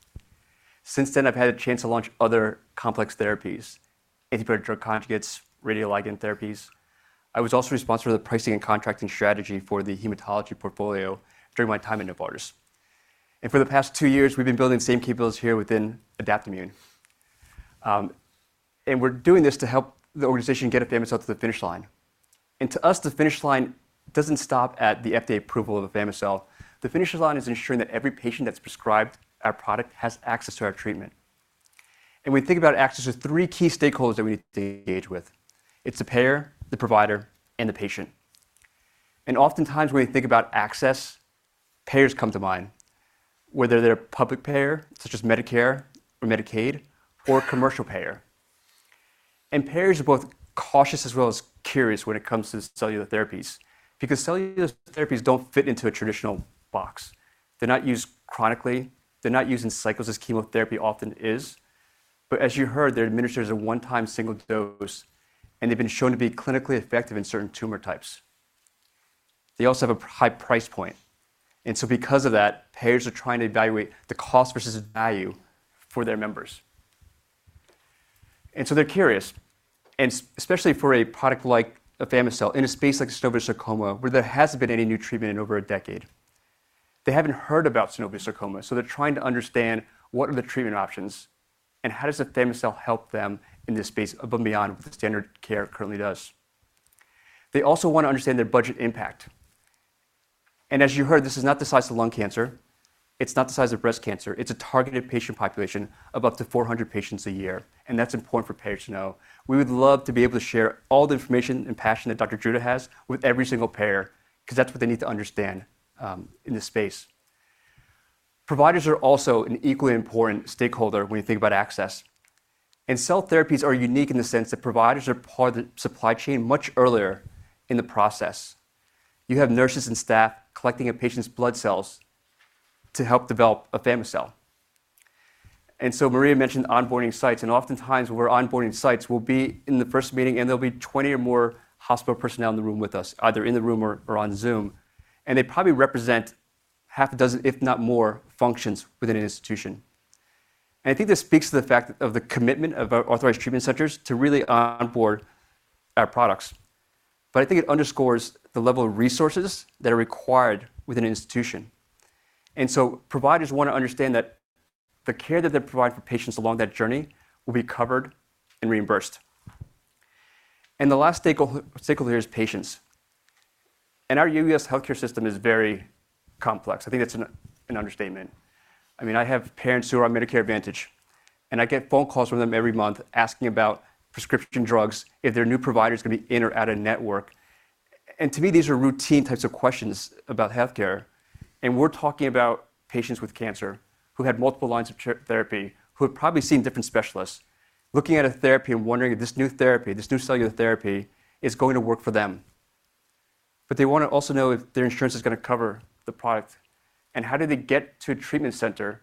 Since then, I've had a chance to launch other complex therapies, antibody-drug conjugates, radioligand therapies. I was also responsible for the pricing and contracting strategy for the hematology portfolio during my time at Novartis. For the past two years, we've been building the same capabilities here within Adaptimmune. We're doing this to help the organization get afami-cel to the finish line. To us, the finish line doesn't stop at the FDA approval of afami-cel. The finish line is ensuring that every patient that's prescribed our product has access to our treatment. We think about access as three key stakeholders that we need to engage with: It's the payer, the provider, and the patient. Oftentimes, when we think about access, payers come to mind, whether they're a public payer, such as Medicare or Medicaid, or a commercial payer. Payers are both cautious as well as curious when it comes to cellular therapies, because cellular therapies don't fit into a traditional box. They're not used chronically, they're not used in cycles, as chemotherapy often is. But as you heard, they're administered as a one-time single dose, and they've been shown to be clinically effective in certain tumor types. They also have a high price point, and so because of that, payers are trying to evaluate the cost versus value for their members. So they're curious, and especially for a product like afami-cel, in a space like synovial sarcoma, where there hasn't been any new treatment in over a decade. They haven't heard about synovial sarcoma, so they're trying to understand what are the treatment options and how does afami-cel help them in this space above and beyond what the standard care currently does? They also want to understand their budget impact. And as you heard, this is not the size of lung cancer. It's not the size of breast cancer. It's a targeted patient population of up to 400 patients a year, and that's important for payers to know. We would love to be able to share all the information and passion that Dr. Druta has with every single payer, 'cause that's what they need to understand in this space. Providers are also an equally important stakeholder when you think about access. And cell therapies are unique in the sense that providers are part of the supply chain much earlier in the process. You have nurses and staff collecting a patient's blood cells to help develop afami-cel. And so Maria mentioned onboarding sites, and oftentimes when we're onboarding sites, we'll be in the first meeting, and there'll be 20 or more hospital personnel in the room with us, either in the room or on Zoom, and they probably represent half a dozen, if not more, functions within an institution. And I think this speaks to the fact of the commitment of our authorized treatment centers to really onboard our products. But I think it underscores the level of resources that are required within an institution. And so providers want to understand that the care that they provide for patients along that journey will be covered and reimbursed. And the last stakeholder is patients. And our U.S. healthcare system is very complex. I think that's an understatement. I mean, I have parents who are on Medicare Advantage, and I get phone calls from them every month asking about prescription drugs, if their new provider is going to be in or out of network. And to me, these are routine types of questions about healthcare, and we're talking about patients with cancer who had multiple lines of therapy, who had probably seen different specialists, looking at a therapy and wondering if this new therapy, this new cellular therapy, is going to work for them. But they want to also know if their insurance is going to cover the product, and how do they get to a treatment center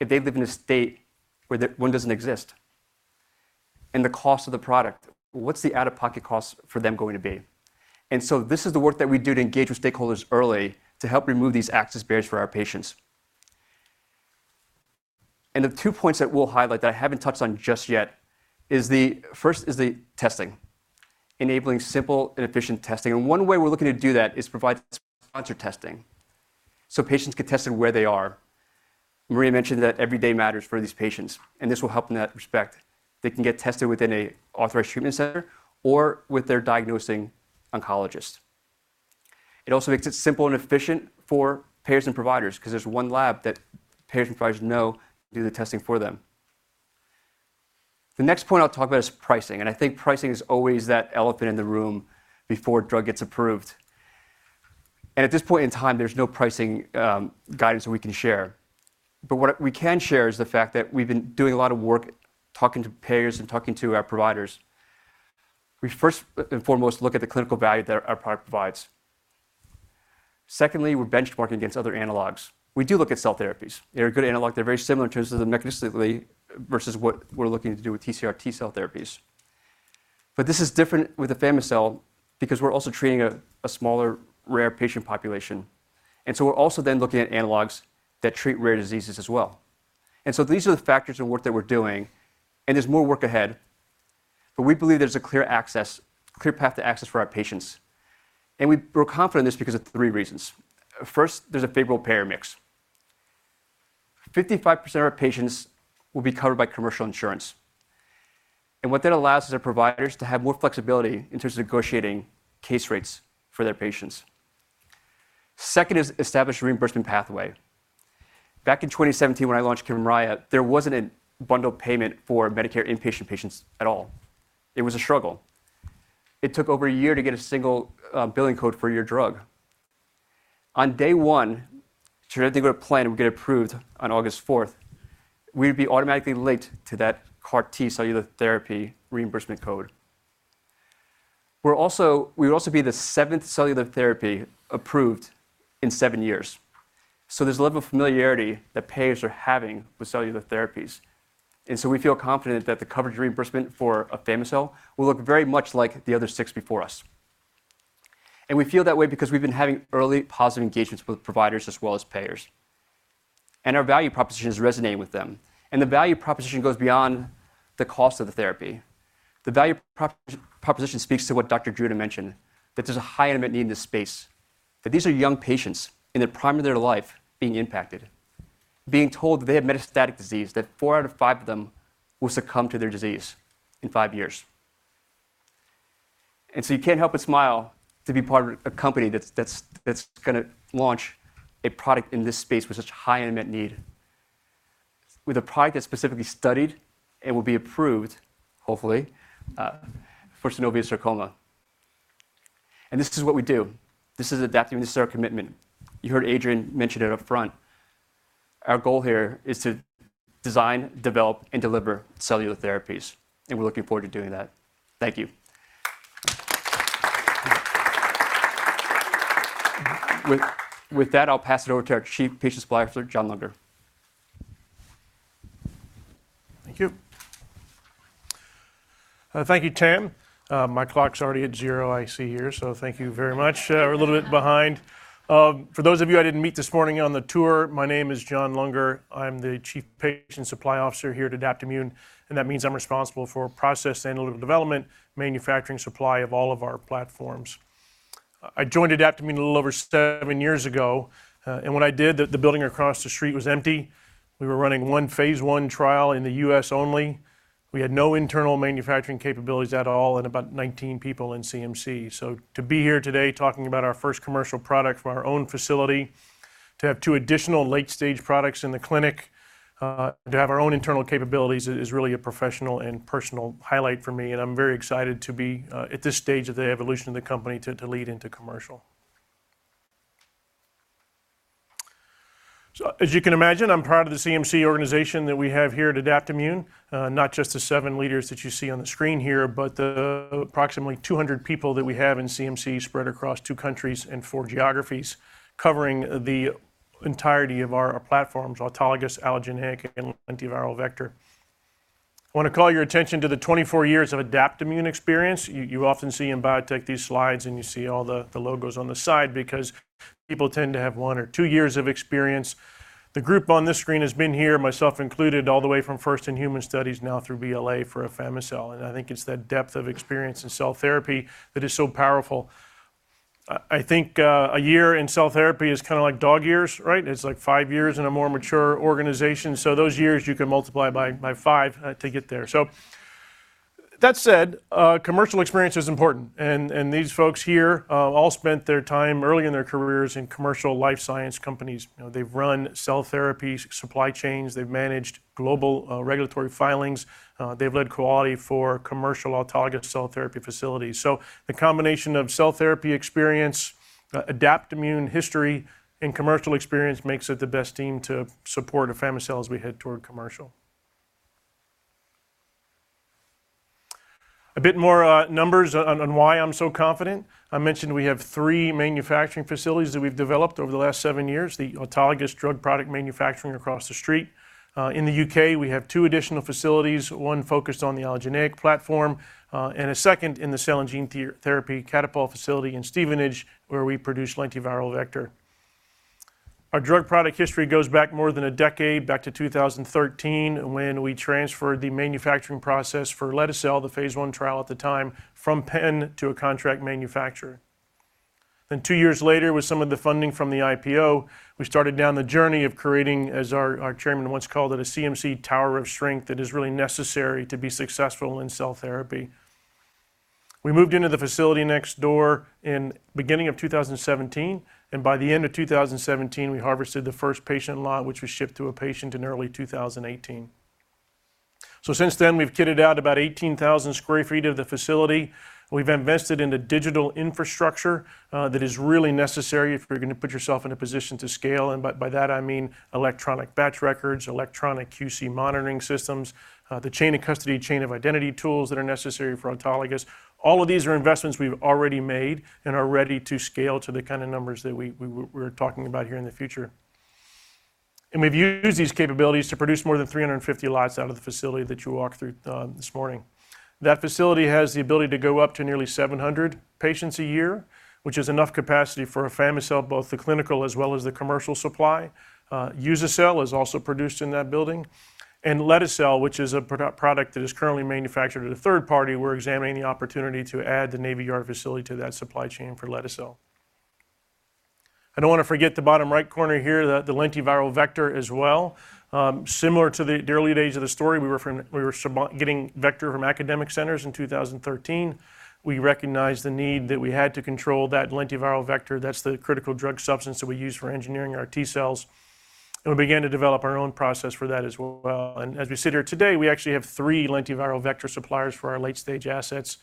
if they live in a state where the one doesn't exist? And the cost of the product, what's the out-of-pocket cost for them going to be? And so this is the work that we do to engage with stakeholders early to help remove these access barriers for our patients. And the two points that we'll highlight that I haven't touched on just yet is the first is the testing, enabling simple and efficient testing. And one way we're looking to do that is provide sponsor testing, so patients get tested where they are. Maria mentioned that every day matters for these patients, and this will help in that respect. They can get tested within a authorized treatment center or with their diagnosing oncologist. It also makes it simple and efficient for payers and providers because there's one lab that payers and providers know do the testing for them. The next point I'll talk about is pricing, and I think pricing is always that elephant in the room before a drug gets approved. At this point in time, there's no pricing guidance that we can share. But what we can share is the fact that we've been doing a lot of work talking to payers and talking to our providers. We first and foremost look at the clinical value that our product provides. Secondly, we're benchmarking against other analogs. We do look at cell therapies. They're a good analog. They're very similar in terms of them mechanistically versus what we're looking to do with TCR T-cell therapies. But this is different with afami-cel because we're also treating a smaller, rare patient population, and so we're also then looking at analogs that treat rare diseases as well. And so these are the factors of work that we're doing, and there's more work ahead, but we believe there's a clear access, clear path to access for our patients, and we're confident in this because of three reasons. First, there's a favorable payer mix. 55% of our patients will be covered by commercial insurance, and what that allows is our providers to have more flexibility in terms of negotiating case rates for their patients. Second is established reimbursement pathway. Back in 2017 when I launched Kymriah, there wasn't a bundled payment for Medicare inpatient patients at all. It was a struggle. It took over a year to get a single billing code for your drug. On day one, therapeutic plan would get approved on August fourth, we'd be automatically linked to that CAR T-cellular therapy reimbursement code. We're also. We would also be the seventh cellular therapy approved in seven years, so there's a level of familiarity that payers are having with cellular therapies, and so we feel confident that the coverage reimbursement for afami-cel will look very much like the other six before us. And we feel that way because we've been having early positive engagements with providers as well as payers. And our value proposition is resonating with them, and the value proposition goes beyond the cost of the therapy. The value proposition speaks to what Dr. Druta mentioned that there's a high unmet need in this space, that these are young patients in the prime of their life being impacted, being told that they have metastatic disease, that four out of five of them will succumb to their disease in five years. And so you can't help but smile to be part of a company that's gonna launch a product in this space with such high unmet need, with a product that's specifically studied and will be approved, hopefully, for synovial sarcoma. And this is what we do. This is Adaptimmune. This is our commitment. You heard Adrian mention it up front. Our goal here is to design, develop, and deliver cellular therapies, and we're looking forward to doing that. Thank you. With that, I'll pass it over to our Chief Patient Supply Officer, John Lunger. Thank you. Thank you, Tam. My clock's already at 0, I see here, so thank you very much. We're a little bit behind. For those of you I didn't meet this morning on the tour, my name is John Lunger. I'm the Chief Patient Supply Officer here at Adaptimmune, and that means I'm responsible for process analytical development, manufacturing, supply of all of our platforms. I joined Adaptimmune a little over 7 years ago, and when I did, the building across the street was empty. We were running one phase I trial in the U.S. only. We had no internal manufacturing capabilities at all and about 19 people in CMC. So to be here today talking about our first commercial product from our own facility, to have 2 additional late-stage products in the clinic, to have our own internal capabilities is, is really a professional and personal highlight for me, and I'm very excited to be, at this stage of the evolution of the company to, to lead into commercial. So as you can imagine, I'm proud of the CMC organization that we have here at Adaptimmune. Not just the 7 leaders that you see on the screen here, but the approximately 200 people that we have in CMC spread across 2 countries and 4 geographies, covering the entirety of our, our platforms, autologous, allogeneic, and lentiviral vector. I wanna call your attention to the 24 years of Adaptimmune experience. You often see in biotech these slides, and you see all the logos on the side because people tend to have one or two years of experience. The group on this screen has been here, myself included, all the way from first in human studies now through BLA for afami-cel, and I think it's that depth of experience in cell therapy that is so powerful. I think a year in cell therapy is kinda like dog years, right? It's like five years in a more mature organization. So those years, you can multiply by five to get there. So that said, commercial experience is important, and these folks here all spent their time early in their careers in commercial life science companies. You know, they've run cell therapy supply chains, they've managed global regulatory filings, they've led quality for commercial autologous cell therapy facilities. So the combination of cell therapy experience, Adaptimmune history, and commercial experience makes it the best team to support afami-cel as we head toward commercial. A bit more numbers on why I'm so confident. I mentioned we have 3 manufacturing facilities that we've developed over the last 7 years, the autologous drug product manufacturing across the street. In the U.K., we have 2 additional facilities, one focused on the allogeneic platform, and a second in the Cell and Gene Therapy Catapult facility in Stevenage, where we produce lentiviral vector. Our drug product history goes back more than a decade, back to 2013, when we transferred the manufacturing process for lete-cel, the phase I trial at the time, from Penn to a contract manufacturer. Then 2 years later, with some of the funding from the IPO, we started down the journey of creating, as our, our chairman once called it, a CMC tower of strength that is really necessary to be successful in cell therapy. We moved into the facility next door in beginning of 2017, and by the end of 2017, we harvested the first patient lot, which was shipped to a patient in early 2018. So since then, we've kitted out about 18,000 sq ft of the facility. We've invested in the digital infrastructure that is really necessary if you're gonna put yourself in a position to scale and by, by that I mean electronic batch records, electronic QC monitoring systems, the chain of custody, chain of identity tools that are necessary for autologous. All of these are investments we've already made and are ready to scale to the kind of numbers that we're talking about here in the future. We've used these capabilities to produce more than 350 lots out of the facility that you walked through this morning. That facility has the ability to go up to nearly 700 patients a year, which is enough capacity for afami-cel, both the clinical as well as the commercial supply. Uza-cel is also produced in that building, and lete-cel, which is a product that is currently manufactured at a third party, we're examining the opportunity to add the Navy Yard facility to that supply chain for lete-cel. I don't wanna forget the bottom right corner here, the lentiviral vector as well. Similar to the early days of the story, we were getting vector from academic centers in 2013. We recognized the need that we had to control that lentiviral vector. That's the critical drug substance that we use for engineering our T-cells, and we began to develop our own process for that as well. And as we sit here today, we actually have three lentiviral vector suppliers for our late-stage assets.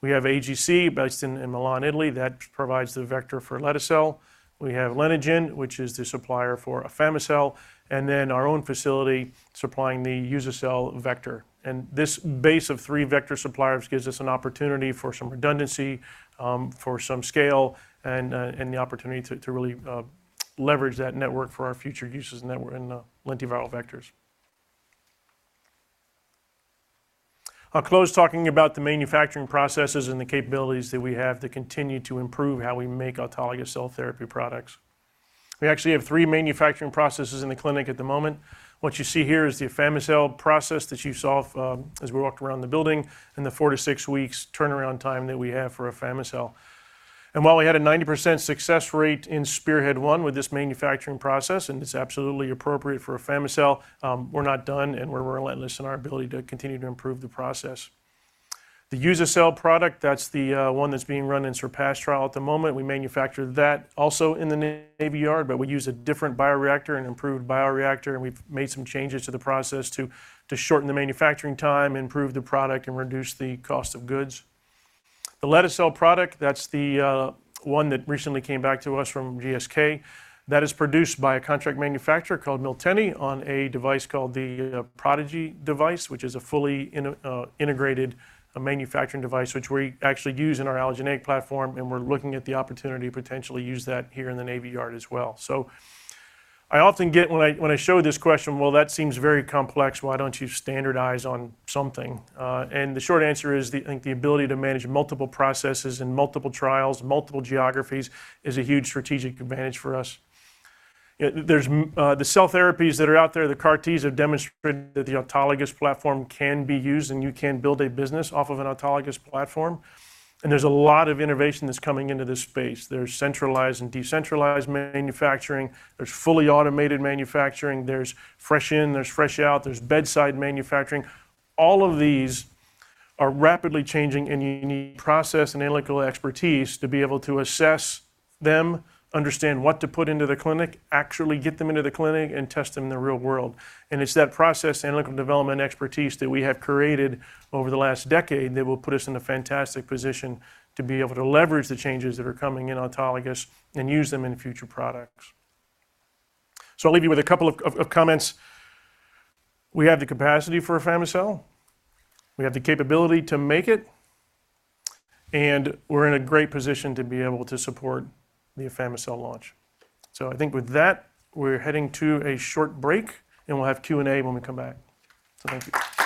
We have AGC, based in Milan, Italy, that provides the vector for lete-cel. We have Lentigen, which is the supplier for afami-cel, and then our own facility supplying the lentiviral vector. And this base of three vector suppliers gives us an opportunity for some redundancy, for some scale, and the opportunity to really leverage that network for our future use of the network in the lentiviral vectors. I'll close talking about the manufacturing processes and the capabilities that we have to continue to improve how we make autologous cell therapy products. We actually have three manufacturing processes in the clinic at the moment. What you see here is the afami-cel process that you saw as we walked around the building, and the 4-6 weeks turnaround time that we have for afami-cel. While we had a 90% success rate in SPEARHEAD-1 with this manufacturing process, and it's absolutely appropriate for afami-cel, we're not done, and we're relentless in our ability to continue to improve the process. The lete-cel product, that's the one that's being run in SURPASS trial at the moment. We manufacture that also in the Navy Yard, but we use a different bioreactor, an improved bioreactor, and we've made some changes to the process to shorten the manufacturing time, improve the product, and reduce the cost of goods. The lete-cel product, that's the one that recently came back to us from GSK. That is produced by a contract manufacturer called Miltenyi, on a device called the Prodigy device, which is a fully integrated manufacturing device, which we actually use in our allogeneic platform, and we're looking at the opportunity to potentially use that here in the Navy Yard as well. So I often get when I show this question, "Well, that seems very complex. Why don't you standardize on something?" And the short answer is, I think the ability to manage multiple processes and multiple trials, multiple geographies is a huge strategic advantage for us. There's the cell therapies that are out there, the CAR Ts, have demonstrated that the autologous platform can be used, and you can build a business off of an autologous platform, and there's a lot of innovation that's coming into this space. There's centralized and decentralized manufacturing. There's fully automated manufacturing. There's fresh in, there's fresh out, there's bedside manufacturing. All of these are rapidly changing, and you need process and analytical expertise to be able to assess them, understand what to put into the clinic, actually get them into the clinic, and test them in the real world. And it's that process, analytical development expertise that we have created over the last decade, that will put us in a fantastic position to be able to leverage the changes that are coming in autologous and use them in future products. So I'll leave you with a couple of, of comments. We have the capacity for afami-cel. We have the capability to make it, and we're in a great position to be able to support the afami-cel launch. So I think with that, we're heading to a short break, and we'll have Q&A when we come back. Thank you.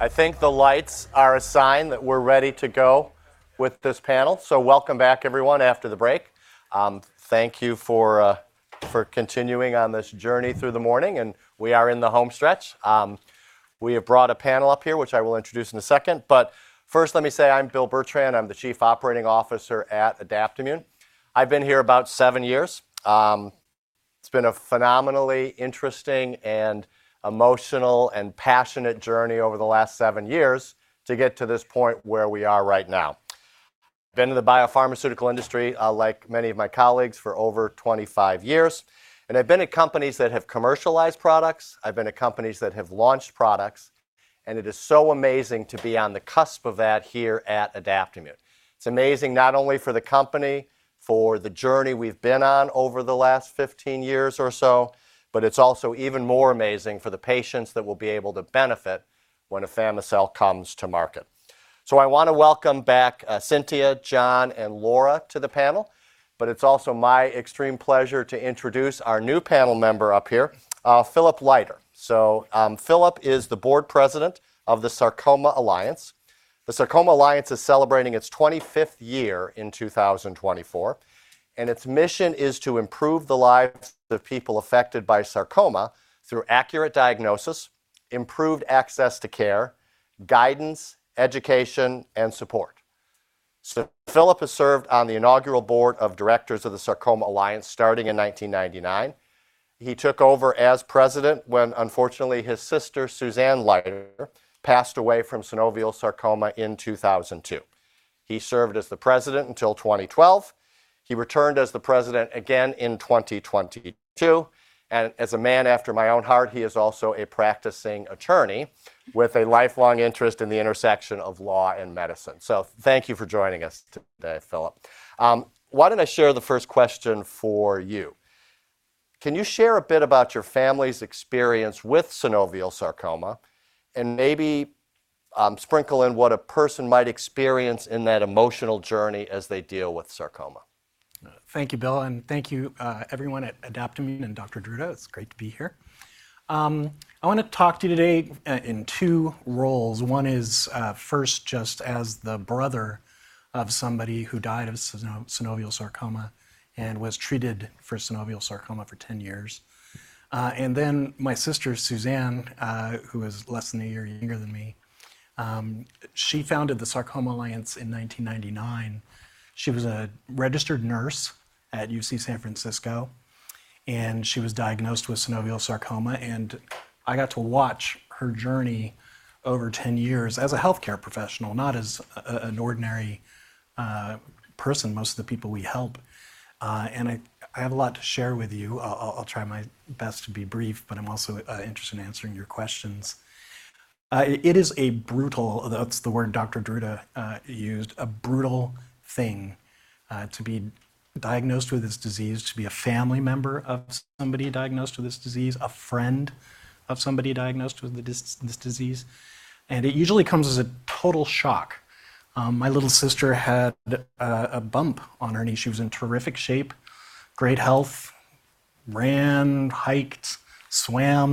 I think the lights are a sign that we're ready to go with this panel. Welcome back, everyone, after the break. Thank you for continuing on this journey through the morning, and we are in the home stretch. We have brought a panel up here, which I will introduce in a second, but first, let me say I'm Bill Bertrand. I'm the Chief Operating Officer at Adaptimmune. I've been here about seven years. It's been a phenomenally interesting and emotional and passionate journey over the last seven years to get to this point where we are right now. Been in the biopharmaceutical industry, like many of my colleagues, for over 25 years, and I've been at companies that have commercialized products, I've been at companies that have launched products, and it is so amazing to be on the cusp of that here at Adaptimmune. It's amazing not only for the company, for the journey we've been on over the last 15 years or so, but it's also even more amazing for the patients that will be able to benefit when afami-cel comes to market. So I want to welcome back, Cintia, John, and Laura to the panel, but it's also my extreme pleasure to introduce our new panel member up here, Philip Leiter. So, Philip is the board president of the Sarcoma Alliance. The Sarcoma Alliance is celebrating its 25th year in 2024, and its mission is to improve the lives of people affected by sarcoma through accurate diagnosis, improved access to care, guidance, education, and support. So Philip has served on the inaugural board of directors of the Sarcoma Alliance starting in 1999. He took over as president when, unfortunately, his sister, Suzanne Leiter, passed away from synovial sarcoma in 2002. He served as the president until 2012. He returned as the president again in 2022, and as a man after my own heart, he is also a practicing attorney with a lifelong interest in the intersection of law and medicine. So thank you for joining us today, Philip. Why don't I share the first question for you? Can you share a bit about your family's experience with synovial sarcoma and maybe, sprinkle in what a person might experience in that emotional journey as they deal with sarcoma? Thank you, Bill, and thank you, everyone at Adaptimmune and Dr. Druta. It's great to be here. I wanna talk to you today in two roles. One is, first, just as the brother of somebody who died of synovial sarcoma and was treated for synovial sarcoma for 10 years. And then my sister, Suzanne, who is less than a year younger than me, she founded the Sarcoma Alliance in 1999. She was a registered nurse at U.C. San Francisco, and she was diagnosed with synovial sarcoma, and I got to watch her journey over 10 years as a healthcare professional, not as an ordinary person, most of the people we help. And I have a lot to share with you. I'll try my best to be brief, but I'm also interested in answering your questions. It is a brutal... That's the word Dr. Druta used, a brutal thing to be diagnosed with this disease, to be a family member of somebody diagnosed with this disease, a friend of somebody diagnosed with this disease, and it usually comes as a total shock. My little sister had a bump on her knee. She was in terrific shape, great health... ran, hiked, swam.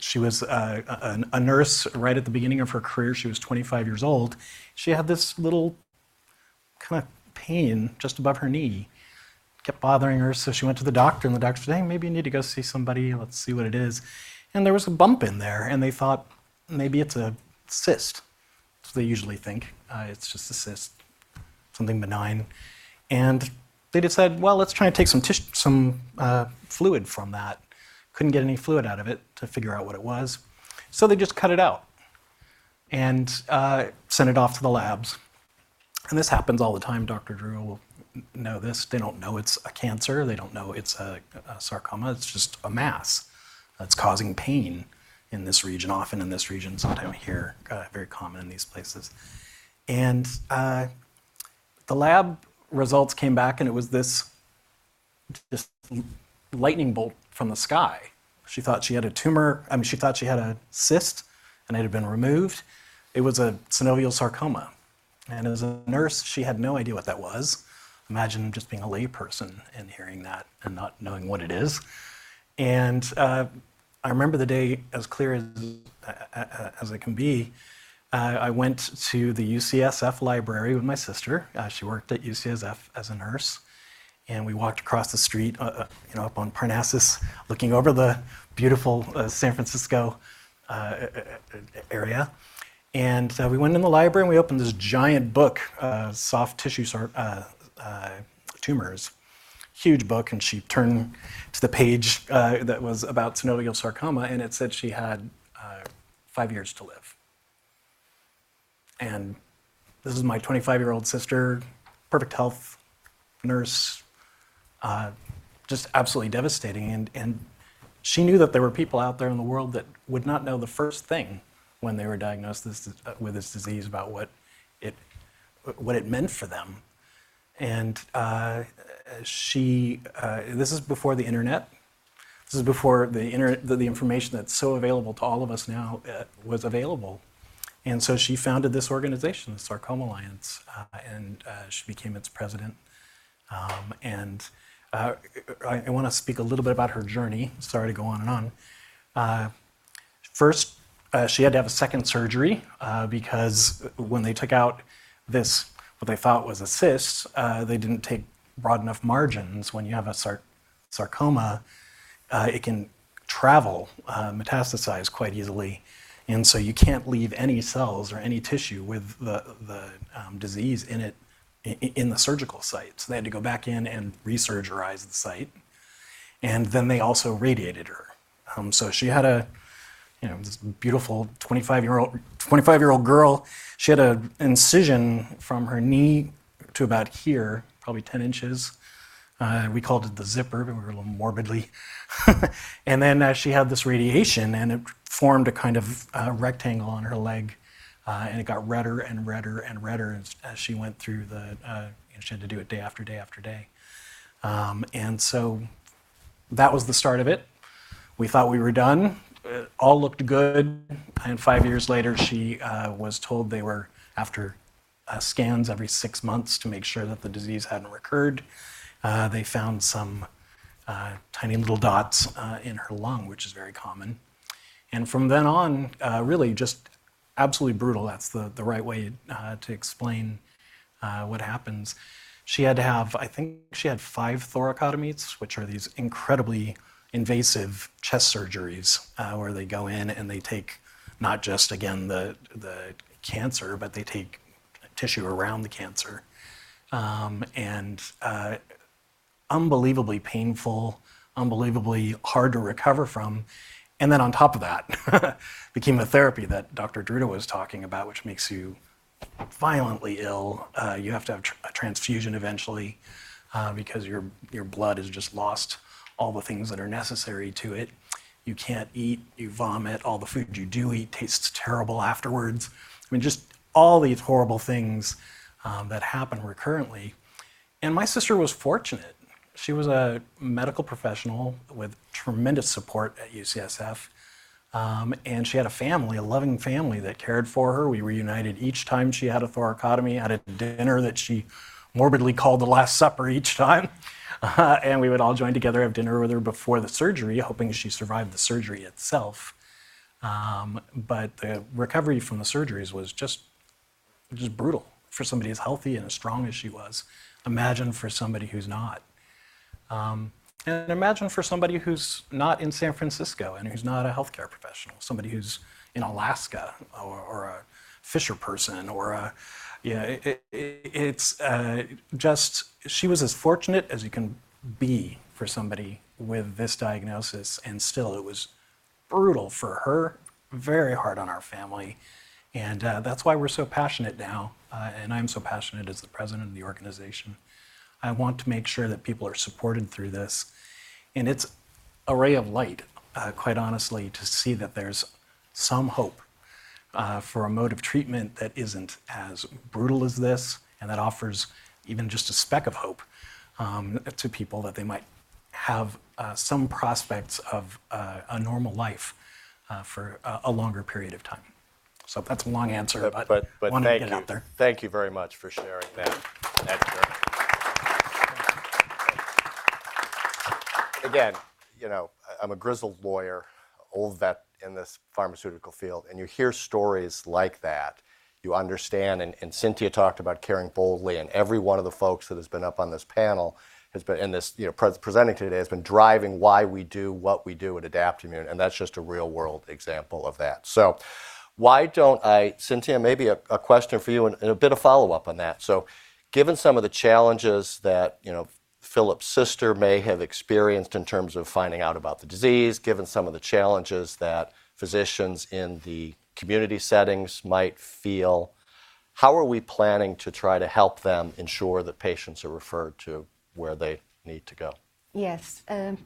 She was a nurse right at the beginning of her career. She was 25 years old. She had this little kind of pain just above her knee. Kept bothering her, so she went to the doctor, and the doctor said, "Hey, maybe you need to go see somebody, let's see what it is." And there was a bump in there, and they thought maybe it's a cyst. So they usually think it's just a cyst, something benign. And they decided, well, let's try and take some fluid from that. Couldn't get any fluid out of it to figure out what it was, so they just cut it out and sent it off to the labs. And this happens all the time. Dr. Druta will know this. They don't know it's a cancer, they don't know it's a sarcoma. It's just a mass that's causing pain in this region, often in this region, sometimes here, very common in these places. And the lab results came back, and it was this lightning bolt from the sky. She thought she had a tumor, I mean, she thought she had a cyst, and it had been removed. It was a synovial sarcoma, and as a nurse, she had no idea what that was. Imagine just being a layperson and hearing that and not knowing what it is. I remember the day as clear as it can be. I went to the UCSF library with my sister. She worked at UCSF as a nurse, and we walked across the street, you know, up on Parnassus, looking over the beautiful San Francisco area. We went in the library, and we opened this giant book, Soft Tissue Tumors. Huge book, and she turned to the page that was about synovial sarcoma, and it said she had 5 years to live. This is my 25-year-old sister, perfect health, nurse, just absolutely devastating. She knew that there were people out there in the world that would not know the first thing when they were diagnosed with this disease, about what it meant for them. And she... This is before the internet. This is before the internet—the information that's so available to all of us now was available. And so she founded this organization, the Sarcoma Alliance, and she became its president. And I wanna speak a little bit about her journey. Sorry to go on and on. First, she had to have a second surgery, because when they took out this, what they thought was a cyst, they didn't take broad enough margins. When you have a sarcoma, it can travel, metastasize quite easily, and so you can't leave any cells or any tissue with the disease in it, in the surgical site. So they had to go back in and re-surgerize the site, and then they also radiated her. So she had a, you know, this beautiful 25-year-old girl. She had an incision from her knee to about here, probably 10 inches. We called it the zipper. We were a little morbidly... And then she had this radiation, and it formed a kind of rectangle on her leg, and it got redder and redder and redder as she went through the... She had to do it day after day after day. And so that was the start of it. We thought we were done. It all looked good. And five years later, she was told they were, after scans every six months to make sure that the disease hadn't recurred, they found some tiny little dots in her lung, which is very common. And from then on, really just absolutely brutal. That's the right way to explain what happens. She had to have. I think she had five thoracotomies, which are these incredibly invasive chest surgeries, where they go in and they take, not just, again, the cancer, but they take tissue around the cancer. And unbelievably painful, unbelievably hard to recover from. And then on top of that, the chemotherapy that Dr. Druta was talking about, which makes you violently ill. You have to have a transfusion eventually, because your blood has just lost all the things that are necessary to it. You can't eat, you vomit, all the food you do eat tastes terrible afterwards. I mean, just all these horrible things that happen recurrently. And my sister was fortunate. She was a medical professional with tremendous support at UCSF, and she had a family, a loving family that cared for her. We reunited each time she had a thoracotomy at a dinner that she morbidly called The Last Supper each time. And we would all join together, have dinner with her before the surgery, hoping she survived the surgery itself. But the recovery from the surgeries was just, just brutal for somebody as healthy and as strong as she was. Imagine for somebody who's not. And imagine for somebody who's not in San Francisco and who's not a healthcare professional, somebody who's in Alaska or a fisher person or a... You know, it's just she was as fortunate as you can be for somebody with this diagnosis, and still, it was brutal for her, very hard on our family, and that's why we're so passionate now, and I'm so passionate as the president of the organization. I want to make sure that people are supported through this, and it's a ray of light, quite honestly, to see that there's some hope for a mode of treatment that isn't as brutal as this, and that offers even just a speck of hope to people that they might have some prospects of a normal life for a longer period of time. So that's a long answer, but- But thank you- Wanted to get out there. Thank you very much for sharing that. That's great. Again, you know, I'm a grizzled lawyer, old vet in this pharmaceutical field, and you hear stories like that, you understand, and Cintia talked about caring boldly, and every one of the folks that has been up on this panel has been in this, you know, presenting today, has been driving why we do what we do at Adaptimmune, and that's just a real-world example of that. So why don't I, Cintia, maybe a question for you and a bit of follow-up on that. So given some of the challenges that, you know, Philip's sister may have experienced in terms of finding out about the disease, given some of the challenges that physicians in the community settings might feel, how are we planning to try to help them ensure that patients are referred to where they need to go? Yes.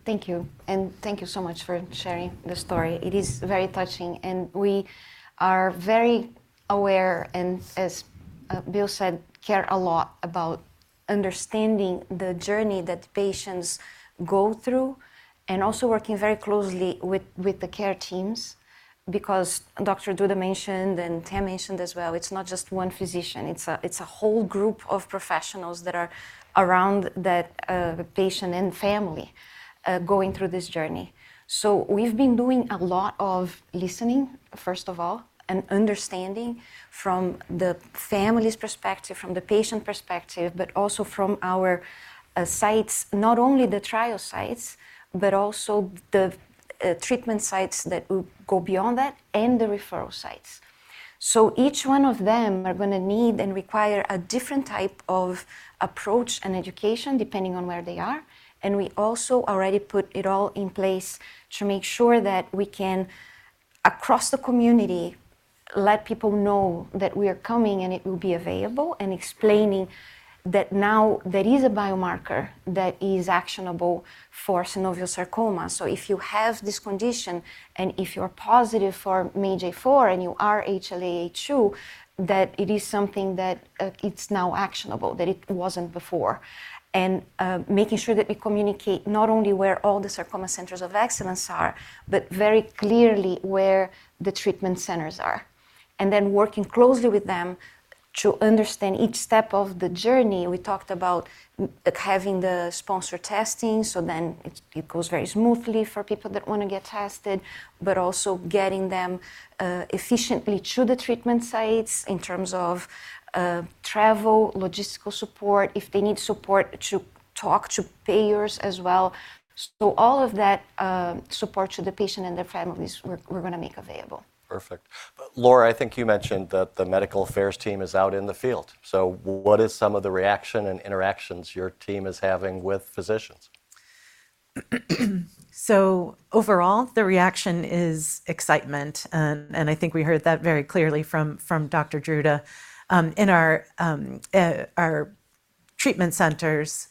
Thank you, and thank you so much for sharing the story. It is very touching, and we are very aware, and as Bill said, care a lot about understanding the journey that patients go through, and also working very closely with the care teams. Because Dr. Druta mentioned, and Tam mentioned as well, it's not just one physician, it's a whole group of professionals that are around that patient and family going through this journey. So we've been doing a lot of listening, first of all, and understanding from the family's perspective, from the patient perspective, but also from our sites, not only the trial sites, but also the treatment sites that will go beyond that and the referral sites. So each one of them are going to need and require a different type of approach and education, depending on where they are. And we also already put it all in place to make sure that we can, across the community, let people know that we are coming and it will be available, and explaining that now there is a biomarker that is actionable for synovial sarcoma. So if you have this condition, and if you are positive for MAGE-A4 and you are HLA-A*02, that it is something that, it's now actionable, that it wasn't before. And making sure that we communicate not only where all the sarcoma centers of excellence are, but very clearly where the treatment centers are, and then working closely with them to understand each step of the journey. We talked about having the sponsor testing, so then it goes very smoothly for people that want to get tested, but also getting them efficiently to the treatment sites in terms of travel, logistical support, if they need support, to talk to payers as well. So all of that support to the patient and their families, we're going to make available. Perfect. Laura, I think you mentioned that the medical affairs team is out in the field. So what is some of the reaction and interactions your team is having with physicians? So overall, the reaction is excitement, and I think we heard that very clearly from Dr. Druta. In our treatment centers,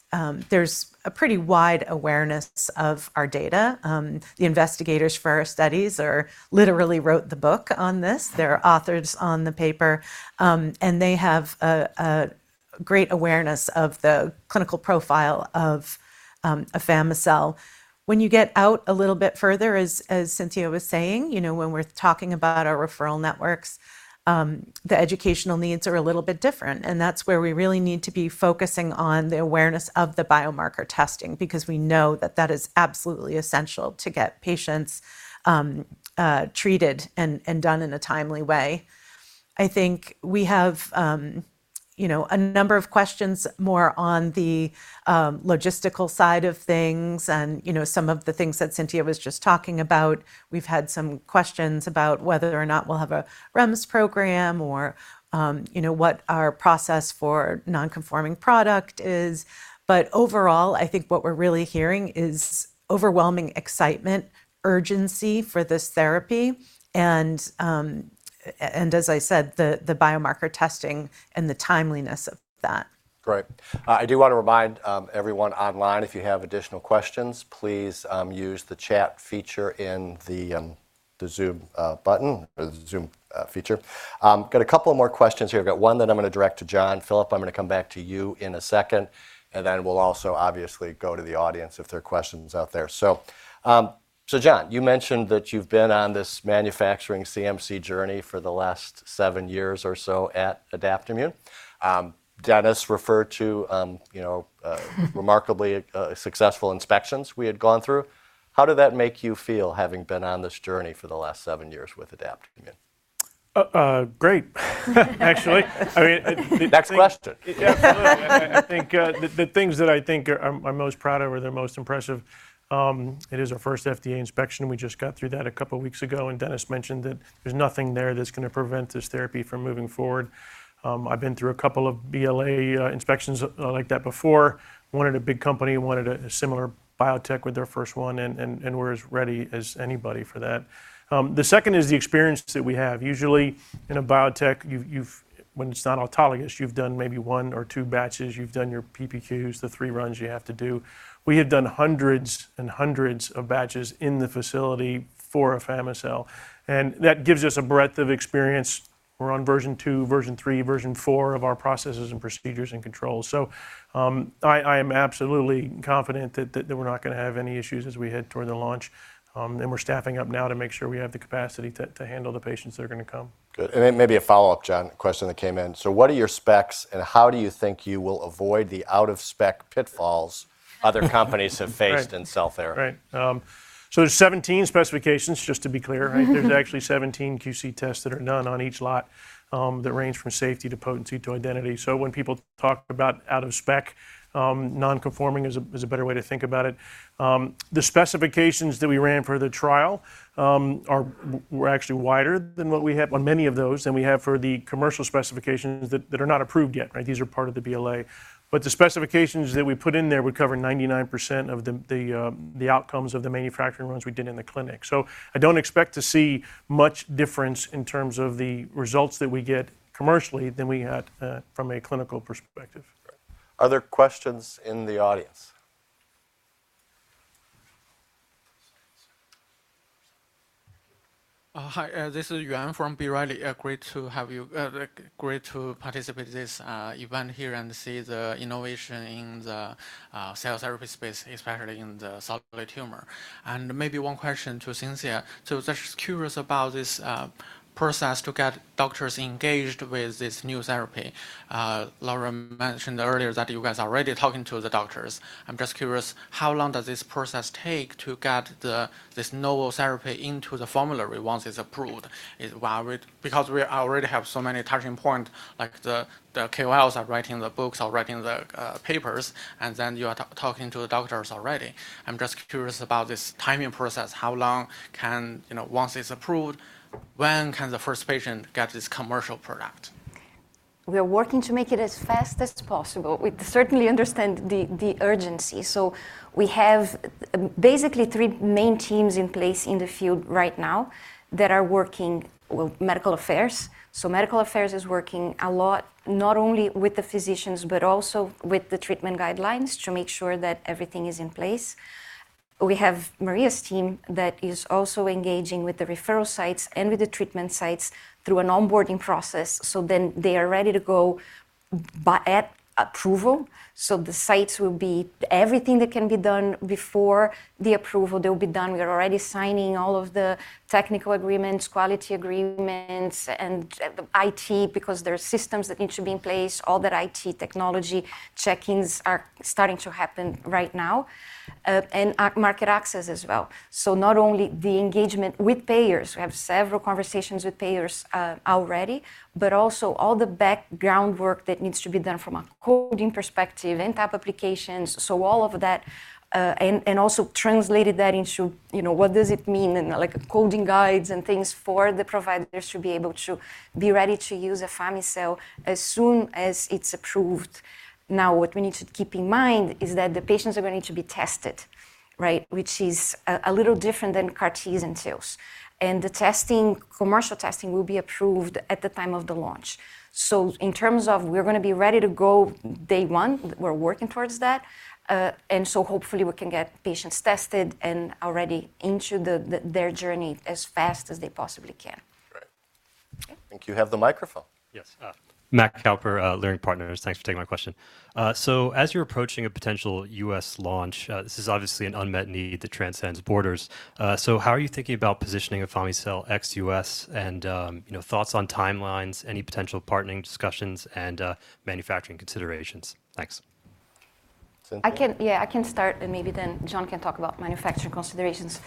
there's a pretty wide awareness of our data. The investigators for our studies are literally wrote the book on this. They're authors on the paper, and they have a great awareness of the clinical profile of afami-cel. When you get out a little bit further, as Cintia was saying, you know, when we're talking about our referral networks, the educational needs are a little bit different, and that's where we really need to be focusing on the awareness of the biomarker testing, because we know that that is absolutely essential to get patients treated and done in a timely way. I think we have, you know, a number of questions more on the, logistical side of things and, you know, some of the things that Cintia was just talking about. We've had some questions about whether or not we'll have a REMS program or, you know, what our process for non-conforming product is. But overall, I think what we're really hearing is overwhelming excitement, urgency for this therapy, and, and as I said, the biomarker testing and the timeliness of that. Great. I do want to remind everyone online, if you have additional questions, please use the chat feature in the Zoom button or the Zoom feature. Got a couple of more questions here. I've got one that I'm going to direct to John. Philip, I'm going to come back to you in a second, and then we'll also obviously go to the audience if there are questions out there. So John, you mentioned that you've been on this manufacturing CMC journey for the last seven years or so at Adaptimmune. Dennis referred to you know remarkably successful inspections we had gone through. How did that make you feel, having been on this journey for the last seven years with Adaptimmune? Great. Actually, I mean. Next question. Absolutely. I think the things that I think are I'm most proud of or the most impressive it is our first FDA inspection. We just got through that a couple of weeks ago, and Dennis mentioned that there's nothing there that's going to prevent this therapy from moving forward. I've been through a couple of BLA inspections like that before. One at a big company and one at a similar biotech with their first one, and we're as ready as anybody for that. The second is the experience that we have. Usually in a biotech when it's not autologous you've done maybe one or two batches, you've done your PPQs, the three runs you have to do. We have done hundreds and hundreds of batches in the facility for afami-cel, and that gives us a breadth of experience. We're on version 2, version 3, version 4 of our processes and procedures and controls. So, I am absolutely confident that we're not going to have any issues as we head toward the launch. And we're staffing up now to make sure we have the capacity to handle the patients that are gonna come. Good. And then maybe a follow-up, John, question that came in: So what are your specs, and how do you think you will avoid the out-of-spec pitfalls other companies have faced in cell therapy? Right. So there's 17 specifications, just to be clear, right? There's actually 17 QC tests that are done on each lot, that range from safety to potency to identity. So when people talk about out of spec, non-conforming is a better way to think about it. The specifications that we ran for the trial were actually wider than what we have on many of those than we have for the commercial specifications that are not approved yet, right? These are part of the BLA. But the specifications that we put in there would cover 99% of the outcomes of the manufacturing runs we did in the clinic. So I don't expect to see much difference in terms of the results that we get commercially than we had from a clinical perspective. Great. Other questions in the audience? Hi, this is Yuan from B. Riley. Great to have you. Great to participate in this event here and see the innovation in the cell therapy space, especially in the solid tumor. And maybe one question to Cintia. So just curious about this process to get doctors engaged with this new therapy. Lauren mentioned earlier that you guys are already talking to the doctors. I'm just curious, how long does this process take to get this novel therapy into the formulary once it's approved? Why? Because we already have so many touchpoints, like the KOLs are writing the books or writing the papers, and then you are talking to the doctors already. I'm just curious about this timing process. How long can... You know, once it's approved, when can the first patient get this commercial product? We are working to make it as fast as possible. We certainly understand the urgency. So we have basically three main teams in place in the field right now that are working with medical affairs. So medical affairs is working a lot, not only with the physicians, but also with the treatment guidelines to make sure that everything is in place. We have Maria's team that is also engaging with the referral sites and with the treatment sites through an onboarding process, so then they are ready to go by approval. So everything that can be done before the approval, they will be done. We're already signing all of the technical agreements, quality agreements, and the IT, because there are systems that need to be in place. All that IT technology check-ins are starting to happen right now, and market access as well. So not only the engagement with payers, we have several conversations with payers, already, but also all the background work that needs to be done from a coding perspective and type applications. So all of that, and, and also translated that into, you know, what does it mean? And, like, coding guides and things for the providers to be able to be ready to use afami-cel as soon as it's approved. Now, what we need to keep in mind is that the patients are going to be tested, right? Which is a little different than CAR-Ts and TILs. And the testing, commercial testing, will be approved at the time of the launch. So in terms of we're gonna be ready to go day one, we're working towards that. And so hopefully we can get patients tested and already into their journey as fast as they possibly can. Great. Okay. I think you have the microphone. Yes. Matt Kauper, Leerink Partners. Thanks for taking my question. As you're approaching a potential U.S. launch, this is obviously an unmet need that transcends borders. How are you thinking about positioning afami-cel ex U.S. and, you know, thoughts on timelines, any potential partnering discussions, and manufacturing considerations? Thanks. Cintia? I can. Yeah, I can start, and maybe then John can talk about manufacturing considerations.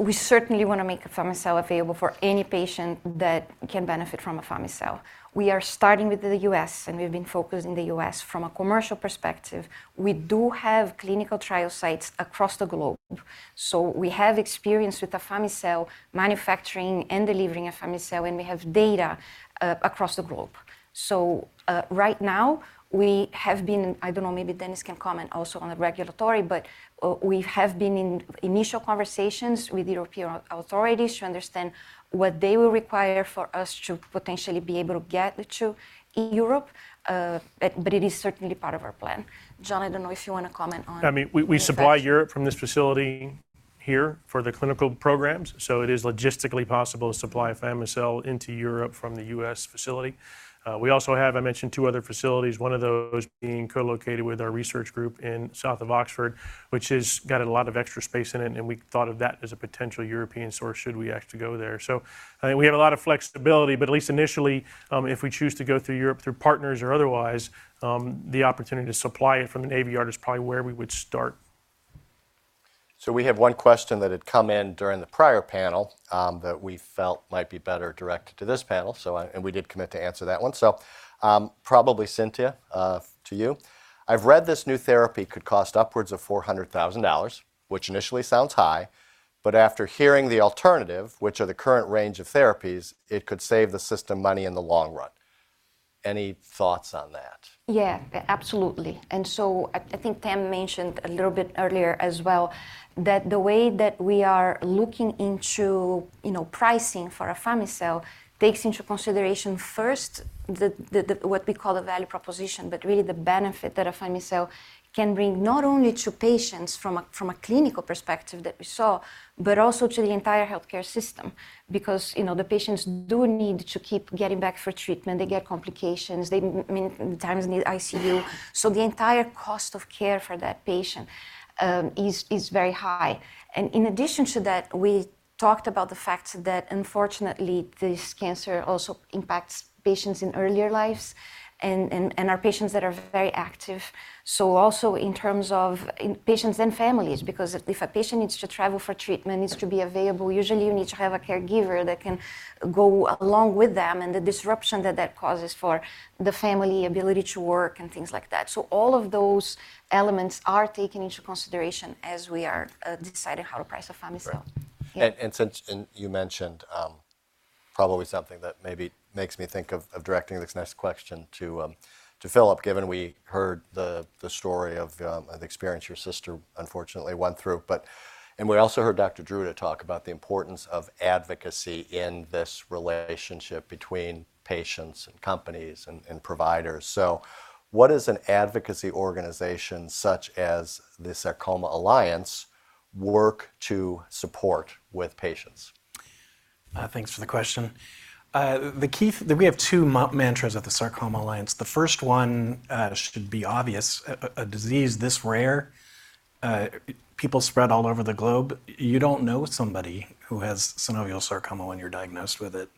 We certainly want to make afami-cel available for any patient that can benefit from afami-cel. We are starting with the U.S., and we've been focused in the U.S. from a commercial perspective. We do have clinical trial sites across the globe, so we have experience with afami-cel manufacturing and delivering afami-cel, and we have data across the globe. So, right now, we have been, I don't know, maybe Dennis can comment also on the regulatory, but we have been in initial conversations with European authorities to understand what they will require for us to potentially be able to get to in Europe. But it is certainly part of our plan. John, I don't know if you want to comment on- I mean, we supply Europe from this facility here for the clinical programs, so it is logistically possible to supply afami-cel into Europe from the U.S. facility. We also have, I mentioned, two other facilities, one of those being co-located with our research group in south of Oxford, which has got a lot of extra space in it, and we thought of that as a potential European source should we actually go there. So I think we have a lot of flexibility, but at least initially, if we choose to go through Europe, through partners or otherwise, the opportunity to supply it from the Navy Yard is probably where we would start. So we have one question that had come in during the prior panel, that we felt might be better directed to this panel. We did commit to answer that one. So, probably, Cintia, to you. I've read this new therapy could cost upwards of $400,000, which initially sounds high, but after hearing the alternative, which are the current range of therapies, it could save the system money in the long run. Any thoughts on that? Yeah, absolutely. And so I think Tam mentioned a little bit earlier as well, that the way that we are looking into, you know, pricing for afami-cel takes into consideration first, what we call the value proposition, but really the benefit that afami-cel can bring, not only to patients from a clinical perspective that we saw, but also to the entire healthcare system. Because, you know, the patients do need to keep getting back for treatment. They get complications, they many times need ICU. So the entire cost of care for that patient is very high. And in addition to that, we talked about the fact that unfortunately, this cancer also impacts patients in earlier lives and are patients that are very active. So also in terms of in patients and families, because if a patient needs to travel for treatment, needs to be available, usually you need to have a caregiver that can go along with them, and the disruption that that causes for the family, ability to work, and things like that. So all of those elements are taken into consideration as we are deciding how to price afami-cel. Right. Yeah. And you mentioned probably something that maybe makes me think of directing this next question to Philip, given we heard the story of the experience your sister unfortunately went through. We also heard Dr. Druta talk about the importance of advocacy in this relationship between patients, and companies, and providers. So what is an advocacy organization such as the Sarcoma Alliance work to support with patients? Thanks for the question. The key, we have two mantras at the Sarcoma Alliance. The first one should be obvious. A disease this rare, people spread all over the globe, you don't know somebody who has synovial sarcoma when you're diagnosed with it.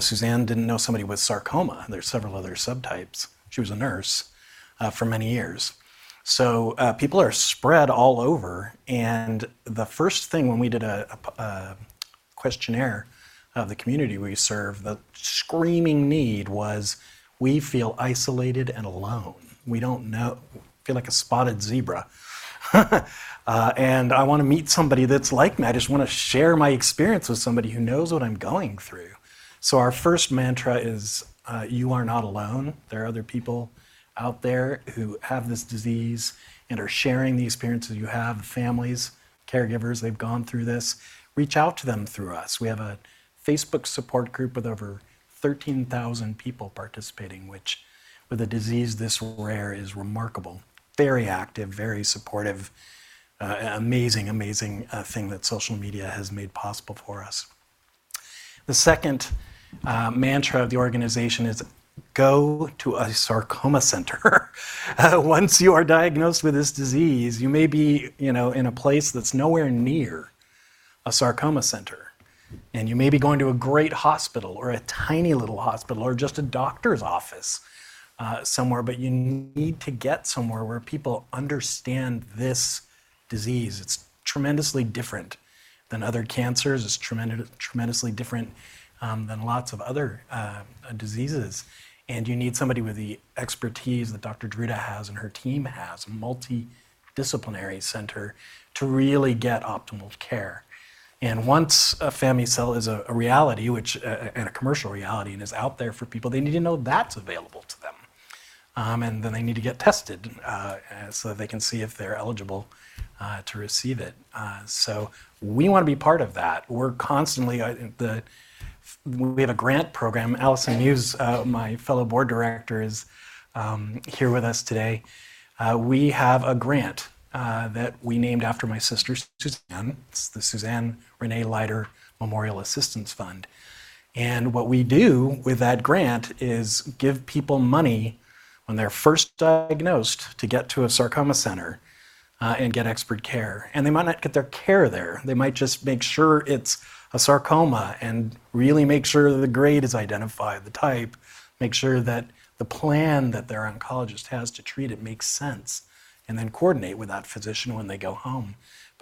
Suzanne didn't know somebody with sarcoma. There are several other subtypes. She was a nurse for many years. So, people are spread all over, and the first thing when we did a questionnaire of the community we serve, the screaming need was: "We feel isolated and alone. We don't know. Feel like a spotted zebra. And I want to meet somebody that's like me. I just want to share my experience with somebody who knows what I'm going through." So our first mantra is, "You are not alone." There are other people out there who have this disease and are sharing the experiences you have. Families, caregivers, they've gone through this. Reach out to them through us. We have a Facebook support group with over 13,000 people participating, which with a disease this rare, is remarkable. Very active, very supportive, amazing, amazing thing that social media has made possible for us. The second mantra of the organization is, "Go to a sarcoma center." Once you are diagnosed with this disease, you may be, you know, in a place that's nowhere near a sarcoma center, and you may be going to a great hospital, or a tiny little hospital, or just a doctor's office, somewhere, but you need to get somewhere where people understand this disease. It's tremendously different than other cancers. It's tremendously different than lots of other diseases, and you need somebody with the expertise that Dr. Druta has and her team has, a multidisciplinary center, to really get optimal care. And once afami-cel is a reality, which, and a commercial reality, and is out there for people, they need to know that's available to them. Then they need to get tested, so that they can see if they're eligible to receive it. So we want to be part of that. We're constantly. We have a grant program. Allison Muse, my fellow board director, is here with us today. We have a grant that we named after my sister, Suzanne. It's the Suzanne Renee Leiter Memorial Assistance Fund. What we do with that grant is give people money when they're first diagnosed to get to a sarcoma center and get expert care. They might not get their care there. They might just make sure it's a sarcoma and really make sure the grade is identified, the type, make sure that the plan that their oncologist has to treat it makes sense, and then coordinate with that physician when they go home.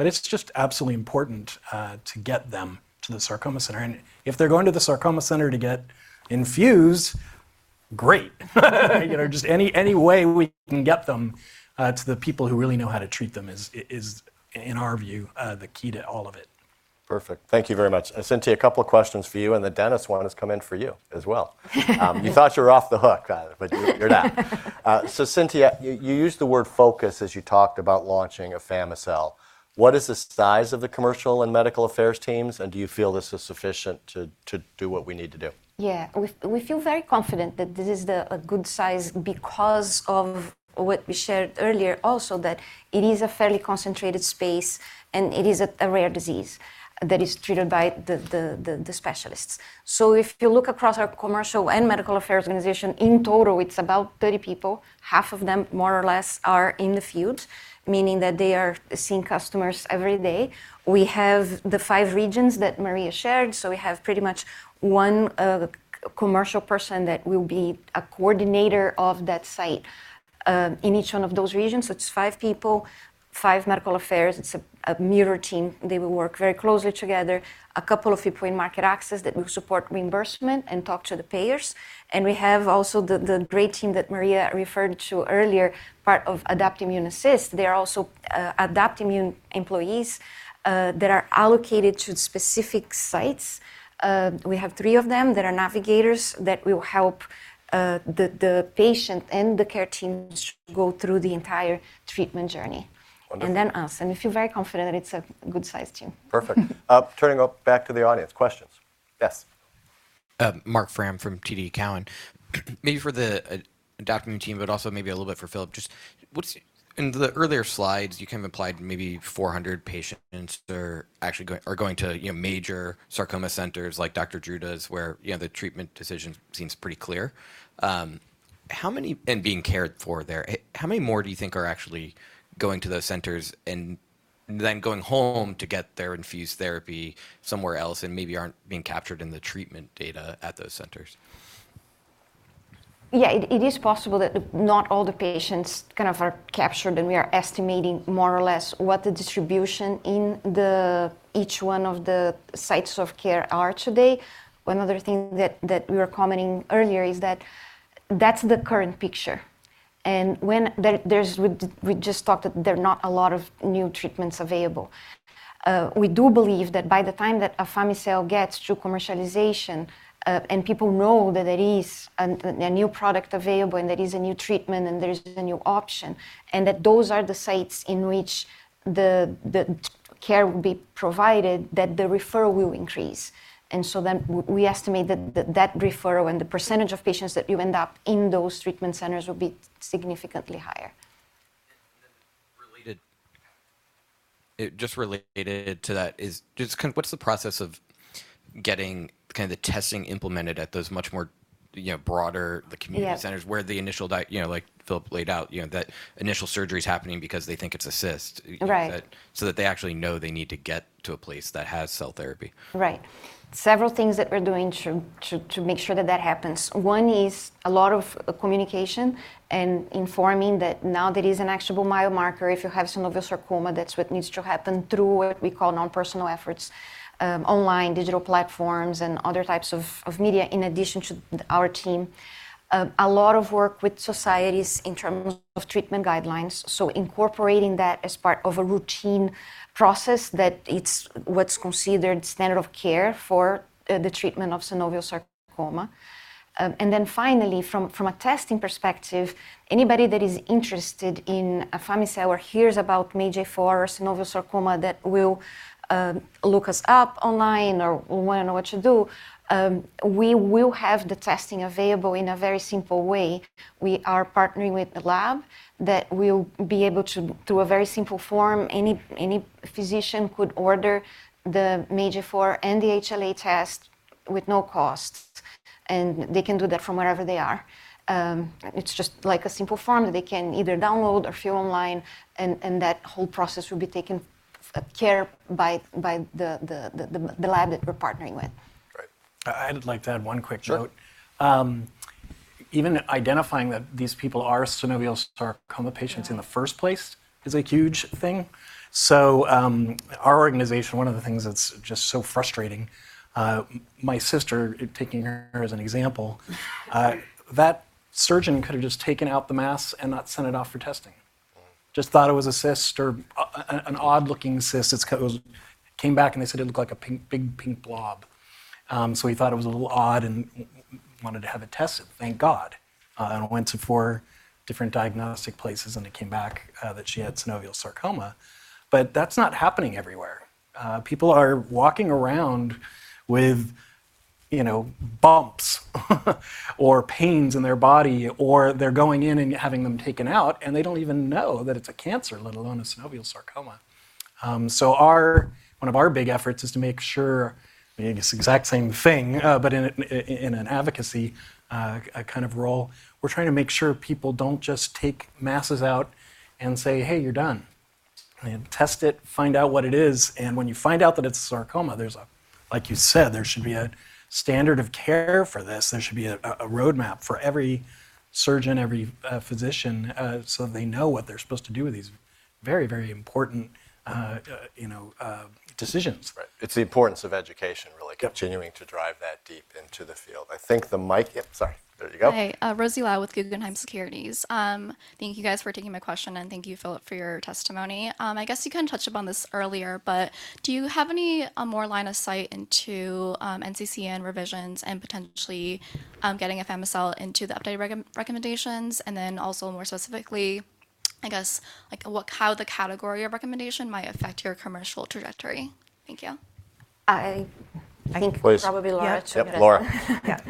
It's just absolutely important to get them to the sarcoma center, and if they're going to the sarcoma center to get infused, great. You know, just any, any way we can get them to the people who really know how to treat them is, in our view, the key to all of it. Perfect. Thank you very much. Cintia, a couple of questions for you, and then Dennis, one has come in for you as well. You thought you were off the hook, but you're, you're not. So Cintia, you used the word focus as you talked about launching afamicel. What is the size of the commercial and medical affairs teams, and do you feel this is sufficient to do what we need to do? Yeah. We, we feel very confident that this is a good size because of what we shared earlier, also, that it is a fairly concentrated space, and it is a rare disease that is treated by the specialists. So if you look across our commercial and medical affairs organization, in total, it's about 30 people. Half of them, more or less, are in the field, meaning that they are seeing customers every day. We have the five regions that Maria shared, so we have pretty much one commercial person that will be a coordinator of that site in each one of those regions, so it's five people. Five medical affairs. It's a mirror team. They will work very closely together. A couple of people in market access that will support reimbursement and talk to the payers, and we have also the great team that Maria referred to earlier, part of Adaptimmune Assist. They're also Adaptimmune employees that are allocated to specific sites. We have three of them that are navigators that will help the patient and the care teams go through the entire treatment journey. Wonderful. And then us, and I feel very confident that it's a good-sized team. Perfect. Turning back to the audience. Questions? Yes. Marc Frahm from TD Cowen. Maybe for the Adaptimmune team, but also maybe a little bit for Philip, just what's in the earlier slides, you kind of applied maybe 400 patients that are actually going to, you know, major sarcoma centers like Dr. Druta does, where, you know, the treatment decision seems pretty clear. How many... And being cared for there. How many more do you think are actually going to those centers and then going home to get their infused therapy somewhere else and maybe aren't being captured in the treatment data at those centers? Yeah, it is possible that not all the patients kind of are captured, and we are estimating more or less what the distribution in the each one of the sites of care are today. One other thing that we were commenting earlier is that that's the current picture, and we just talked that there are not a lot of new treatments available. We do believe that by the time that afami-cel gets through commercialization, and people know that there is a new product available, and there is a new treatment, and there's a new option, and that those are the sites in which the care will be provided, that the referral will increase. We estimate that the referral and the percentage of patients that you end up in those treatment centers will be significantly higher. Then related, just related to that is just kind... What's the process of getting kind of the testing implemented at those much more, you know, broader, the community- Yeah centers, where the initial, you know, like Philip laid out, you know, that initial surgery is happening because they think it's a cyst- Right so that they actually know they need to get to a place that has cell therapy? Right. Several things that we're doing to make sure that that happens. One is a lot of communication and informing that now there is an actionable biomarker. If you have synovial sarcoma, that's what needs to happen through what we call non-personal efforts, online, digital platforms, and other types of media, in addition to our team. A lot of work with societies in terms of treatment guidelines, so incorporating that as part of a routine process that it's what's considered standard of care for the treatment of synovial sarcoma. And then finally, from a testing perspective, anybody that is interested in afami-cel or hears about MAGE-A4 or synovial sarcoma that will look us up online or wanna know what to do, we will have the testing available in a very simple way. We are partnering with a lab that will be able to, through a very simple form, any physician could order the MAGE-A4 and the HLA test with no cost, and they can do that from wherever they are. It's just like a simple form that they can either download or fill online, and that whole process will be taken care by the lab that we're partnering with. Great. I'd like to add one quick note. Sure. Even identifying that these people are synovial sarcoma patients in the first place is a huge thing. So, our organization, one of the things that's just so frustrating, my sister, taking her as an example, that surgeon could have just taken out the mass and not sent it off for testing. Mm. Just thought it was a cyst or a, an odd-looking cyst. It's 'cause it came back, and they said it looked like a big, pink blob. So he thought it was a little odd and wanted to have it tested. Thank God. And went to four different diagnostic places, and it came back that she had synovial sarcoma, but that's not happening everywhere. People are walking around with, you know, bumps or pains in their body, or they're going in and having them taken out, and they don't even know that it's a cancer, let alone a synovial sarcoma. So one of our big efforts is to make sure it's the exact same thing, but in an advocacy kind of role. We're trying to make sure people don't just take masses out and say, "Hey, you're done." I mean, test it, find out what it is, and when you find out that it's sarcoma, there's a... Like you said, there should be a standard of care for this. There should be a roadmap for every surgeon, every physician, so they know what they're supposed to do with these very, very important, you know, decisions. Right. It's the importance of education, really- Yep continuing to drive that deep into the field. I think the mic. Yep, sorry. There you go. Hey, Rosy Liao with Guggenheim Securities. Thank you guys for taking my question, and thank you, Philip, for your testimony. I guess you kind of touched upon this earlier, but do you have any more line of sight into NCCN revisions and potentially getting afami-cel into the updated recommendations? And then also, more specifically, I guess, like, how the category of recommendation might affect your commercial trajectory? Thank you. Go I think- Please. Probably Laura should get it. Yep, Laura.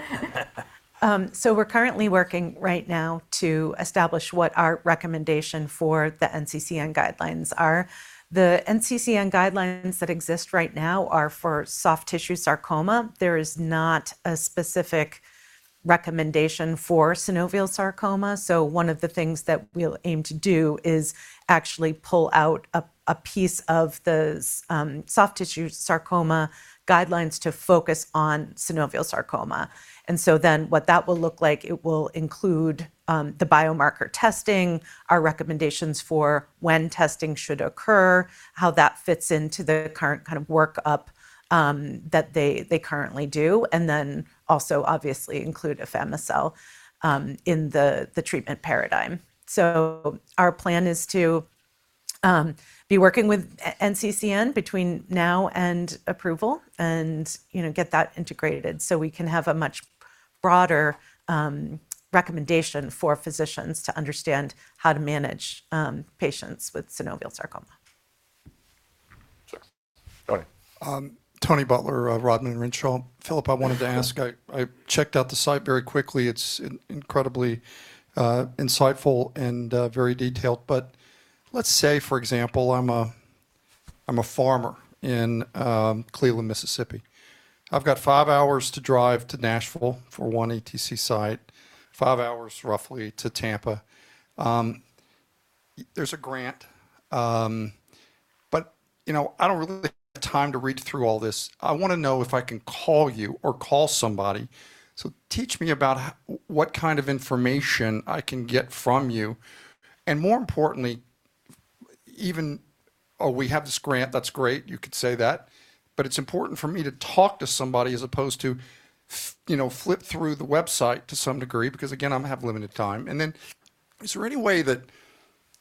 Yeah. So we're currently working right now to establish what our recommendation for the NCCN guidelines are. The NCCN guidelines that exist right now are for soft tissue sarcoma. There is not a specific recommendation for synovial sarcoma. So one of the things that we'll aim to do is actually pull out a piece of those soft tissue sarcoma guidelines to focus on synovial sarcoma. And so then what that will look like, it will include the biomarker testing, our recommendations for when testing should occur, how that fits into the current kind of workup that they currently do, and then also obviously include afami-cel in the treatment paradigm. So our plan is to be working with NCCN between now and approval and, you know, get that integrated so we can have a much broader recommendation for physicians to understand how to manage patients with synovial sarcoma. Sure. Go ahead. Tony Butler, Rodman & Renshaw. Philip, I wanted to ask. I checked out the site very quickly. It's incredibly insightful and very detailed, but let's say, for example, I'm a farmer in Cleveland, Mississippi. I've got five hours to drive to Nashville for one ATC site, five hours, roughly, to Tampa. There's a grant, but you know, I don't really have time to read through all this. I want to know if I can call you or call somebody. So teach me about what kind of information I can get from you, and more importantly, even, "Oh, we have this grant," that's great. You could say that, but it's important for me to talk to somebody as opposed to you know, flip through the website to some degree because, again, I'm going to have limited time. And then is there any way that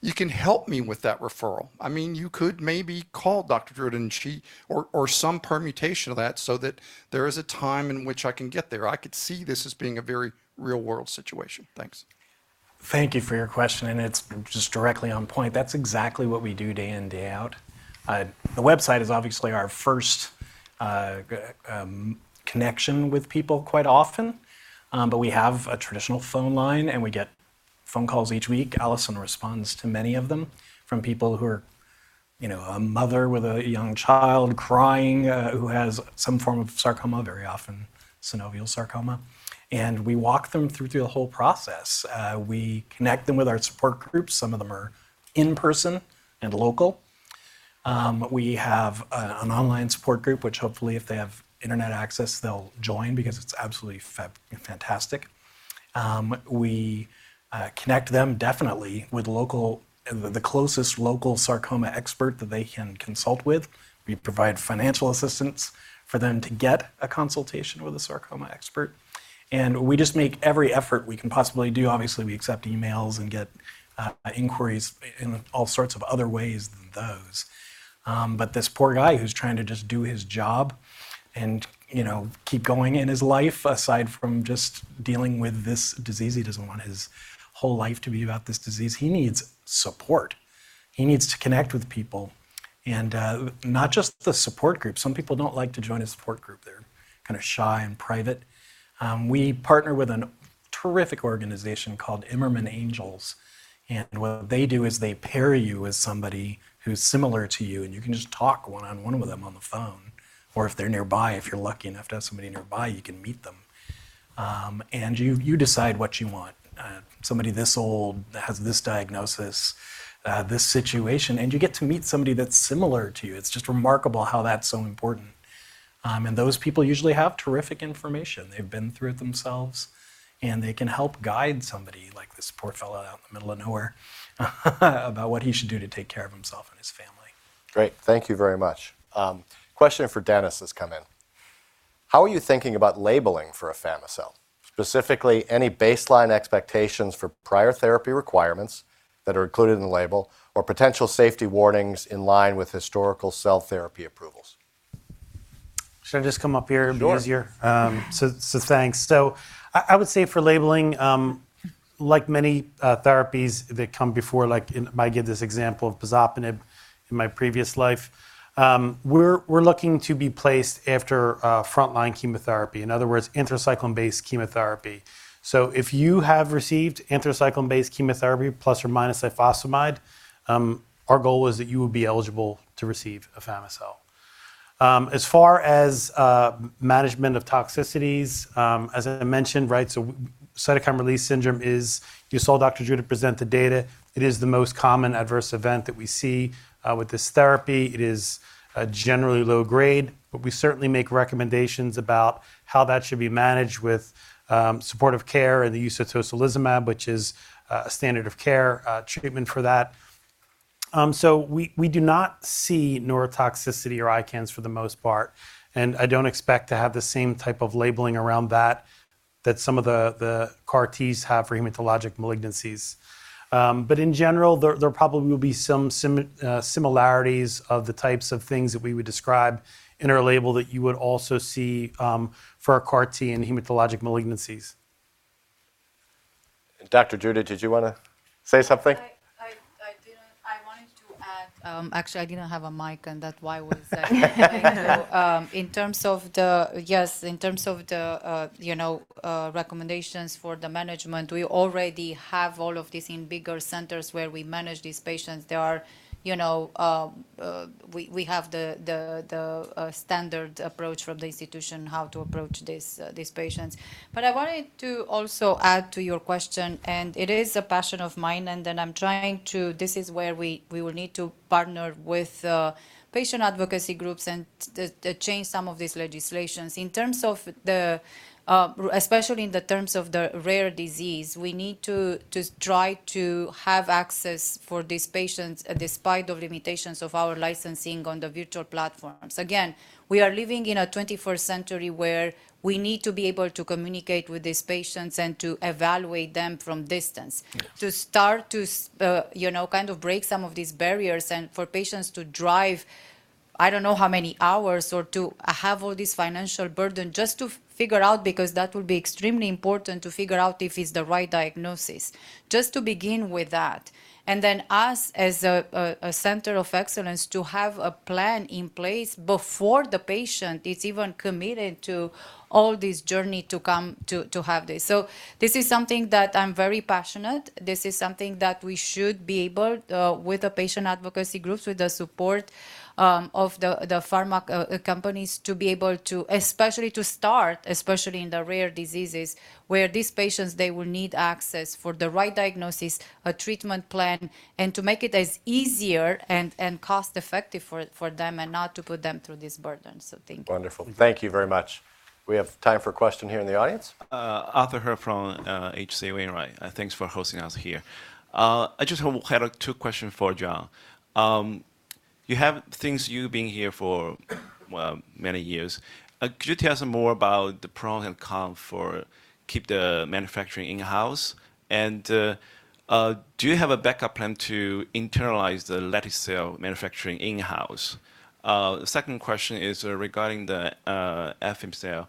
you can help me with that referral? I mean, you could maybe call Dr. Druta and she... or, or some permutation of that so that there is a time in which I can get there. I could see this as being a very real-world situation. Thanks. Thank you for your question, and it's just directly on point. That's exactly what we do day in, day out. The website is obviously our first connection with people quite often. But we have a traditional phone line, and we get phone calls each week. Allison responds to many of them, from people who are, you know, a mother with a young child, crying, who has some form of sarcoma, very often synovial sarcoma, and we walk them through the whole process. We connect them with our support groups. Some of them are in person and local. We have an online support group, which hopefully if they have internet access, they'll join because it's absolutely fantastic. We connect them definitely with the closest local sarcoma expert that they can consult with. We provide financial assistance for them to get a consultation with a sarcoma expert, and we just make every effort we can possibly do. Obviously, we accept emails and get inquiries in all sorts of other ways than those. But this poor guy who's trying to just do his job and, you know, keep going in his life, aside from just dealing with this disease, he doesn't want his whole life to be about this disease. He needs support. He needs to connect with people and not just the support group. Some people don't like to join a support group. They're kind of shy and private. We partner with a terrific organization called Imerman Angels, and what they do is they pair you with somebody who's similar to you, and you can just talk one-on-one with them on the phone, or if they're nearby, if you're lucky enough to have somebody nearby, you can meet them. And you, you decide what you want. Somebody this old, that has this diagnosis, this situation, and you get to meet somebody that's similar to you. It's just remarkable how that's so important. And those people usually have terrific information. They've been through it themselves, and they can help guide somebody like this poor fellow out in the middle of nowhere, about what he should do to take care of himself and his family. Great. Thank you very much. Question for Dennis has come in: "How are you thinking about labeling for afami-cel? Specifically, any baseline expectations for prior therapy requirements that are included in the label or potential safety warnings in line with historical cell therapy approvals? Should I just come up here? Sure It'll be easier. So thanks. So I would say for labeling, like many therapies that come before, like in, I give this example of pazopanib in my previous life, we're looking to be placed after frontline chemotherapy. In other words, anthracycline-based chemotherapy. So if you have received anthracycline-based chemotherapy, plus or minus ifosfamide, our goal is that you would be eligible to receive afami-cel. As far as management of toxicities, as I mentioned, right, so cytokine release syndrome is. You saw Dr. Druta present the data, it is the most common adverse event that we see with this therapy. It is generally low grade, but we certainly make recommendations about how that should be managed with supportive care and the use of tocilizumab, which is a standard of care treatment for that. So we do not see neurotoxicity or ICANS for the most part, and I don't expect to have the same type of labeling around that that some of the CAR-Ts have for hematologic malignancies. But in general, there probably will be some similarities of the types of things that we would describe in our label that you would also see for our CAR-T in hematologic malignancies. Dr. Druta, did you want to say something? I did, I wanted to add, actually, I didn't have a mic, and that why was that. In terms of the... Yes, in terms of the, you know, recommendations for the management, we already have all of this in bigger centers where we manage these patients. There are, you know, we have the standard approach from the institution, how to approach these patients. But I wanted to also add to your question, and it is a passion of mine, and then I'm trying to, this is where we will need to partner with patient advocacy groups and to change some of these legislations. In terms of the, especially in the terms of the rare disease, we need to try to have access for these patients despite the limitations of our licensing on the virtual platforms. Again, we are living in a 21st century, where we need to be able to communicate with these patients and to evaluate them from distance. Yeah. To start to, you know, kind of break some of these barriers and for patients to drive, I don't know how many hours or to have all this financial burden just to figure out, because that would be extremely important to figure out if it's the right diagnosis. Just to begin with that, and then us, as a center of excellence, to have a plan in place before the patient is even committed to all this journey to come to, to have this. So this is something that I'm very passionate. This is something that we should be able, with the patient advocacy groups, with the support of the pharma companies, to be able to, especially to start, especially in the rare diseases, where these patients, they will need access for the right diagnosis, a treatment plan, and to make it as easier and cost-effective for them, and not to put them through this burden, so thank you. Wonderful. Thank you very much. We have time for a question here in the audience. Arthur He from H.C. Wainwright. Thanks for hosting us here. I just have kind of two questions for John. You being here for, well, many years, could you tell us more about the pros and cons for keeping the manufacturing in-house? And do you have a backup plan to internalize the lete-cel manufacturing in-house? The second question is regarding the afami-cel.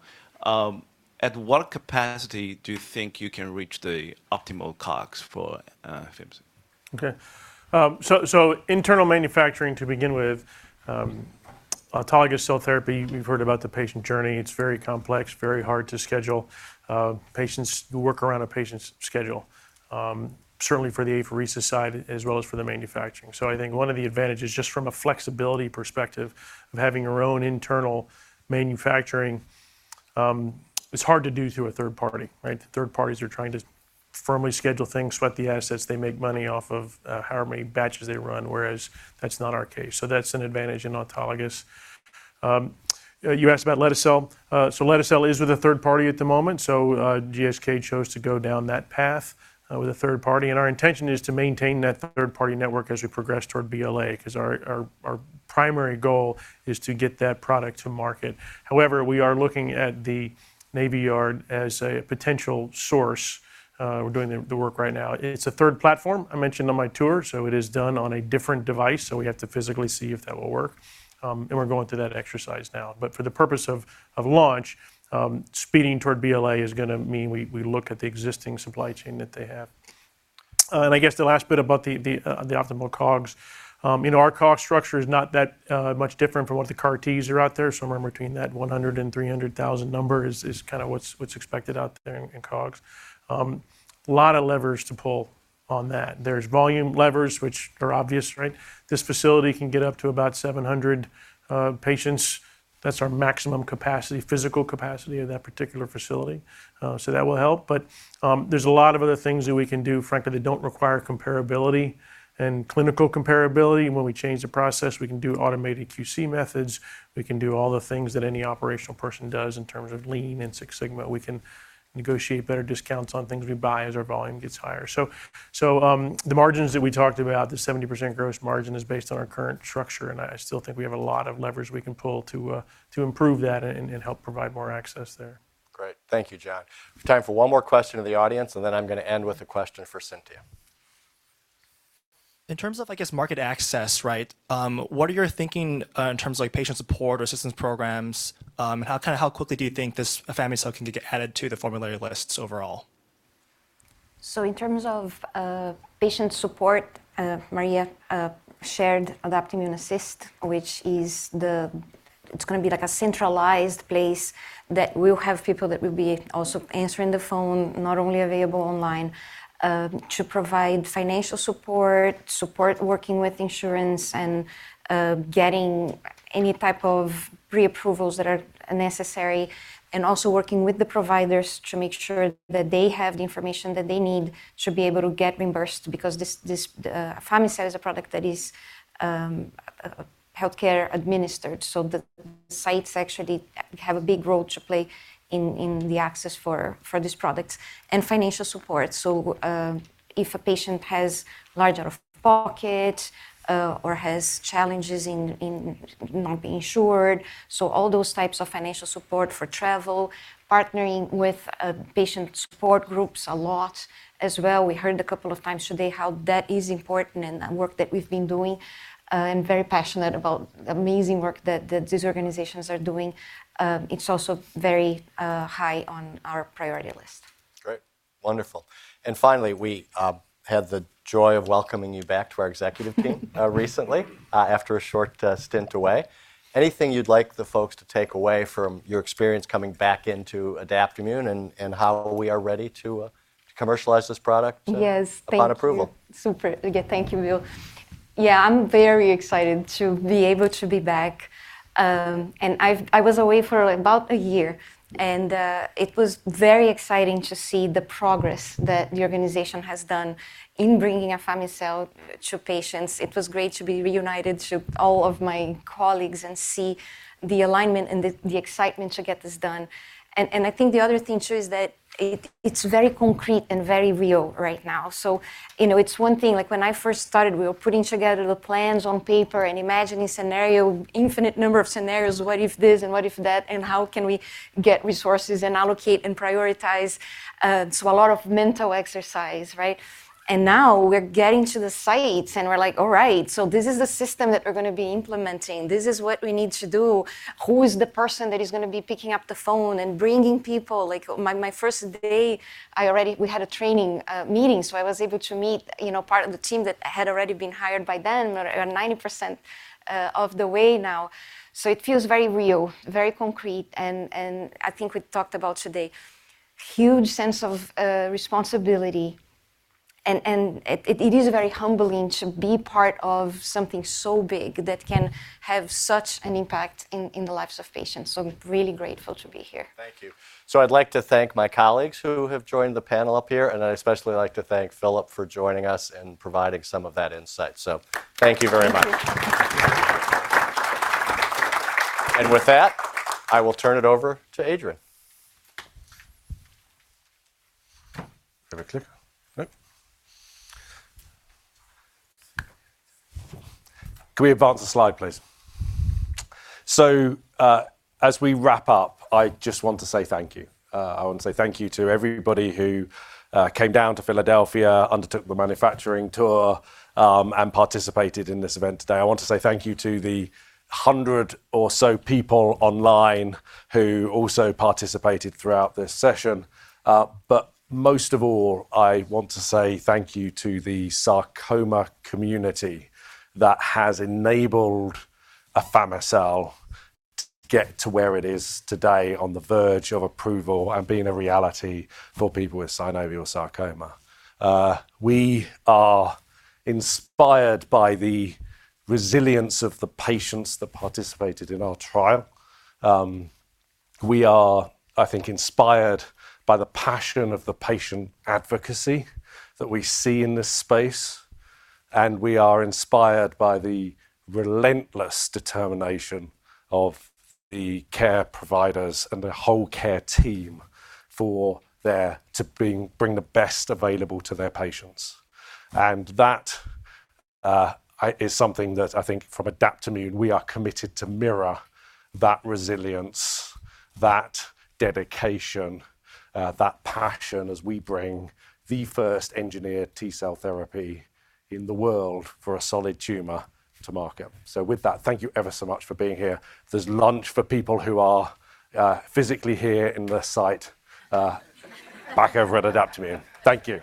At what capacity do you think you can reach the optimal COGS for afami-cel? Okay. So, so internal manufacturing, to begin with, autologous cell therapy, you've heard about the patient journey. It's very complex, very hard to schedule, patients. You work around a patient's schedule, certainly for the apheresis side as well as for the manufacturing. So I think one of the advantages, just from a flexibility perspective of having your own internal manufacturing, it's hard to do through a third party, right? Third parties are trying to firmly schedule things, sweat the assets. They make money off of, however many batches they run, whereas that's not our case. So that's an advantage in autologous. You asked about lete-cel. So lete-cel is with a third party at the moment, so GSK chose to go down that path with a third party, and our intention is to maintain that third-party network as we progress toward BLA. 'Cause our primary goal is to get that product to market. However, we are looking at the Navy Yard as a potential source. We're doing the work right now. It's a third platform I mentioned on my tour, so it is done on a different device, so we have to physically see if that will work. And we're going through that exercise now. But for the purpose of launch, speeding toward BLA is gonna mean we look at the existing supply chain that they have. And I guess the last bit about the optimal COGS. You know, our COGS structure is not that much different from what the CAR-Ts are out there. Somewhere between that $100,000-$300,000 number is kind of what's expected out there in COGS. A lot of levers to pull on that. There's volume levers, which are obvious, right? This facility can get up to about 700 patients. That's our maximum capacity, physical capacity of that particular facility. So that will help, but there's a lot of other things that we can do, frankly, that don't require comparability and clinical comparability. When we change the process, we can do automated QC methods. We can do all the things that any operational person does in terms of lean and Six Sigma. We can negotiate better discounts on things we buy as our volume gets higher. The margins that we talked about, the 70% gross margin, is based on our current structure, and I still think we have a lot of levers we can pull to improve that and help provide more access there. Great. Thank you, John. Time for one more question to the audience, and then I'm gonna end with a question for Cintia. In terms of, I guess, market access, right, what are you thinking in terms of, like, patient support or assistance programs? Kind of, how quickly do you think this afami-cel can get added to the formulary lists overall? So in terms of patient support, Maria shared Adaptimmune Assist, which is—it's gonna be like a centralized place that will have people that will be also answering the phone, not only available online, to provide financial support, support working with insurance, and getting any type of pre-approvals that are necessary, and also working with the providers to make sure that they have the information that they need to be able to get reimbursed. Because this afami-cel is a product that is healthcare administered, so the sites actually have a big role to play in the access for these products and financial support. So, if a patient has larger out-of-pocket, or has challenges in not being insured, so all those types of financial support for travel, partnering with patient support groups a lot as well. We heard a couple of times today how that is important and the work that we've been doing. And very passionate about the amazing work that, that these organizations are doing. It's also very high on our priority list. Great. Wonderful. And finally, we had the joy of welcoming you back to our executive team recently, after a short stint away. Anything you'd like the folks to take away from your experience coming back into Adaptimmune and how we are ready to commercialize this product? Yes, thank you. -upon approval? Super. Yeah, thank you, Will. Yeah, I'm very excited to be able to be back. And I was away for about a year, and it was very exciting to see the progress that the organization has done in bringing afami-cel to patients. It was great to be reunited to all of my colleagues and see the alignment and the excitement to get this done. And I think the other thing, too, is that it, it's very concrete and very real right now. So, you know, it's one thing, like when I first started, we were putting together the plans on paper and imagining scenario, infinite number of scenarios, what if this and what if that, and how can we get resources and allocate and prioritize? So a lot of mental exercise, right? And now we're getting to the sites, and we're like: All right, so this is the system that we're going to be implementing. This is what we need to do. Who is the person that is going to be picking up the phone and bringing people? Like, my first day, we had a training meeting, so I was able to meet, you know, part of the team that had already been hired by then. We're 90% of the way now. So it feels very real, very concrete, and I think we talked about today, huge sense of responsibility, and it is very humbling to be part of something so big that can have such an impact in the lives of patients. So I'm really grateful to be here. Thank you. So I'd like to thank my colleagues who have joined the panel up here, and I'd especially like to thank Philip for joining us and providing some of that insight. So thank you very much. Thank you. With that, I will turn it over to Adrian. Have a clicker? No. Can we advance the slide, please? So, as we wrap up, I just want to say thank you. I want to say thank you to everybody who came down to Philadelphia, undertook the manufacturing tour, and participated in this event today. I want to say thank you to the 100 or so people online who also participated throughout this session. But most of all, I want to say thank you to the sarcoma community that has enabled afami-cel get to where it is today, on the verge of approval and being a reality for people with synovial sarcoma. We are inspired by the resilience of the patients that participated in our trial. We are, I think, inspired by the passion of the patient advocacy that we see in this space, and we are inspired by the relentless determination of the care providers and the whole care team for their-- to bring, bring the best available to their patients. And that is something that I think from Adaptimmune, we are committed to mirror that resilience, that dedication, that passion as we bring the first engineered T-cell therapy in the world for a solid tumor to market. So with that, thank you ever so much for being here. There's lunch for people who are physically here in the site back over at Adaptimmune. Thank you.